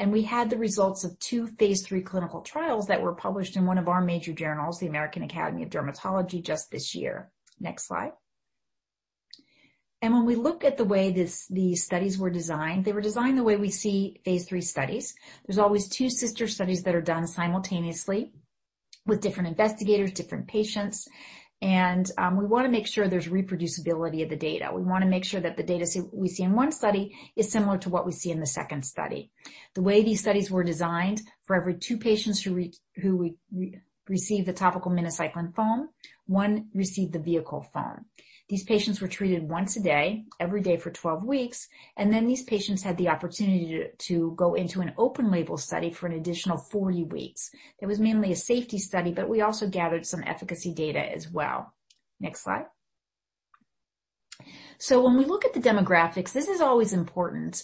We had the results of two phase III clinical trials that were published in one of our major journals, the American Academy of Dermatology, just this year. Next slide. When we look at the way these studies were designed, they were designed the way we see phase III studies. There's always two sister studies that are done simultaneously with different investigators, different patients. We want to make sure there's reproducibility of the data. We want to make sure that the data we see in one study is similar to what we see in the second study. The way these studies were designed, for every two patients who received the topical minocycline foam, one received the vehicle foam. These patients were treated once a day, every day for 12 weeks. Then these patients had the opportunity to go into an open label study for an additional 40 weeks. That was mainly a safety study. We also gathered some efficacy data as well. Next slide. When we look at the demographics, this is always important,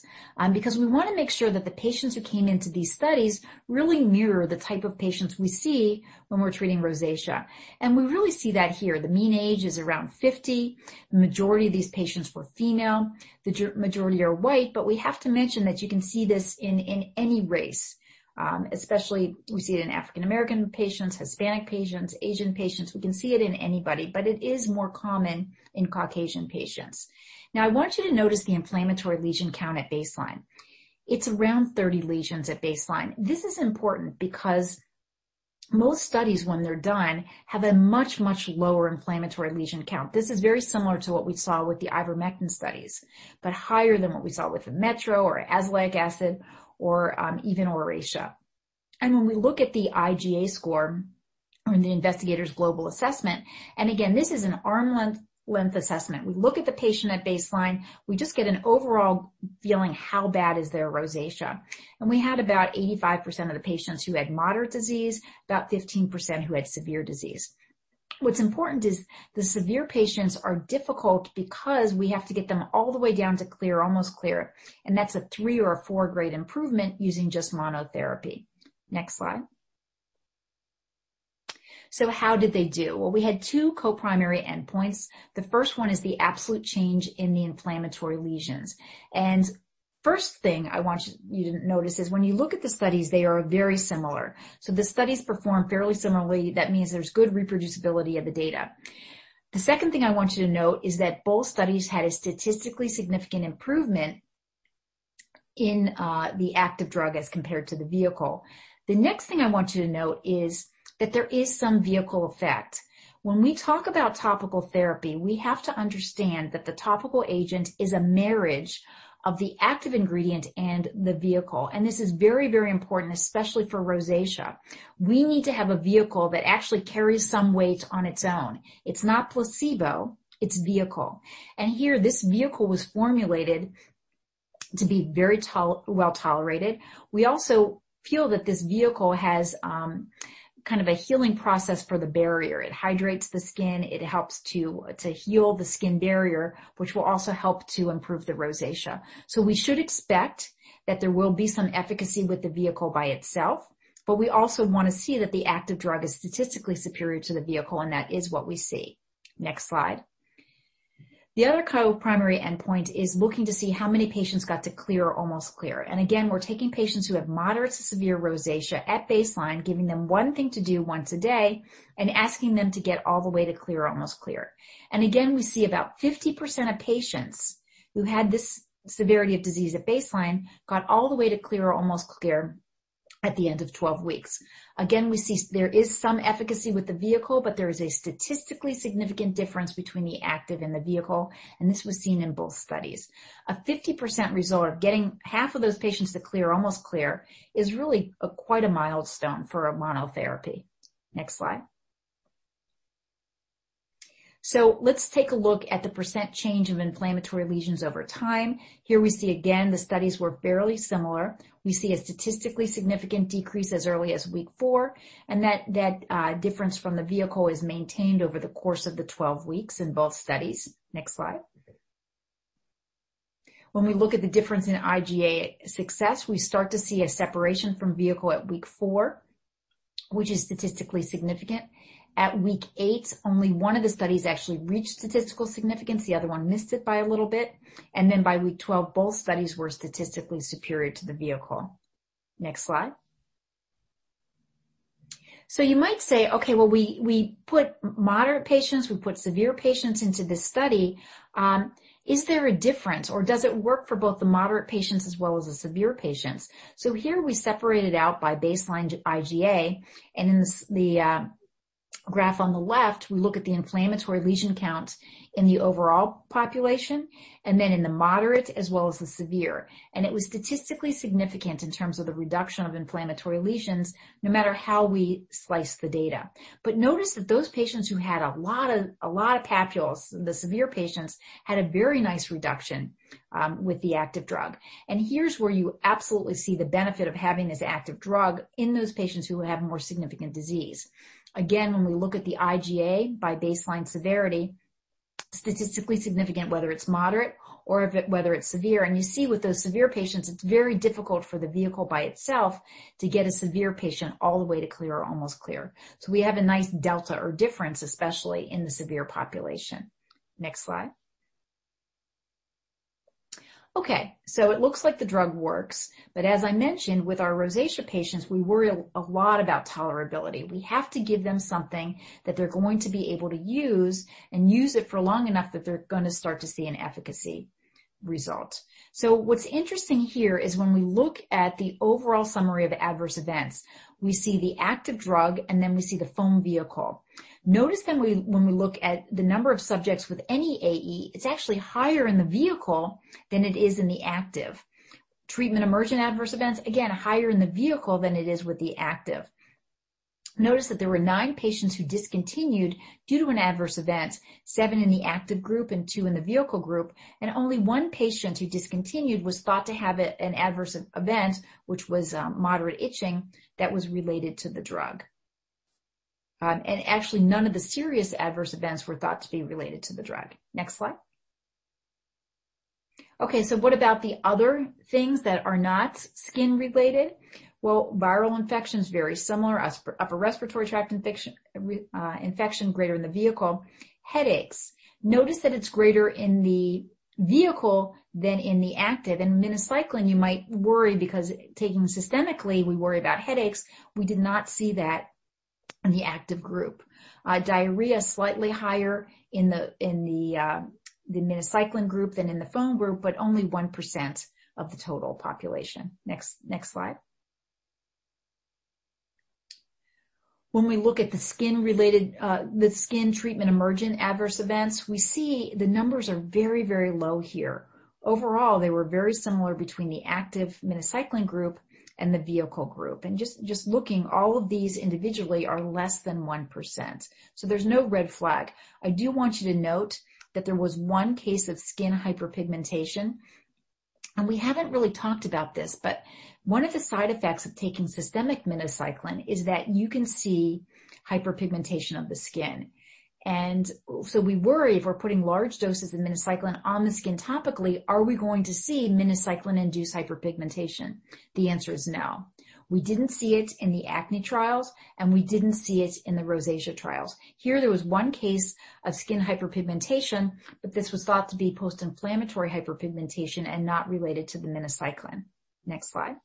because we want to make sure that the patients who came into these studies really mirror the type of patients we see when we're treating rosacea. We really see that here. The mean age is around 50. The majority of these patients were female. The majority are white. We have to mention that you can see this in any race. Especially we see it in African American patients, Hispanic patients, Asian patients. We can see it in anybody. It is more common in Caucasian patients. Now, I want you to notice the inflammatory lesion count at baseline. It's around 30 lesions at baseline. This is important because most studies when they're done have a much, much lower inflammatory lesion count. This is very similar to what we saw with the ivermectin studies, higher than what we saw with the Metro or azelaic acid, or even ORACEA. When we look at the IGA score or the investigator's global assessment, again, this is an arm length assessment. We look at the patient at baseline, we just get an overall feeling how bad is their rosacea. We had about 85% of the patients who had moderate disease, about 15% who had severe disease. What's important is the severe patients are difficult because we have to get them all the way down to clear, almost clear, and that's a three or a four-grade improvement using just monotherapy. Next slide. How did they do? Well, we had two co-primary endpoints. The first one is the absolute change in the inflammatory lesions. First thing I want you to notice is when you look at the studies, they are very similar. The studies performed fairly similarly. That means there's good reproducibility of the data. The second thing I want you to note is that both studies had a statistically significant improvement in the active drug as compared to the vehicle. The next thing I want you to note is that there is some vehicle effect. When we talk about topical therapy, we have to understand that the topical agent is a marriage of the active ingredient and the vehicle. This is very important, especially for rosacea. We need to have a vehicle that actually carries some weight on its own. It's not placebo, it's vehicle. Here, this vehicle was formulated to be very well-tolerated. We also feel that this vehicle has kind of a healing process for the barrier. It hydrates the skin, it helps to heal the skin barrier, which will also help to improve the rosacea. We should expect that there will be some efficacy with the vehicle by itself, but we also want to see that the active drug is statistically superior to the vehicle, and that is what we see. Next slide. The other co-primary endpoint is looking to see how many patients got to clear or almost clear. Again, we're taking patients who have moderate to severe rosacea at baseline, giving them one thing to do once a day, and asking them to get all the way to clear or almost clear. Again, we see about 50% of patients who had this severity of disease at baseline got all the way to clear or almost clear at the end of 12 weeks. Again, we see there is some efficacy with the vehicle, but there is a statistically significant difference between the active and the vehicle, and this was seen in both studies. A 50% result of getting half of those patients to clear or almost clear is really quite a milestone for a monotherapy. Next slide. Let's take a look at the percent change of inflammatory lesions over time. Here we see again, the studies were fairly similar. We see a statistically significant decrease as early as week four, and that difference from the vehicle is maintained over the course of the 12 weeks in both studies. Next slide. When we look at the difference in IGA success, we start to see a separation from vehicle at week four, which is statistically significant. At week eight, only one of the studies actually reached statistical significance. The other one missed it by a little bit. Then by week 12, both studies were statistically superior to the vehicle. Next slide. You might say, okay, well, we put moderate patients, we put severe patients into this study. Is there a difference or does it work for both the moderate patients as well as the severe patients? Here we separated out by baseline IGA, and in the graph on the left, we look at the inflammatory lesion count in the overall population and then in the moderate as well as the severe. It was statistically significant in terms of the reduction of inflammatory lesions, no matter how we slice the data. Notice that those patients who had a lot of papules, the severe patients, had a very nice reduction with the active drug. Here's where you absolutely see the benefit of having this active drug in those patients who have more significant disease. Again, when we look at the IGA by baseline severity, statistically significant, whether it's moderate or whether it's severe. You see with those severe patients, it's very difficult for the vehicle by itself to get a severe patient all the way to clear or almost clear. We have a nice delta or difference, especially in the severe population. Next slide. It looks like the drug works. As I mentioned with our rosacea patients, we worry a lot about tolerability. We have to give them something that they're going to be able to use and use it for long enough that they're going to start to see an efficacy result. What's interesting here is when we look at the overall summary of adverse events, we see the active drug and we see the foam vehicle. Notice when we look at the number of subjects with any AE, it's actually higher in the vehicle than it is in the active. Treatment emergent adverse events, again, higher in the vehicle than it is with the active. Notice that there were nine patients who discontinued due to an adverse event, seven in the active group and two in the vehicle group. Only one patient who discontinued was thought to have an adverse event, which was moderate itching that was related to the drug. Actually, none of the serious adverse events were thought to be related to the drug. Next slide. Okay, what about the other things that are not skin related? Well, viral infection is very similar. Upper respiratory tract infection greater in the vehicle. Headaches. Notice that it's greater in the vehicle than in the active. Minocycline, you might worry because taking systemically, we worry about headaches. We did not see that in the active group. Diarrhea is slightly higher in the minocycline group than in the foam group, but only 1% of the total population. Next slide. When we look at the skin treatment emergent adverse events, we see the numbers are very, very low here. Overall, they were very similar between the active minocycline group and the vehicle group. Just looking, all of these individually are less than 1%. There's no red flag. I do want you to note that there was one case of skin hyperpigmentation, and we haven't really talked about this, but one of the side effects of taking systemic minocycline is that you can see hyperpigmentation of the skin. We worry if we're putting large doses of minocycline on the skin topically, are we going to see minocycline-induced hyperpigmentation? The answer is no. We didn't see it in the acne trials, and we didn't see it in the rosacea trials. Here there was one case of skin hyperpigmentation, this was thought to be post-inflammatory hyperpigmentation and not related to the minocycline. Next slide.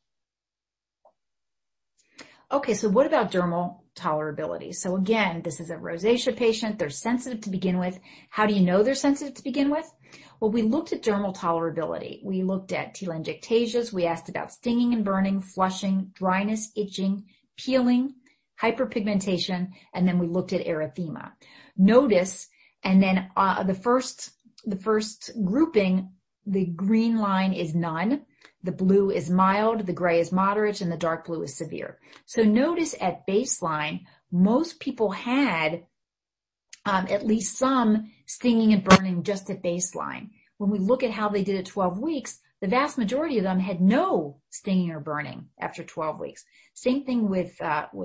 Okay, what about dermal tolerability? Again, this is a rosacea patient. They're sensitive to begin with. How do you know they're sensitive to begin with? Well, we looked at dermal tolerability. We looked at telangiectasias, we asked about stinging and burning, flushing, dryness, itching, peeling, hyperpigmentation, we looked at erythema. Notice, the first grouping, the green line is none, the blue is mild, the gray is moderate, and the dark blue is severe. Notice at baseline, most people had at least some stinging and burning just at baseline. When we look at how they did at 12 weeks, the vast majority of them had no stinging or burning after 12 weeks. Same thing with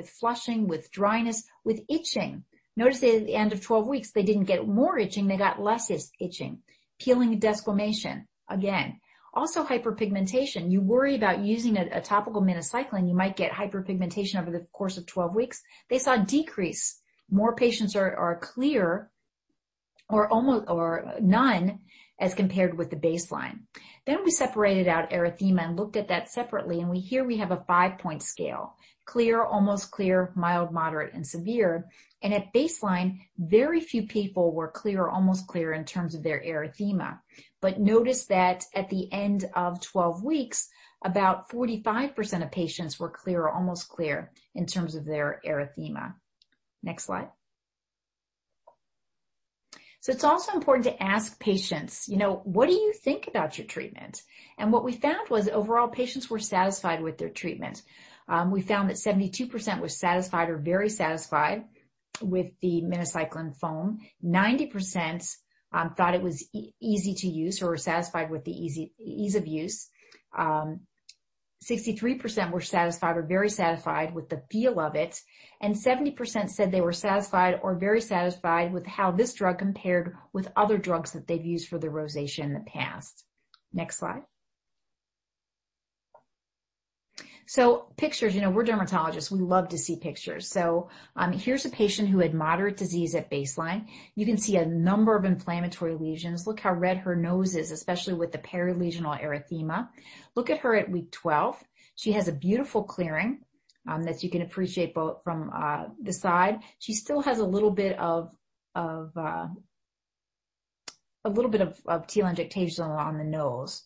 flushing, with dryness, with itching. Notice at the end of 12 weeks, they didn't get more itching, they got less itching. Peeling and desquamation, again. Also hyperpigmentation. You worry about using a topical minocycline, you might get hyperpigmentation over the course of 12 weeks. They saw a decrease. More patients are clear or none as compared with the baseline. We separated out erythema and looked at that separately, and here we have a five-point scale, clear, almost clear, mild, moderate, and severe. At baseline, very few people were clear or almost clear in terms of their erythema. Notice that at the end of 12 weeks, about 45% of patients were clear or almost clear in terms of their erythema. Next slide. It is also important to ask patients, "What do you think about your treatment?" What we found was overall, patients were satisfied with their treatment. We found that 72% were satisfied or very satisfied with the minocycline foam. 90% thought it was easy to use or were satisfied with the ease of use. 63% were satisfied or very satisfied with the feel of it, and 70% said they were satisfied or very satisfied with how this drug compared with other drugs that they've used for their rosacea in the past. Next slide. Pictures, we're dermatologists, we love to see pictures. Here's a patient who had moderate disease at baseline. You can see a number of inflammatory lesions. Look how red her nose is, especially with the perilesional erythema. Look at her at week 12. She has a beautiful clearing that you can appreciate both from the side. She still has a little bit of telangiectasias on the nose.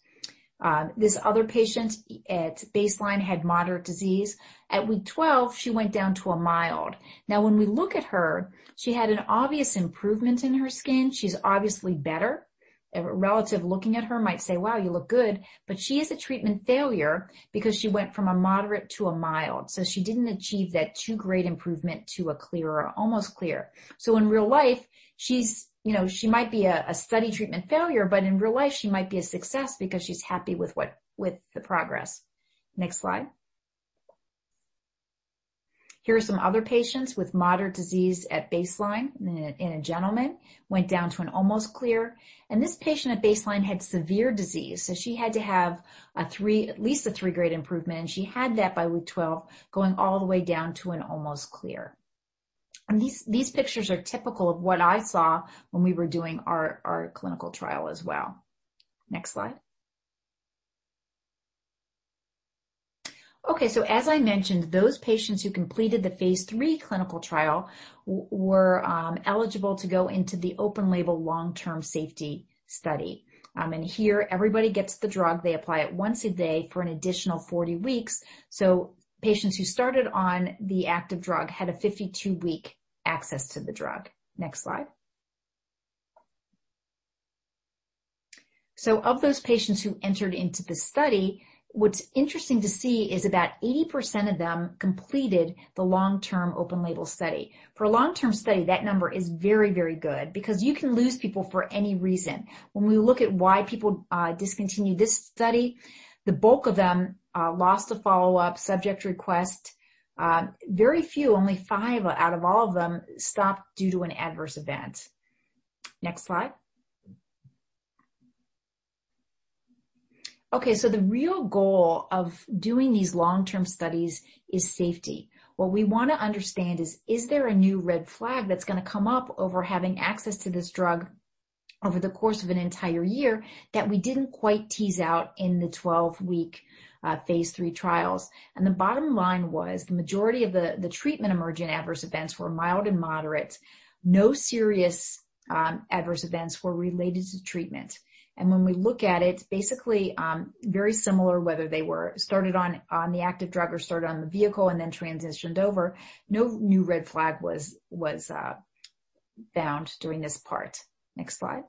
This other patient at baseline had moderate disease. At week 12, she went down to a mild. When we look at her, she had an obvious improvement in her skin. She is obviously better. A relative looking at her might say, "Wow, you look good," but she is a treatment failure because she went from a moderate to a mild. She didn't achieve that two-grade improvement to a clear or almost clear. In real life, she might be a study treatment failure, but in real life, she might be a success because she's happy with the progress. Next slide. Here are some other patients with moderate disease at baseline in a gentleman. He went down to an almost clear. This patient at baseline had severe disease, she had to have at least a three-grade improvement, and she had that by week 12, going all the way down to an almost clear. These pictures are typical of what I saw when we were doing our clinical trial as well. Next slide. As I mentioned, those patients who completed the phase III clinical trial were eligible to go into the open-label long-term safety study. Here everybody gets the drug. They apply it once a day for an additional 40 weeks. Patients who started on the active drug had a 52-week access to the drug. Next slide. Of those patients who entered into the study, what's interesting to see is about 80% of them completed the long-term open-label study. For a long-term study, that number is very good because you can lose people for any reason. When we look at why people discontinue this study, the bulk of them lost to follow-up subject request. Very few, only five out of all of them stopped due to an adverse event. Next slide. The real goal of doing these long-term studies is safety. What we want to understand is there a new red flag that's going to come up over having access to this drug over the course of an entire year that we didn't quite tease out in the 12-week phase III trials. The bottom line was the majority of the treatment-emergent adverse events were mild and moderate. No serious adverse events were related to treatment. When we look at it, basically, very similar, whether they were started on the active drug or started on the vehicle and then transitioned over, no new red flag was found during this part. Next slide.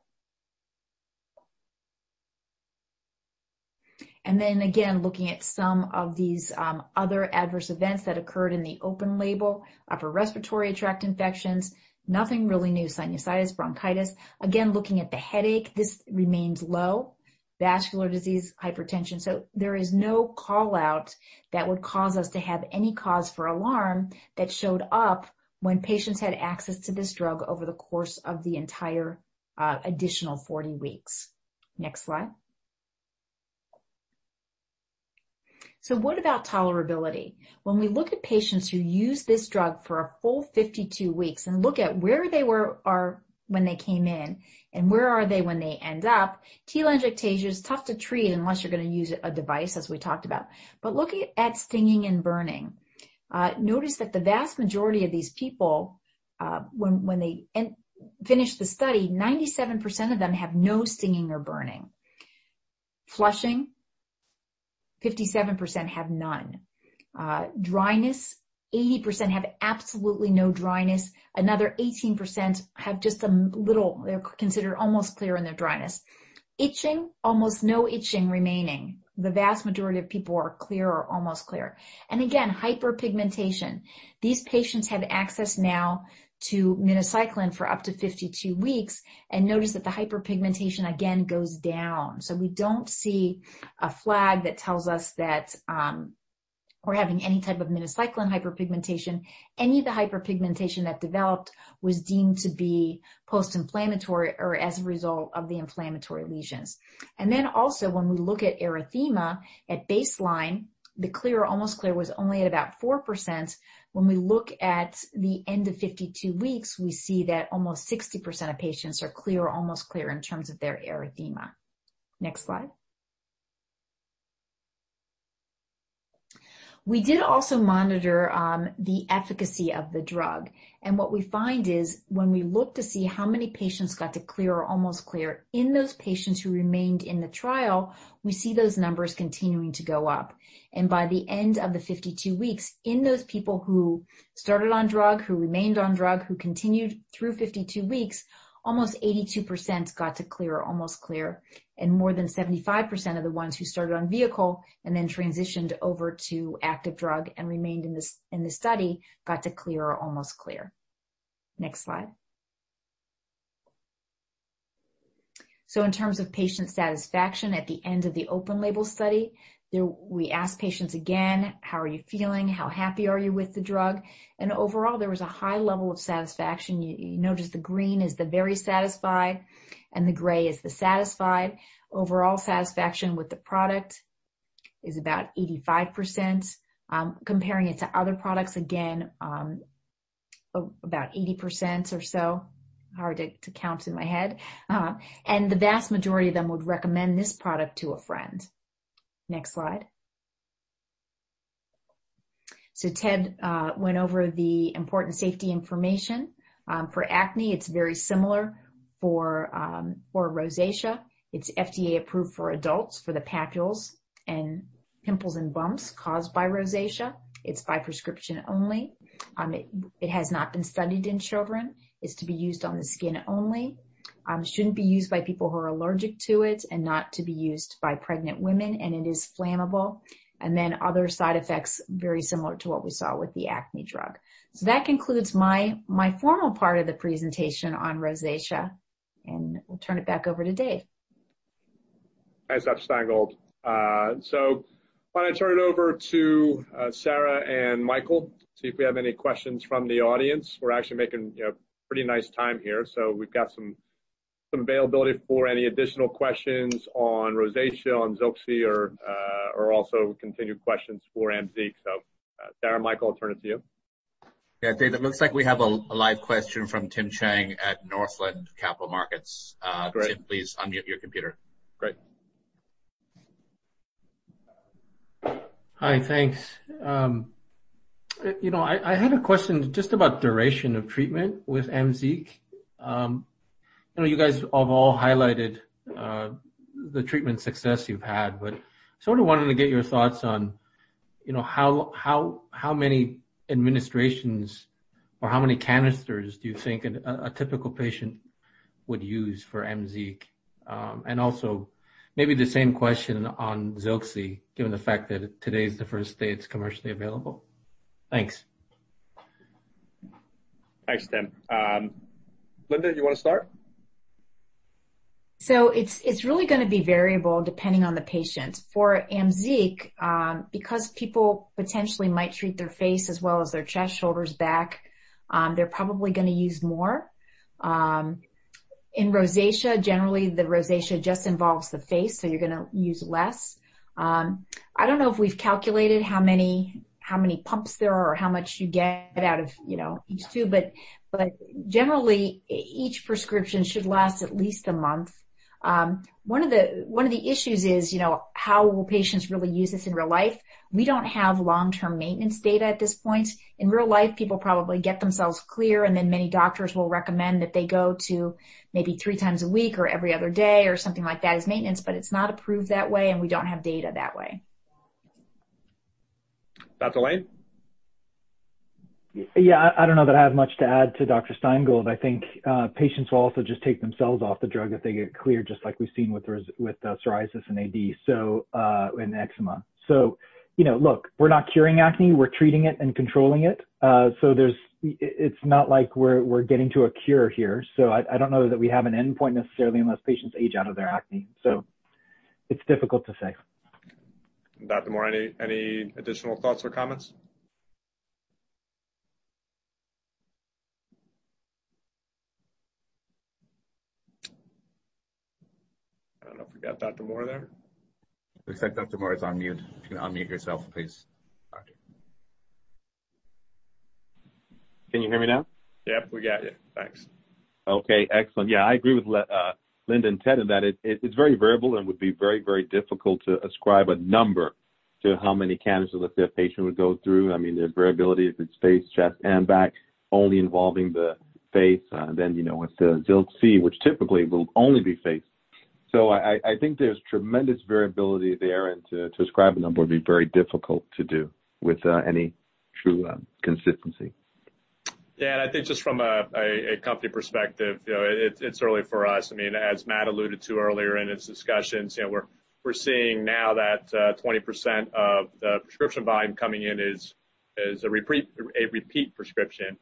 Again, looking at some of these other adverse events that occurred in the open-label, upper respiratory tract infections, nothing really new, sinusitis, bronchitis. Again, looking at the headache, this remains low. Vascular disease, hypertension. There is no call-out that would cause us to have any cause for alarm that showed up when patients had access to this drug over the course of the entire additional 40 weeks. Next slide. What about tolerability? When we look at patients who use this drug for a full 52 weeks and look at where they were when they came in and where are they when they end up, telangiectasia is tough to treat unless you're going to use a device, as we talked about. Looking at stinging and burning, notice that the vast majority of these people, when they finish the study, 97% of them have no stinging or burning. Flushing, 57% have none. Dryness, 80% have absolutely no dryness. Another 18% have just a little, they're considered almost clear in their dryness. Itching, almost no itching remaining. The vast majority of people are clear or almost clear. Again, hyperpigmentation. These patients have access now to minocycline for up to 52 weeks, notice that the hyperpigmentation again goes down. We don't see a flag that tells us that we're having any type of minocycline hyperpigmentation. Any of the hyperpigmentation that developed was deemed to be post-inflammatory or as a result of the inflammatory lesions. Also, when we look at erythema, at baseline, the clear or almost clear was only at about 4%. When we look at the end of 52 weeks, we see that almost 60% of patients are clear or almost clear in terms of their erythema. Next slide. We did also monitor the efficacy of the drug. What we find is when we look to see how many patients got to clear or almost clear, in those patients who remained in the trial, we see those numbers continuing to go up. By the end of the 52 weeks, in those people who started on drug, who remained on drug, who continued through 52 weeks, almost 82% got to clear or almost clear. More than 75% of the ones who started on vehicle and then transitioned over to active drug and remained in the study got to clear or almost clear. Next slide. In terms of patient satisfaction at the end of the open label study, we asked patients again, "How are you feeling? How happy are you with the drug?" Overall, there was a high level of satisfaction. You notice the green is the very satisfied and the gray is the satisfied. Overall satisfaction with the product is about 85%. Comparing it to other products, again, about 80% or so. Hard to count in my head. The vast majority of them would recommend this product to a friend. Next slide. Ted went over the important safety information. For acne, it's very similar. For rosacea, it's FDA approved for adults for the papules and pimples and bumps caused by rosacea. It's by prescription only. It has not been studied in children. It's to be used on the skin only. Shouldn't be used by people who are allergic to it and not to be used by pregnant women, and it is flammable. Other side effects, very similar to what we saw with the acne drug. That concludes my formal part of the presentation on rosacea, and we'll turn it back over to Dave. Thanks, Stein Gold. Why don't I turn it over to Sarah and Michael, see if we have any questions from the audience. We're actually making pretty nice time here, so we've got some availability for any additional questions on rosacea, on ZILXI, or also continued questions for AMZEEQ. Sarah, Michael, I'll turn it to you. Yeah, Dave, it looks like we have a live question from Tim Chiang at Northland Capital Markets. Great. Tim, please unmute your computer. Great. Hi, thanks. I had a question just about duration of treatment with AMZEEQ. You guys have all highlighted the treatment success you've had. Sort of wanted to get your thoughts on how many administrations or how many canisters do you think a typical patient would use for AMZEEQ? Also maybe the same question on ZILXI, given the fact that today's the first day it's commercially available. Thanks. Thanks, Tim. Linda, you want to start? It's really going to be variable depending on the patient. For AMZEEQ, because people potentially might treat their face as well as their chest, shoulders, back, they're probably going to use more. In rosacea, generally the rosacea just involves the face, you're going to use less. I don't know if we've calculated how many pumps there are or how much you get out of each tube. Generally, each prescription should last at least a month. One of the issues is, how will patients really use this in real life? We don't have long-term maintenance data at this point. In real life, people probably get themselves clear, and then many doctors will recommend that they go to maybe three times a week or every other day or something like that as maintenance. It's not approved that way, and we don't have data that way. Dr. Lain? Yeah. I don't know that I have much to add to Dr. Stein Gold. I think patients will also just take themselves off the drug if they get cleared, just like we've seen with psoriasis and AD, so in eczema. Look, we're not curing acne. We're treating it and controlling it. It's not like we're getting to a cure here. I don't know that we have an endpoint necessarily, unless patients age out of their acne. It's difficult to say. Dr. Moore, any additional thoughts or comments? I don't know if we got Dr. Moore there. Looks like Dr. Moore is on mute. If you can unmute yourself, please. Okay. Can you hear me now? Yep, we got you. Thanks. Okay, excellent. Yeah, I agree with Linda and Ted in that it's very variable and would be very difficult to ascribe a number to how many canisters that a patient would go through. I mean, the variability if it's face, chest, and back only involving the face. With the ZILXI, which typically will only be face. I think there's tremendous variability there, and to ascribe a number would be very difficult to do with any true consistency. I think just from a company perspective, it's early for us. As Matt alluded to earlier in his discussions, we're seeing now that 20% of the prescription volume coming in is a repeat prescription.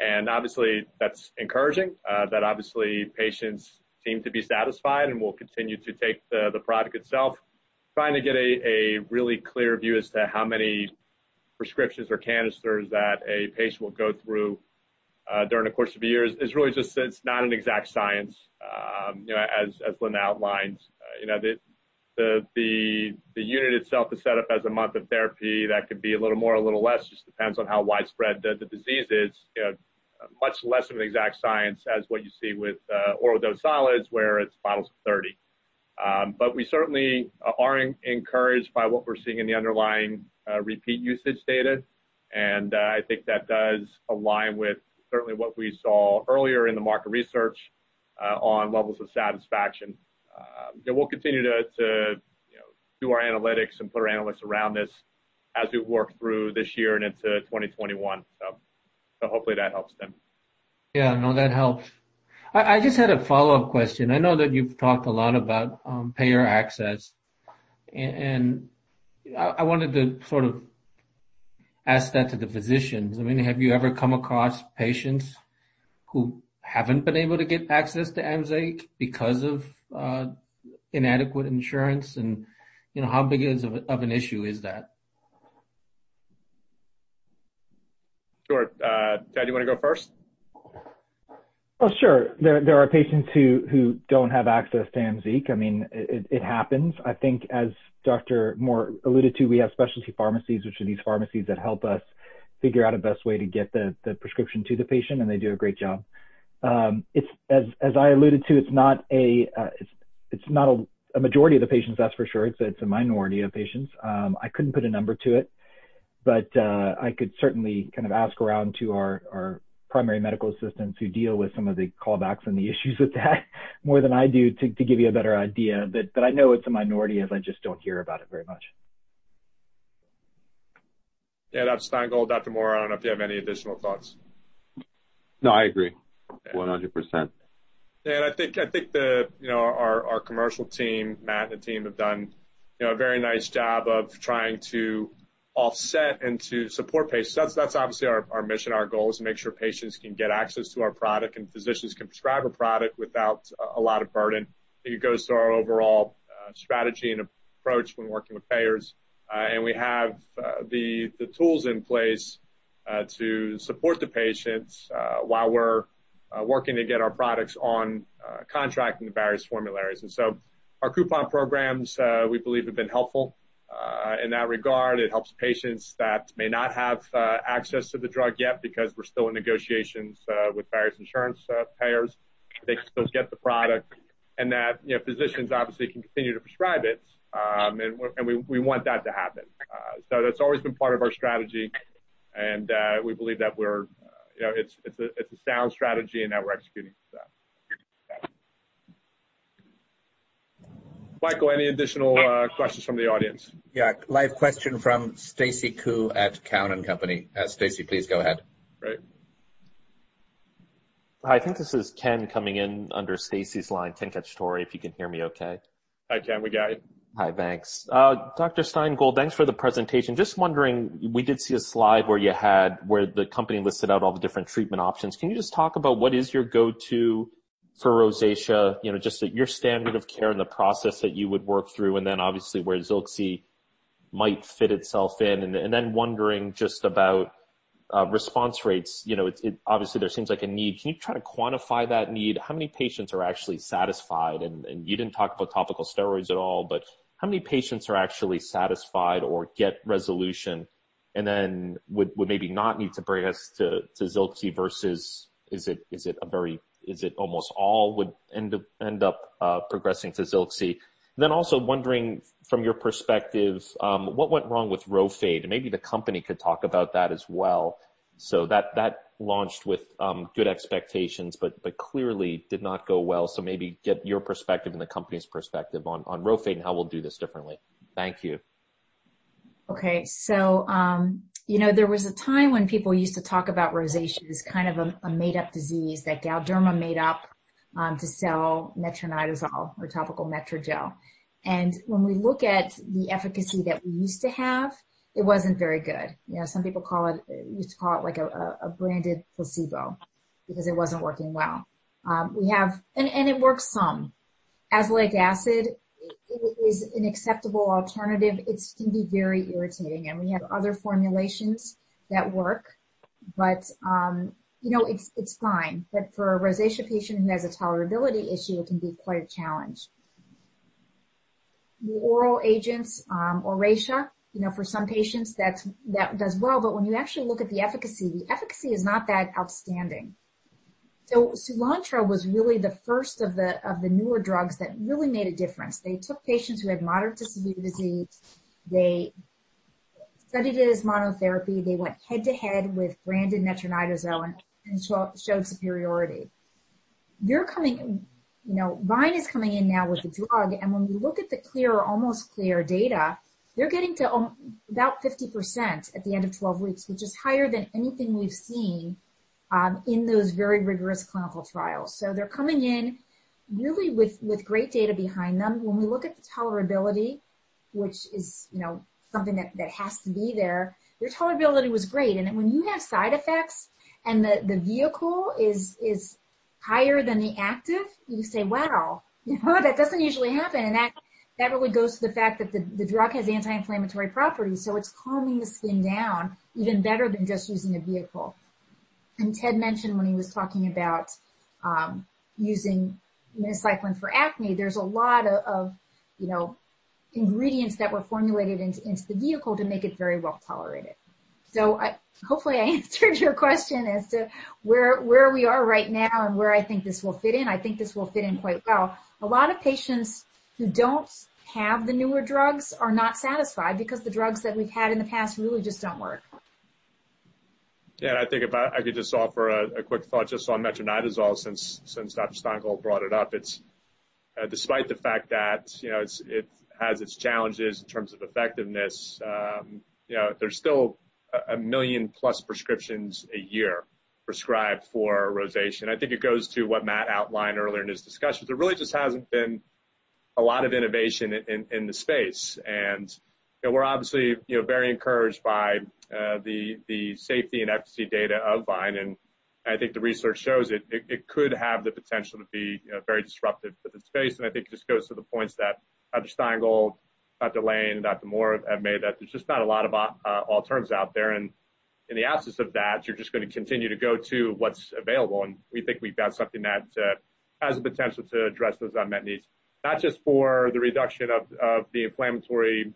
Obviously, that's encouraging that obviously patients seem to be satisfied and will continue to take the product itself. Trying to get a really clear view as to how many prescriptions or canisters that a patient will go through during the course of a year is really just, it's not an exact science as Linda outlines. The unit itself is set up as a month of therapy. That could be a little more or a little less, just depends on how widespread the disease is. Much less of an exact science as what you see with oral dose solids, where it's bottles of 30. We certainly are encouraged by what we're seeing in the underlying repeat usage data, and I think that does align with certainly what we saw earlier in the market research on levels of satisfaction. We'll continue to do our analytics and put our analysts around this as we work through this year and into 2021. Hopefully that helps, Tim. Yeah, no, that helps. I just had a follow-up question. I know that you've talked a lot about payer access, I wanted to sort of ask that to the physicians. Have you ever come across patients who haven't been able to get access to AMZEEQ because of inadequate insurance? How big of an issue is that? Sure. Ted, you want to go first? Oh, sure. There are patients who don't have access to AMZEEQ. It happens. I think as Dr. Moore alluded to, we have specialty pharmacies, which are these pharmacies that help us figure out a best way to get the prescription to the patient, and they do a great job. As I alluded to, it's not a majority of the patients, that's for sure. It's a minority of patients. I couldn't put a number to it, but I could certainly ask around to our primary medical assistants who deal with some of the callbacks and the issues with that more than I do to give you a better idea. I know it's a minority, as I just don't hear about it very much. Yeah. Dr. Stein Gold, Dr. Moore, I don't know if you have any additional thoughts. No, I agree 100%. Yeah, I think our commercial team, Matt and the team, have done a very nice job of trying to offset and to support patients. That's obviously our mission, our goal is to make sure patients can get access to our product and physicians can prescribe a product without a lot of burden. I think it goes to our overall strategy and approach when working with payers. We have the tools in place to support the patients while we're working to get our products on contract in the various formularies. Our coupon programs, we believe, have been helpful in that regard. It helps patients that may not have access to the drug yet because we're still in negotiations with various insurance payers. They can still get the product, and that physicians obviously can continue to prescribe it. We want that to happen. That's always been part of our strategy, and we believe that it's a sound strategy and that we're executing. Michael, any additional questions from the audience? Yeah. Live question from Stacy Ku at Cowen Company. Stacy, please go ahead. Great. Hi. I think this is Ken coming in under Stacy's line. Ken Cacciatore if you can hear me okay? Hi, Ken. We got you. Hi. Thanks. Dr. Stein Gold, thanks for the presentation. Just wondering, we did see a slide where the company listed out all the different treatment options. Can you just talk about what is your go-to for rosacea, just your standard of care and the process that you would work through, and then obviously where ZILXI might fit itself in? Wondering just about response rates, obviously there seems like a need. Can you try to quantify that need? How many patients are actually satisfied? You didn't talk about topical steroids at all, how many patients are actually satisfied or get resolution and then would maybe not need to progress to ZILXI versus is it almost all would end up progressing to ZILXI? Also wondering from your perspective, what went wrong with RHOFADE? Maybe the company could talk about that as well. That launched with good expectations but clearly did not go well. Maybe get your perspective and the company's perspective on RHOFADE and how we'll do this differently. Thank you. Okay. There was a time when people used to talk about rosacea as kind of a made-up disease that Galderma made up to sell metronidazole or topical MetroGel. When we look at the efficacy that we used to have, it wasn't very good. Some people used to call it a branded placebo because it wasn't working well. It works some. Azelaic acid is an acceptable alternative. It can be very irritating, and we have other formulations that work, but it's fine. For a rosacea patient who has a tolerability issue, it can be quite a challenge. The oral agents, ORACEA, for some patients that does well, but when you actually look at the efficacy, the efficacy is not that outstanding. Soolantra was really the first of the newer drugs that really made a difference. They took patients who had moderate to severe disease. They studied it as monotherapy. They went head-to-head with branded metronidazole and showed superiority. VYNE is coming in now with a drug, and when we look at the clear or almost clear data, they're getting to about 50% at the end of 12 weeks, which is higher than anything we've seen in those very rigorous clinical trials. They're coming in really with great data behind them. When we look at the tolerability, which is something that has to be there, their tolerability was great. When you have side effects and the vehicle is higher than the active, you say, "Wow, that doesn't usually happen." That really goes to the fact that the drug has anti-inflammatory properties, so it's calming the skin down even better than just using a vehicle. Ted mentioned when he was talking about using minocycline for acne, there is a lot of ingredients that were formulated into the vehicle to make it very well-tolerated. Hopefully I answered your question as to where we are right now and where I think this will fit in. I think this will fit in quite well. A lot of patients who do not have the newer drugs are not satisfied because the drugs that we have had in the past really just do not work. I think if I could just offer a quick thought just on metronidazole since Dr. Stein Gold brought it up. Despite the fact that it has its challenges in terms of effectiveness, there's still 1 million plus prescriptions a year prescribed for rosacea. I think it goes to what Matt outlined earlier in his discussion. There really just hasn't been a lot of innovation in the space. We're obviously very encouraged by the safety and efficacy data of VYNE, and I think the research shows it could have the potential to be very disruptive within the space, and I think it just goes to the points that Dr. Stein Gold, Dr. Lain, and Dr. Moore have made, that there's just not a lot of alternatives out there. In the absence of that, you're just going to continue to go to what's available, and we think we've got something that has the potential to address those unmet needs. Not just for the reduction of the inflammatory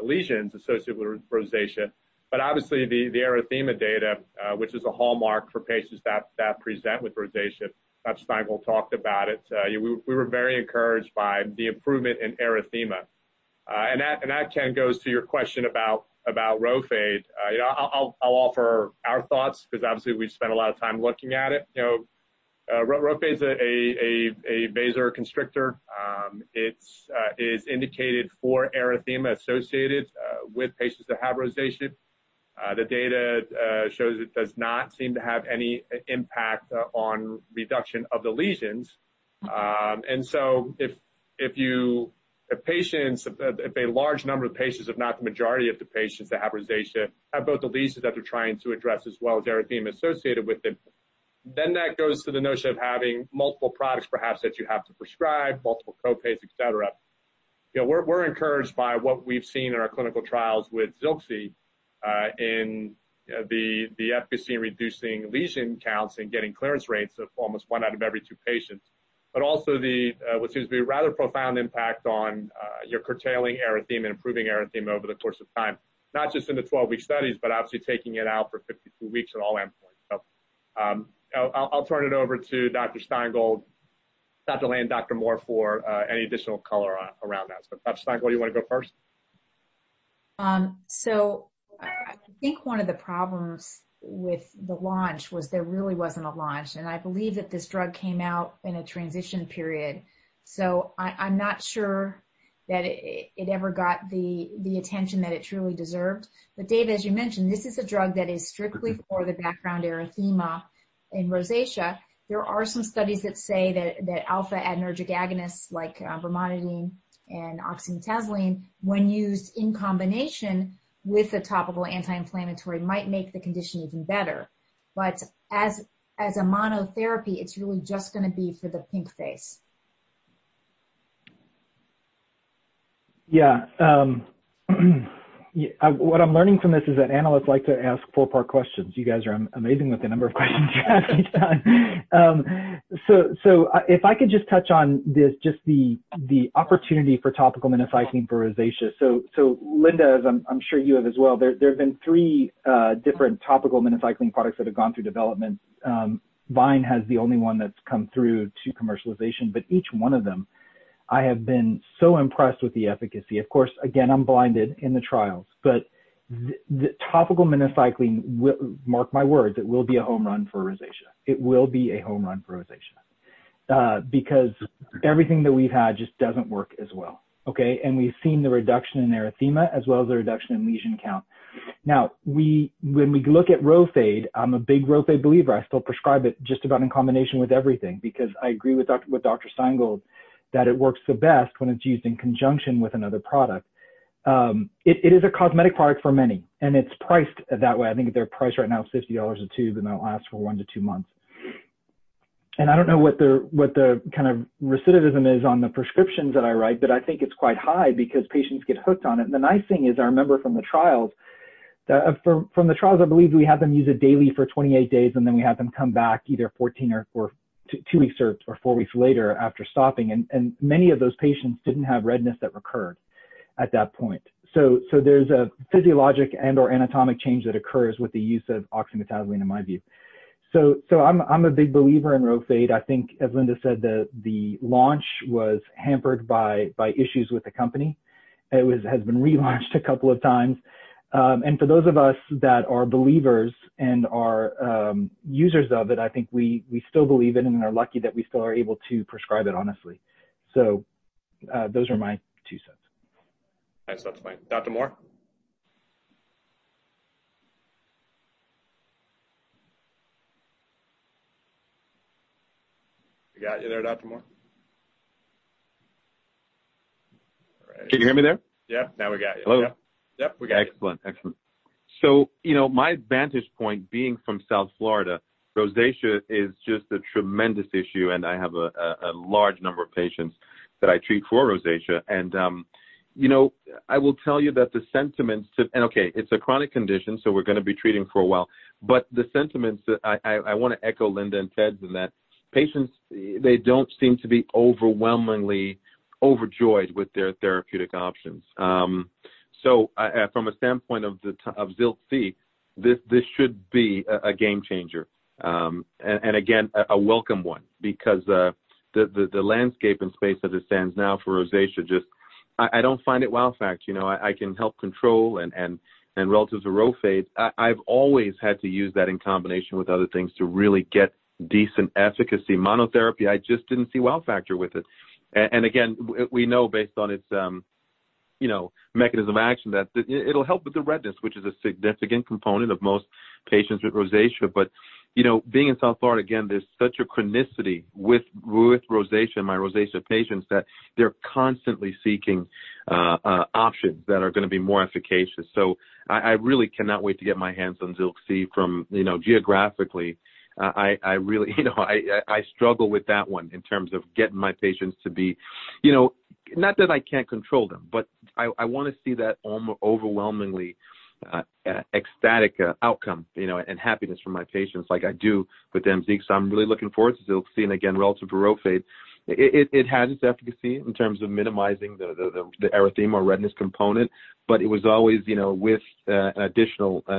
lesions associated with rosacea, but obviously the erythema data, which is a hallmark for patients that present with rosacea. Dr. Stein Gold talked about it. We were very encouraged by the improvement in erythema. That, Ken, goes to your question about RHOFADE. I'll offer our thoughts because obviously, we've spent a lot of time looking at it. RHOFADE is a vasoconstrictor. It is indicated for erythema associated with patients that have rosacea. The data shows it does not seem to have any impact on reduction of the lesions. If a large number of patients, if not the majority of the patients that have rosacea, have both the lesions that they're trying to address as well as erythema associated with it, then that goes to the notion of having multiple products, perhaps, that you have to prescribe, multiple co-pays, et cetera. We're encouraged by what we've seen in our clinical trials with ZILXI in the efficacy in reducing lesion counts and getting clearance rates of almost one out of every two patients, but also what seems to be a rather profound impact on your curtailing erythema and improving erythema over the course of time. Not just in the 12-week studies, but obviously taking it out for 52 weeks at all endpoints. I'll turn it over to Dr. Stein Gold, Dr. Lain, Dr. Moore for any additional color around that. Dr. Stein Gold, you want to go first? I think one of the problems with the launch was there really wasn't a launch, and I believe that this drug came out in a transition period. I'm not sure that it ever got the attention that it truly deserved. Dave, as you mentioned, this is a drug that is strictly for the background erythema in rosacea. There are some studies that say that alpha-adrenergic agonists like brimonidine and oxymetazoline, when used in combination with a topical anti-inflammatory, might make the condition even better. As a monotherapy, it's really just going to be for the pink face. Yeah. What I'm learning from this is that analysts like to ask four-part questions. You guys are amazing with the number of questions you ask each time. If I could just touch on just the opportunity for topical minocycline for rosacea. Linda, as I'm sure you have as well, there have been three different topical minocycline products that have gone through development. VYNE has the only one that's come through to commercialization. Each one of them, I have been so impressed with the efficacy. Of course, again, I'm blinded in the trials, but the topical minocycline, mark my words, it will be a home run for rosacea. It will be a home run for rosacea. Everything that we've had just doesn't work as well. Okay? We've seen the reduction in erythema as well as the reduction in lesion count. When we look at RHOFADE, I'm a big RHOFADE believer. I still prescribe it just about in combination with everything, because I agree with Dr. Stein Gold that it works the best when it's used in conjunction with another product. It is a cosmetic product for many, and it's priced that way. I think their price right now is $50 a tube, and that'll last for one to two months. I don't know what the kind of recidivism is on the prescriptions that I write, but I think it's quite high because patients get hooked on it. The nice thing is, I remember from the trials, I believe we had them use it daily for 28 days, and then we had them come back either 14 or two weeks or four weeks later after stopping. Many of those patients didn't have redness that recurred at that point. There's a physiologic and/or anatomic change that occurs with the use of oxymetazoline, in my view. I'm a big believer in RHOFADE. I think, as Linda said, the launch was hampered by issues with the company. It has been relaunched a couple of times. For those of us that are believers and are users of it, I think we still believe in it and are lucky that we still are able to prescribe it, honestly. Those are my two cents. Thanks, Dr. Lain. Dr. Moore? We got you there, Dr. Julian Moore? All right. Can you hear me there? Yep, now we got you. Hello? Yep, we got you. Excellent. My vantage point, being from South Florida, rosacea is just a tremendous issue, and I have a large number of patients that I treat for rosacea. I will tell you that the sentiments okay, it's a chronic condition, we're going to be treating for a while. The sentiments that I want to echo Linda and Ted's in that patients, they don't seem to be overwhelmingly overjoyed with their therapeutic options. From a standpoint of ZILXI, this should be a game changer. Again, a welcome one because the landscape and space as it stands now for rosacea I don't find it wow fact. I can help control and relative to RHOFADE, I've always had to use that in combination with other things to really get decent efficacy. Monotherapy, I just didn't see wow factor with it. Again, we know based on its mechanism action that it'll help with the redness, which is a significant component of most patients with rosacea. Being in South Florida, again, there's such a chronicity with rosacea, my rosacea patients, that they're constantly seeking options that are going to be more efficacious. I really cannot wait to get my hands on ZILXI from geographically. I struggle with that one in terms of getting my patients. Not that I can't control them, but I want to see that overwhelmingly ecstatic outcome and happiness from my patients like I do with AMZEEQ. I'm really looking forward to ZILXI and again, relative to RHOFADE. It has its efficacy in terms of minimizing the erythema or redness component, but it was always with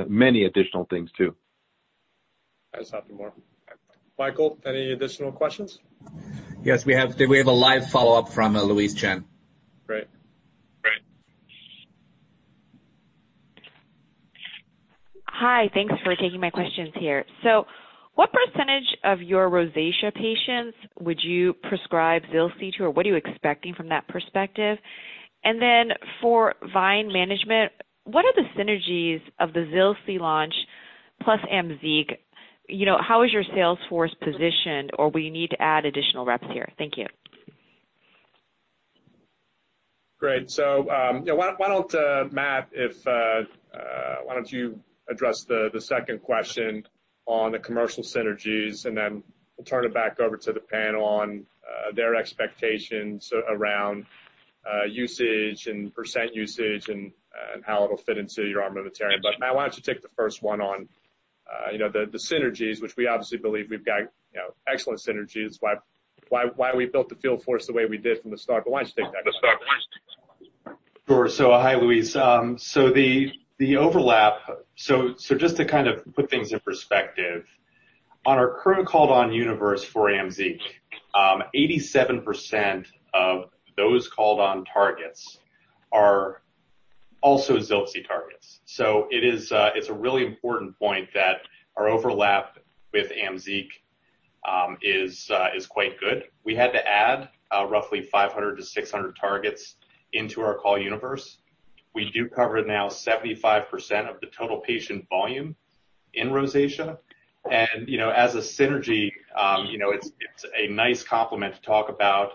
many additional things too. Thanks, Dr. Moore. Michael, any additional questions? Yes, we have a live follow-up from Louise Chen. Great. Hi. Thanks for taking my questions here. What percentage of your rosacea patients would you prescribe ZILXI to, or what are you expecting from that perspective? For VYNE management, what are the synergies of the ZILXI launch plus AMZEEQ? How is your sales force positioned? Will you need to add additional reps here? Thank you. Great. Matt, why don't you address the second question on the commercial synergies, and then we'll turn it back over to the panel on their expectations around usage and percent usage and how it'll fit into your armamentarium. Matt, why don't you take the first one on the synergies, which we obviously believe we've got excellent synergies. Why we built the field force the way we did from the start. Why don't you take that one? Sure. Hi, Louise. Just to kind of put things in perspective, on our current called on universe for AMZEEQ, 87% of those called on targets are also ZILXI targets. It's a really important point that our overlap with AMZEEQ is quite good. We had to add roughly 500 to 600 targets into our call universe. We do cover now 75% of the total patient volume in rosacea. As a synergy, it's a nice complement to talk about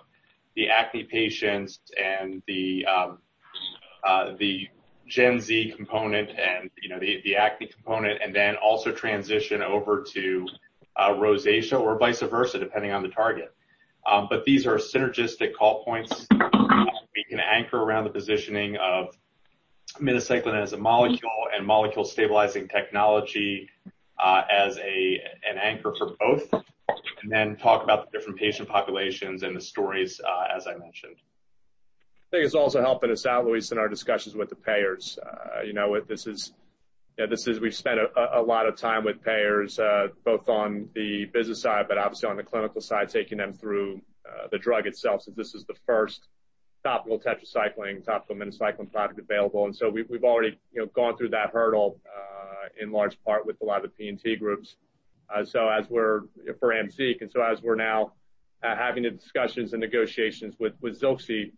the acne patients. The Gen Z component and the acne component, and then also transition over to rosacea or vice versa, depending on the target. These are synergistic call points we can anchor around the positioning of minocycline as a molecule and Molecule Stabilizing Technology as an anchor for both, and then talk about the different patient populations and the stories, as I mentioned. I think it's also helping us out, Louise, in our discussions with the payers. We've spent a lot of time with payers, both on the business side but obviously on the clinical side, taking them through the drug itself, since this is the first topical tetracycline, topical minocycline product available. We've already gone through that hurdle in large part with a lot of the P&T groups for AMZEEQ. As we're now having the discussions and negotiations with ZILXI,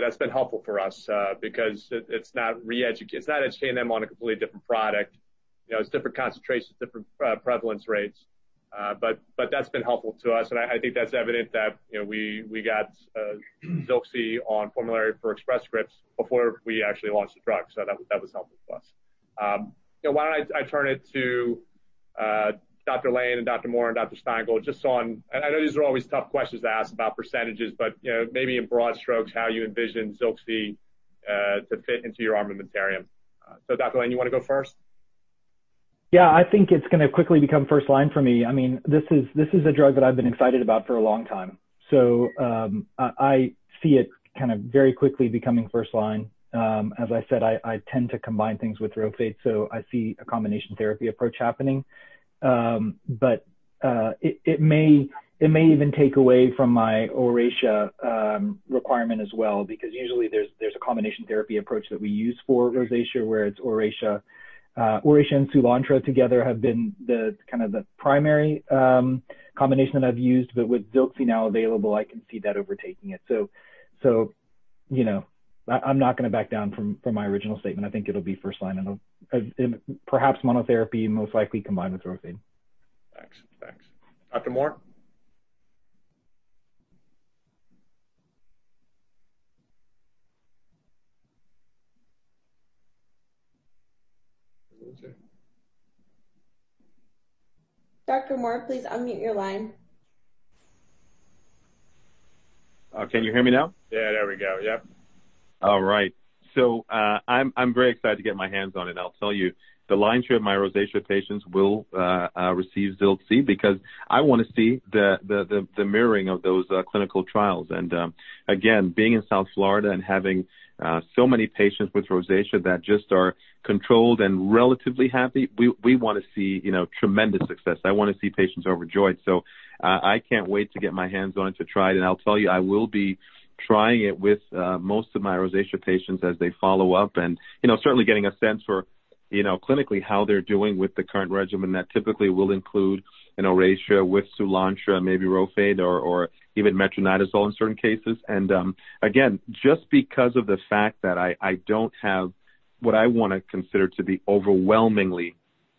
that's been helpful for us because it's not educating them on a completely different product. It's different concentrations, different prevalence rates. That's been helpful to us, and I think that's evident that we got ZILXI on formulary for Express Scripts before we actually launched the drug. That was helpful for us. Why don't I turn it to Dr. Lain and Dr. Moore and Dr. Stein Gold. I know these are always tough questions to ask about percentages, but maybe in broad strokes, how you envision ZILXI to fit into your armamentarium. Dr. Lain, you want to go first? I think it's going to quickly become first line for me. This is a drug that I've been excited about for a long time. I see it kind of very quickly becoming first line. As I said, I tend to combine things with RHOFADE, so I see a combination therapy approach happening. It may even take away from my ORACEA requirement as well, because usually there's a combination therapy approach that we use for rosacea, where it's ORACEA and Soolantra together have been kind of the primary combination that I've used. With ZILXI now available, I can see that overtaking it. I'm not going to back down from my original statement. I think it'll be first line and perhaps monotherapy, most likely combined with RHOFADE. Thanks. Dr. Moore? Dr. Moore, please unmute your line. Can you hear me now? Yeah, there we go. Yep. All right. I'm very excited to get my hands on it. I'll tell you, the lion's share of my rosacea patients will receive ZILXI because I want to see the mirroring of those clinical trials. Again, being in South Florida and having so many patients with rosacea that just are controlled and relatively happy, we want to see tremendous success. I want to see patients overjoyed. I can't wait to get my hands on it to try it. I'll tell you, I will be trying it with most of my rosacea patients as they follow up and certainly getting a sense for clinically how they're doing with the current regimen that typically will include an ORACEA with Soolantra, maybe RHOFADE or even metronidazole in certain cases. Again, just because of the fact that I don't have what I want to consider to be overwhelmingly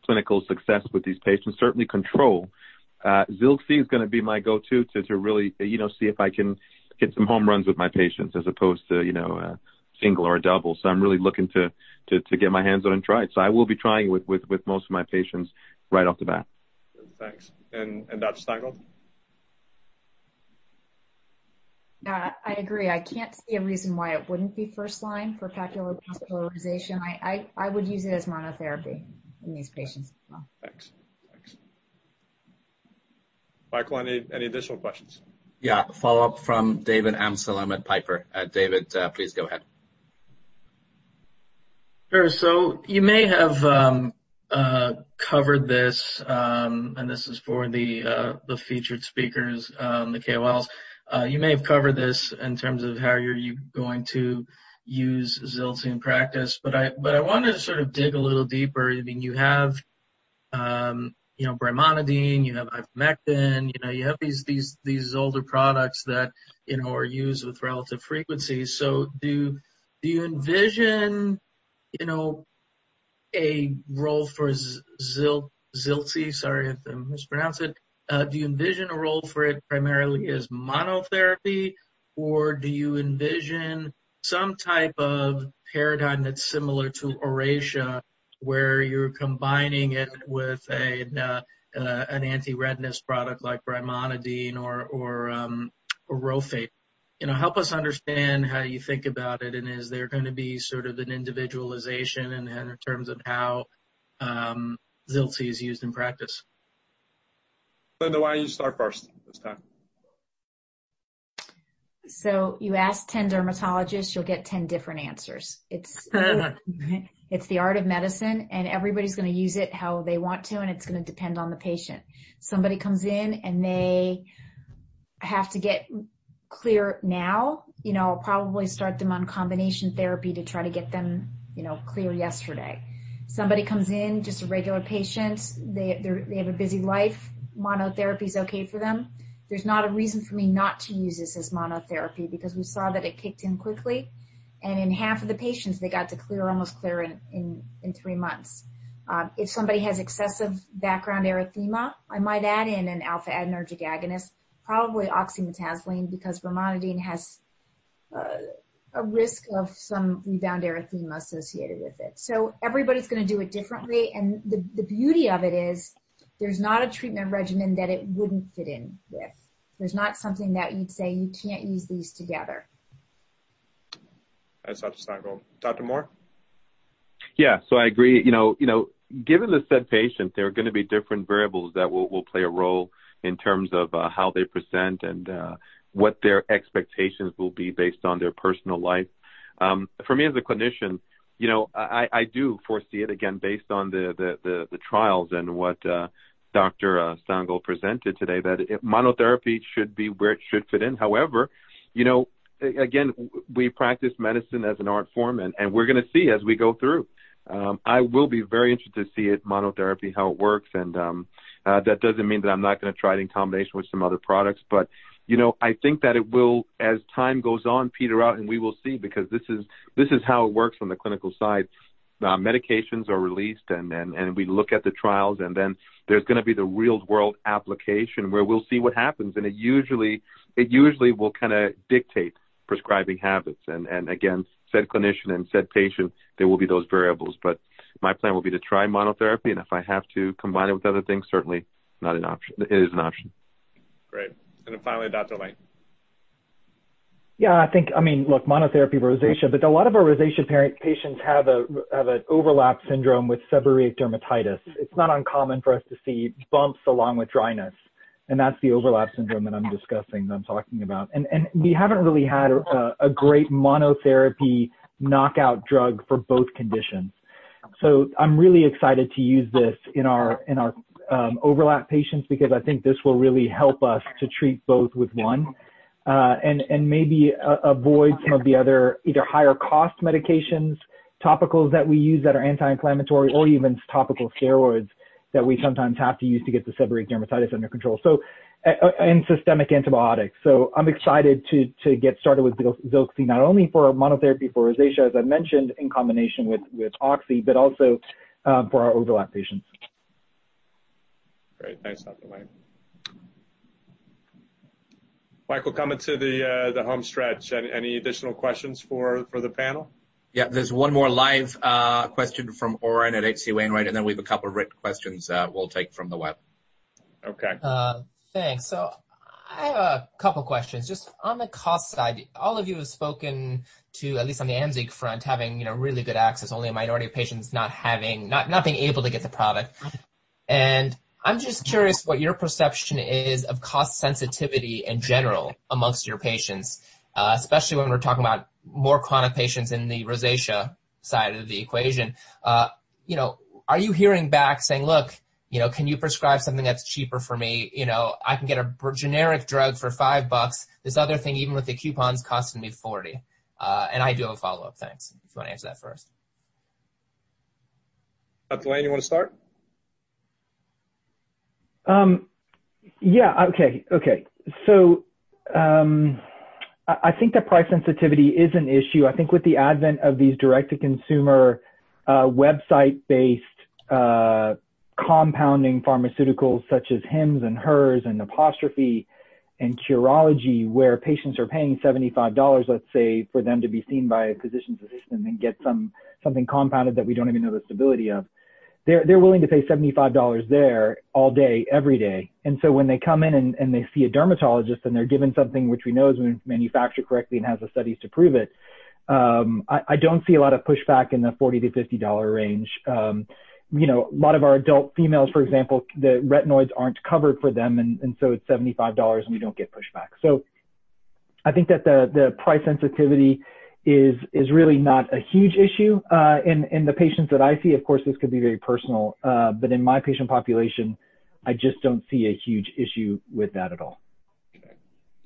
clinical success with these patients, certainly control, ZILXI is going to be my go-to to really see if I can hit some home runs with my patients as opposed to a single or a double. I'm really looking to get my hands on it and try it. I will be trying it with most of my patients right off the bat. Thanks. Dr. Stein Gold? Yeah, I agree. I can't see a reason why it wouldn't be first line for papulopustular rosacea. I would use it as monotherapy in these patients as well. Thanks. Michael, any additional questions? Yeah. Follow-up from David Amsellem at Piper. David, please go ahead. Sure. You may have covered this, and this is for the featured speakers, the KOLs. You may have covered this in terms of how you're going to use ZILXI in practice, but I wanted to sort of dig a little deeper. You have brimonidine, you have ivermectin, you have these older products that are used with relative frequency. Do you envision a role for ZILXI, sorry if I mispronounced it. Do you envision a role for it primarily as monotherapy, or do you envision some type of paradigm that's similar to ORACEA, where you're combining it with an anti-redness product like brimonidine or RHOFADE? Help us understand how you think about it, and is there going to be sort of an individualization in terms of how ZILXI is used in practice? Linda, why don't you start first this time? You ask 10 dermatologists, you'll get 10 different answers. It's the art of medicine, and everybody's going to use it how they want to, and it's going to depend on the patient. Somebody comes in and they have to get clear now, I'll probably start them on combination therapy to try to get them clear yesterday. Somebody comes in, just a regular patient, they have a busy life. Monotherapy is okay for them. There's not a reason for me not to use this as monotherapy because we saw that it kicked in quickly, and in half of the patients, they got to clear, almost clear in three months. If somebody has excessive background erythema, I might add in an alpha adrenergic agonist, probably oxymetazoline, because brimonidine has a risk of some rebound erythema associated with it. Everybody's going to do it differently, and the beauty of it is there's not a treatment regimen that it wouldn't fit in with. There's not something that you'd say you can't use these together. That's Dr. Stein Gold. Dr. Moore? Yeah. I agree. Given the said patient, there are going to be different variables that will play a role in terms of how they present and what their expectations will be based on their personal life. For me, as a clinician, I do foresee it, again, based on the trials and what Dr. Stein Gold presented today, that monotherapy should be where it should fit in. However, again, we practice medicine as an art form, and we're going to see as we go through. I will be very interested to see monotherapy, how it works, and that doesn't mean that I'm not going to try it in combination with some other products. I think that it will, as time goes on, peter out, and we will see, because this is how it works from the clinical side. Medications are released. We look at the trials, then there's going to be the real-world application where we'll see what happens. It usually will kind of dictate prescribing habits. Again, said clinician and said patient, there will be those variables. My plan will be to try monotherapy. If I have to combine it with other things, certainly it is an option. Great. Finally, Dr. Lain. Yeah, look, monotherapy rosacea, a lot of our rosacea patients have an overlap syndrome with seborrheic dermatitis. It's not uncommon for us to see bumps along with dryness, that's the overlap syndrome that I'm discussing, that I'm talking about. We haven't really had a great monotherapy knockout drug for both conditions. I'm really excited to use this in our overlap patients, because I think this will really help us to treat both with one, maybe avoid some of the other either higher-cost medications, topicals that we use that are anti-inflammatory, or even topical steroids that we sometimes have to use to get the seborrheic dermatitis under control, and systemic antibiotics. I'm excited to get started with ZILXI, not only for monotherapy for rosacea, as I mentioned, in combination with oxy, also for our overlap patients. Great. Thanks, Dr. Lain. Michael, coming to the home stretch. Any additional questions for the panel? Yeah, there's one more live question from Oren at H.C. Wainwright, and then we have a couple of written questions that we'll take from the web. Okay. Thanks. I have a couple questions. Just on the cost side, all of you have spoken to, at least on the AMZEEQ front, having really good access, only a minority of patients not being able to get the product. I'm just curious what your perception is of cost sensitivity in general amongst your patients, especially when we're talking about more chronic patients in the rosacea side of the equation. Are you hearing back saying, "Look, can you prescribe something that's cheaper for me? I can get a generic drug for $5. This other thing, even with the coupons, costing me $40." I do have a follow-up. Thanks. If you want to answer that first. Dr. Lain, you want to start? Yeah. Okay. I think that price sensitivity is an issue. I think with the advent of these direct-to-consumer, website-based compounding pharmaceuticals such as Hims & Hers and Apostrophe and Curology, where patients are paying $75, let's say, for them to be seen by a physician's assistant and get something compounded that we don't even know the stability of. They're willing to pay $75 there all day, every day. When they come in and they see a dermatologist and they're given something which we know is manufactured correctly and has the studies to prove it, I don't see a lot of pushback in the $40-$50 range. A lot of our adult females, for example, the retinoids aren't covered for them, and so it's $75, and we don't get pushback. I think that the price sensitivity is really not a huge issue in the patients that I see. Of course, this could be very personal. In my patient population, I just don't see a huge issue with that at all. Okay.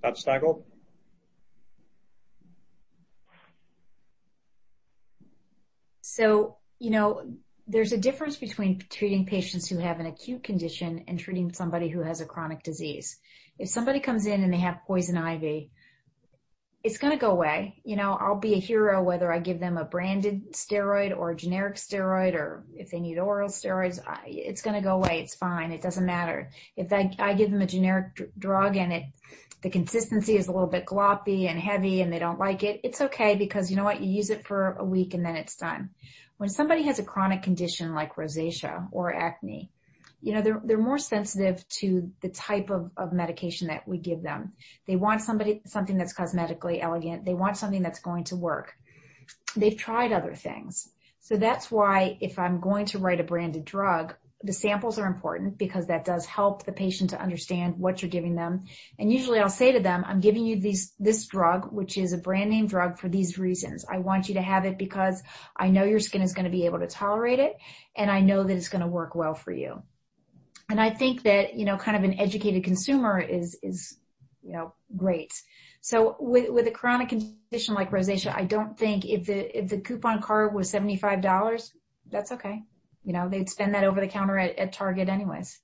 Dr. Stein Gold? There's a difference between treating patients who have an acute condition and treating somebody who has a chronic disease. If somebody comes in and they have poison ivy, it's going to go away. I'll be a hero whether I give them a branded steroid or a generic steroid, or if they need oral steroids. It's going to go away. It's fine. It doesn't matter. If I give them a generic drug and the consistency is a little bit gloppy and heavy and they don't like it's okay because you know what? You use it for a week, and then it's done. When somebody has a chronic condition like rosacea or acne, they're more sensitive to the type of medication that we give them. They want something that's cosmetically elegant. They want something that's going to work. They've tried other things. That's why if I'm going to write a branded drug, the samples are important because that does help the patient to understand what you're giving them. Usually, I'll say to them, "I'm giving you this drug, which is a brand-name drug, for these reasons. I want you to have it because I know your skin is going to be able to tolerate it, and I know that it's going to work well for you." I think that kind of an educated consumer is great. With a chronic condition like rosacea, I don't think if the coupon card was $75, that's okay. They'd spend that over the counter at Target anyways.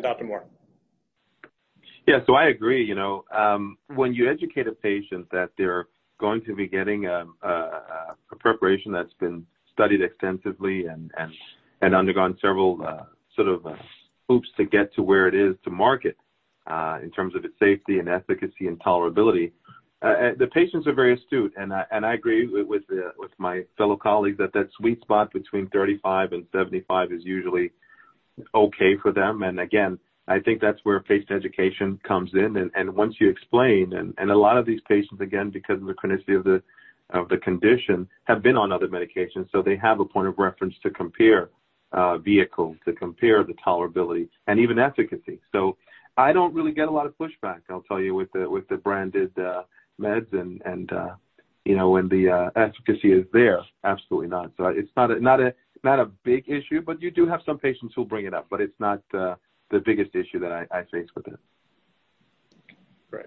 Dr. Moore. Yeah. I agree. When you educate a patient that they're going to be getting a preparation that's been studied extensively and undergone several hoops to get to where it is to market, in terms of its safety and efficacy and tolerability. The patients are very astute, and I agree with my fellow colleagues that that sweet spot between $35 and $75 is usually okay for them. Again, I think that's where patient education comes in. Once you explain, and a lot of these patients, again, because of the chronicity of the condition, have been on other medications, so they have a point of reference to compare, a vehicle to compare the tolerability and even efficacy. I don't really get a lot of pushback, I'll tell you, with the branded meds and when the efficacy is there. Absolutely not. It's not a big issue, but you do have some patients who'll bring it up, but it's not the biggest issue that I face with it. Great.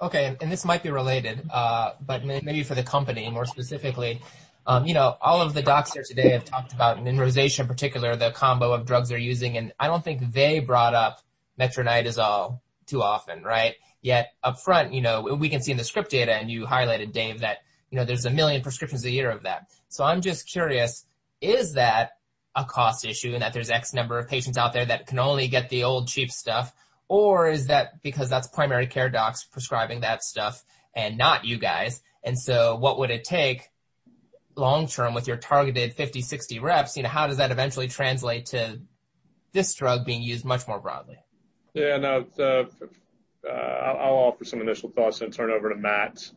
Okay. This might be related, but maybe for the company more specifically. All of the docs here today have talked about, in rosacea in particular, the combo of drugs they're using, and I don't think they brought up metronidazole too often, right? Yet up front, we can see in the script data, and you highlighted, Dave, that there's 1 million prescriptions a year of that. I'm just curious, is that a cost issue in that there's X number of patients out there that can only get the old cheap stuff, or is that because that's primary care docs prescribing that stuff and not you guys? What would it take long term with your targeted 50, 60 reps, how does that eventually translate to this drug being used much more broadly? Yeah. No, I'll offer some initial thoughts and turn it over to Matt.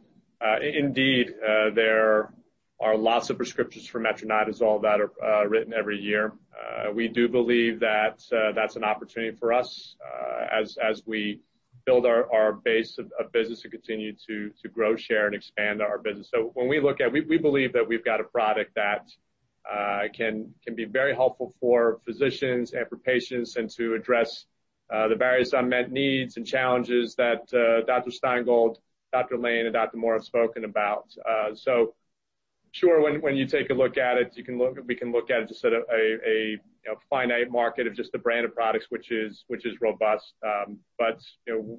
Indeed, there are lots of prescriptions for metronidazole that are written every year. We do believe that that's an opportunity for us as we build our base of business to continue to grow, share, and expand our business. We believe that we've got a product that can be very helpful for physicians and for patients, and to address the various unmet needs and challenges that Dr. Stein Gold, Dr. Lain, and Dr. Moore have spoken about. Sure, when you take a look at it, we can look at it as sort of a finite market of just the brand of products, which is robust.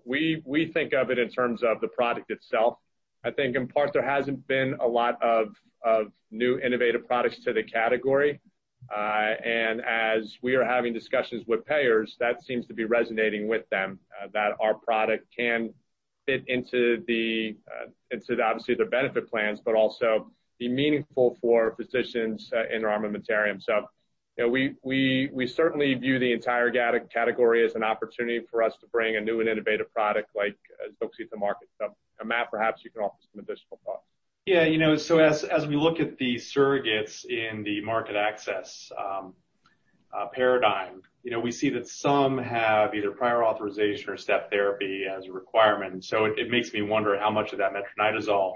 We think of it in terms of the product itself. I think in part, there hasn't been a lot of new innovative products to the category. As we are having discussions with payers, that seems to be resonating with them, that our product can fit into, obviously, their benefit plans, but also be meaningful for physicians in our armamentarium. We certainly view the entire category as an opportunity for us to bring a new and innovative product like ZILXI to market. Matt, perhaps you can offer some additional thoughts. Yeah. As we look at the surrogates in the market access paradigm, we see that some have either prior authorization or step therapy as a requirement. It makes me wonder how much of that metronidazole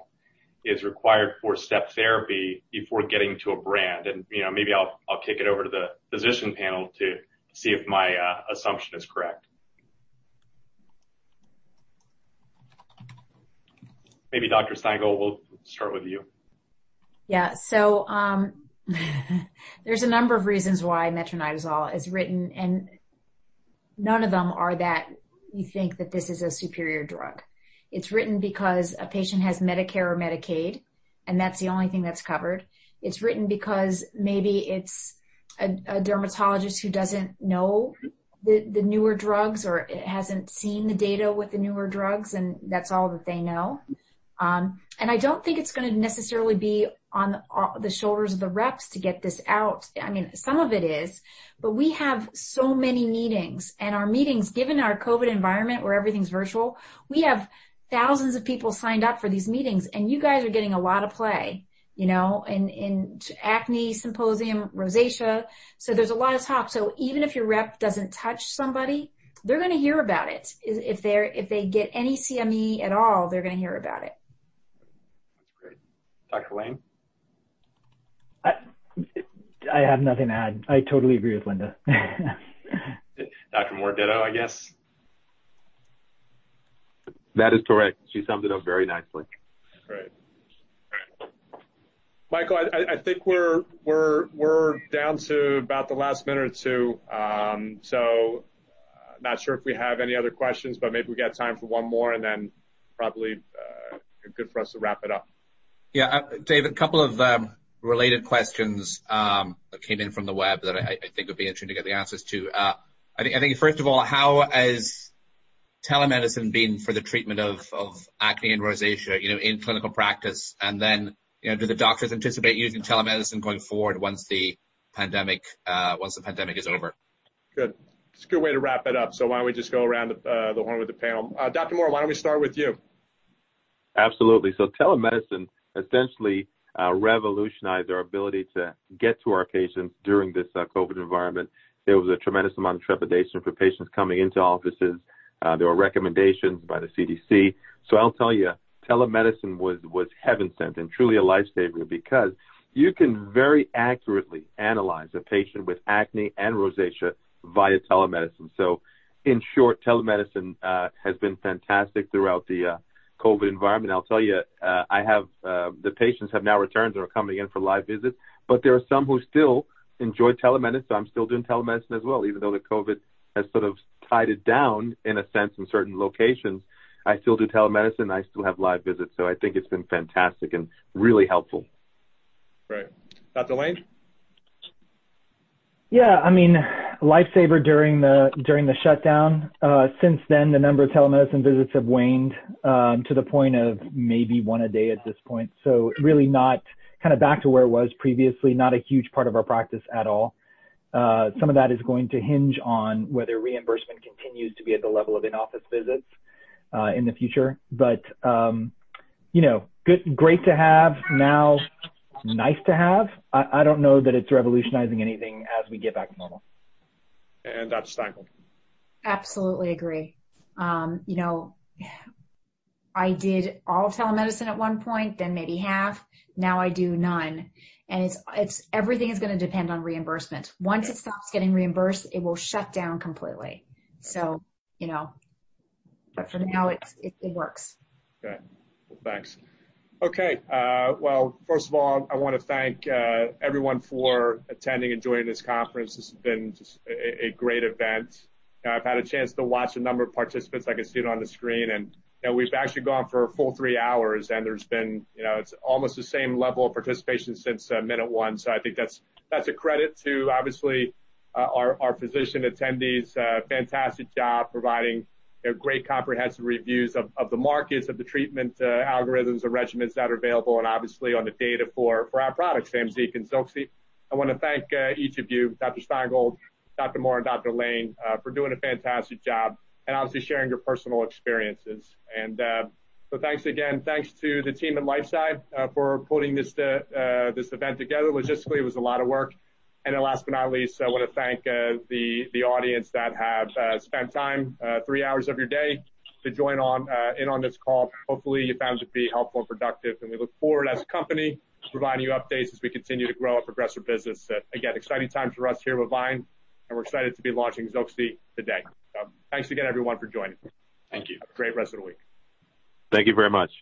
is required for step therapy before getting to a brand. Maybe I'll kick it over to the physician panel to see if my assumption is correct. Maybe Dr. Stein Gold, we'll start with you. Yeah. There's a number of reasons why metronidazole is written, and none of them are that we think that this is a superior drug. It's written because a patient has Medicare or Medicaid, and that's the only thing that's covered. It's written because maybe it's a dermatologist who doesn't know the newer drugs, or hasn't seen the data with the newer drugs, and that's all that they know. I don't think it's going to necessarily be on the shoulders of the reps to get this out. Some of it is, we have so many meetings. Our meetings, given our COVID environment where everything's virtual, we have thousands of people signed up for these meetings, and you guys are getting a lot of play, in acne symposium, rosacea. There's a lot of talk. Even if your rep doesn't touch somebody, they're going to hear about it. If they get any CME at all, they're going to hear about it. That's great. Dr. Lain? I have nothing to add. I totally agree with Linda. Dr. Moore, ditto, I guess? That is correct. She summed it up very nicely. Great. Michael, I think we're down to about the last minute or two. Not sure if we have any other questions, but maybe we got time for one more, and then probably good for us to wrap it up. Yeah. Dave, a couple of related questions that came in from the web that I think would be interesting to get the answers to. I think, first of all, how has telemedicine been for the treatment of acne and rosacea in clinical practice? Do the doctors anticipate using telemedicine going forward once the pandemic is over? Good. It's a good way to wrap it up. Why don't we just go around the horn with the panel? Dr. Moore, why don't we start with you? Absolutely. Telemedicine essentially revolutionized our ability to get to our patients during this COVID environment. There was a tremendous amount of trepidation for patients coming into offices. There were recommendations by the CDC. I'll tell you, telemedicine was heaven-sent and truly a lifesaver because you can very accurately analyze a patient with acne and rosacea via telemedicine. In short, telemedicine has been fantastic throughout the COVID environment. I'll tell you, the patients have now returned or are coming in for live visits, but there are some who still enjoy telemedicine. I'm still doing telemedicine as well, even though the COVID has sort of tied it down in a sense in certain locations. I still do telemedicine. I still have live visits. I think it's been fantastic and really helpful. Great. Dr. Lain? Yeah, lifesaver during the shutdown. Since then, the number of telemedicine visits have waned to the point of maybe one a day at this point. Really not back to where it was previously, not a huge part of our practice at all. Some of that is going to hinge on whether reimbursement continues to be at the level of in-office visits in the future. Great to have. Now, nice to have. I don't know that it's revolutionizing anything as we get back to normal. Dr. Stein Gold? Absolutely agree. I did all of telemedicine at one point, then maybe half. Now I do none. Everything is going to depend on reimbursement. Once it stops getting reimbursed, it will shut down completely. For now, it works. Okay. Well, thanks. Okay. Well, first of all, I want to thank everyone for attending and joining this conference. This has been just a great event. I've had a chance to watch a number of participants. I can see it on the screen, and we've actually gone for a full three hours, and it's almost the same level of participation since minute one. I think that's a credit to, obviously, our physician attendees. Fantastic job providing great comprehensive reviews of the markets, of the treatment algorithms, the regimens that are available, and obviously on the data for our products, AMZEEQ and ZILXI. I want to thank each of you, Dr. Stein Gold, Dr. Moore, and Dr. Lain for doing a fantastic job and obviously sharing your personal experiences. Thanks again. Thanks to the team at LifeSci for putting this event together. Logistically, it was a lot of work. Last but not least, I want to thank the audience that have spent time, three hours of your day to join in on this call. Hopefully, you found it to be helpful and productive, and we look forward as a company providing you updates as we continue to grow our progressive business. Exciting time for us here with VYNE, and we're excited to be launching ZILXI today. Thanks again, everyone, for joining. Thank you. Have a great rest of the week. Thank you very much.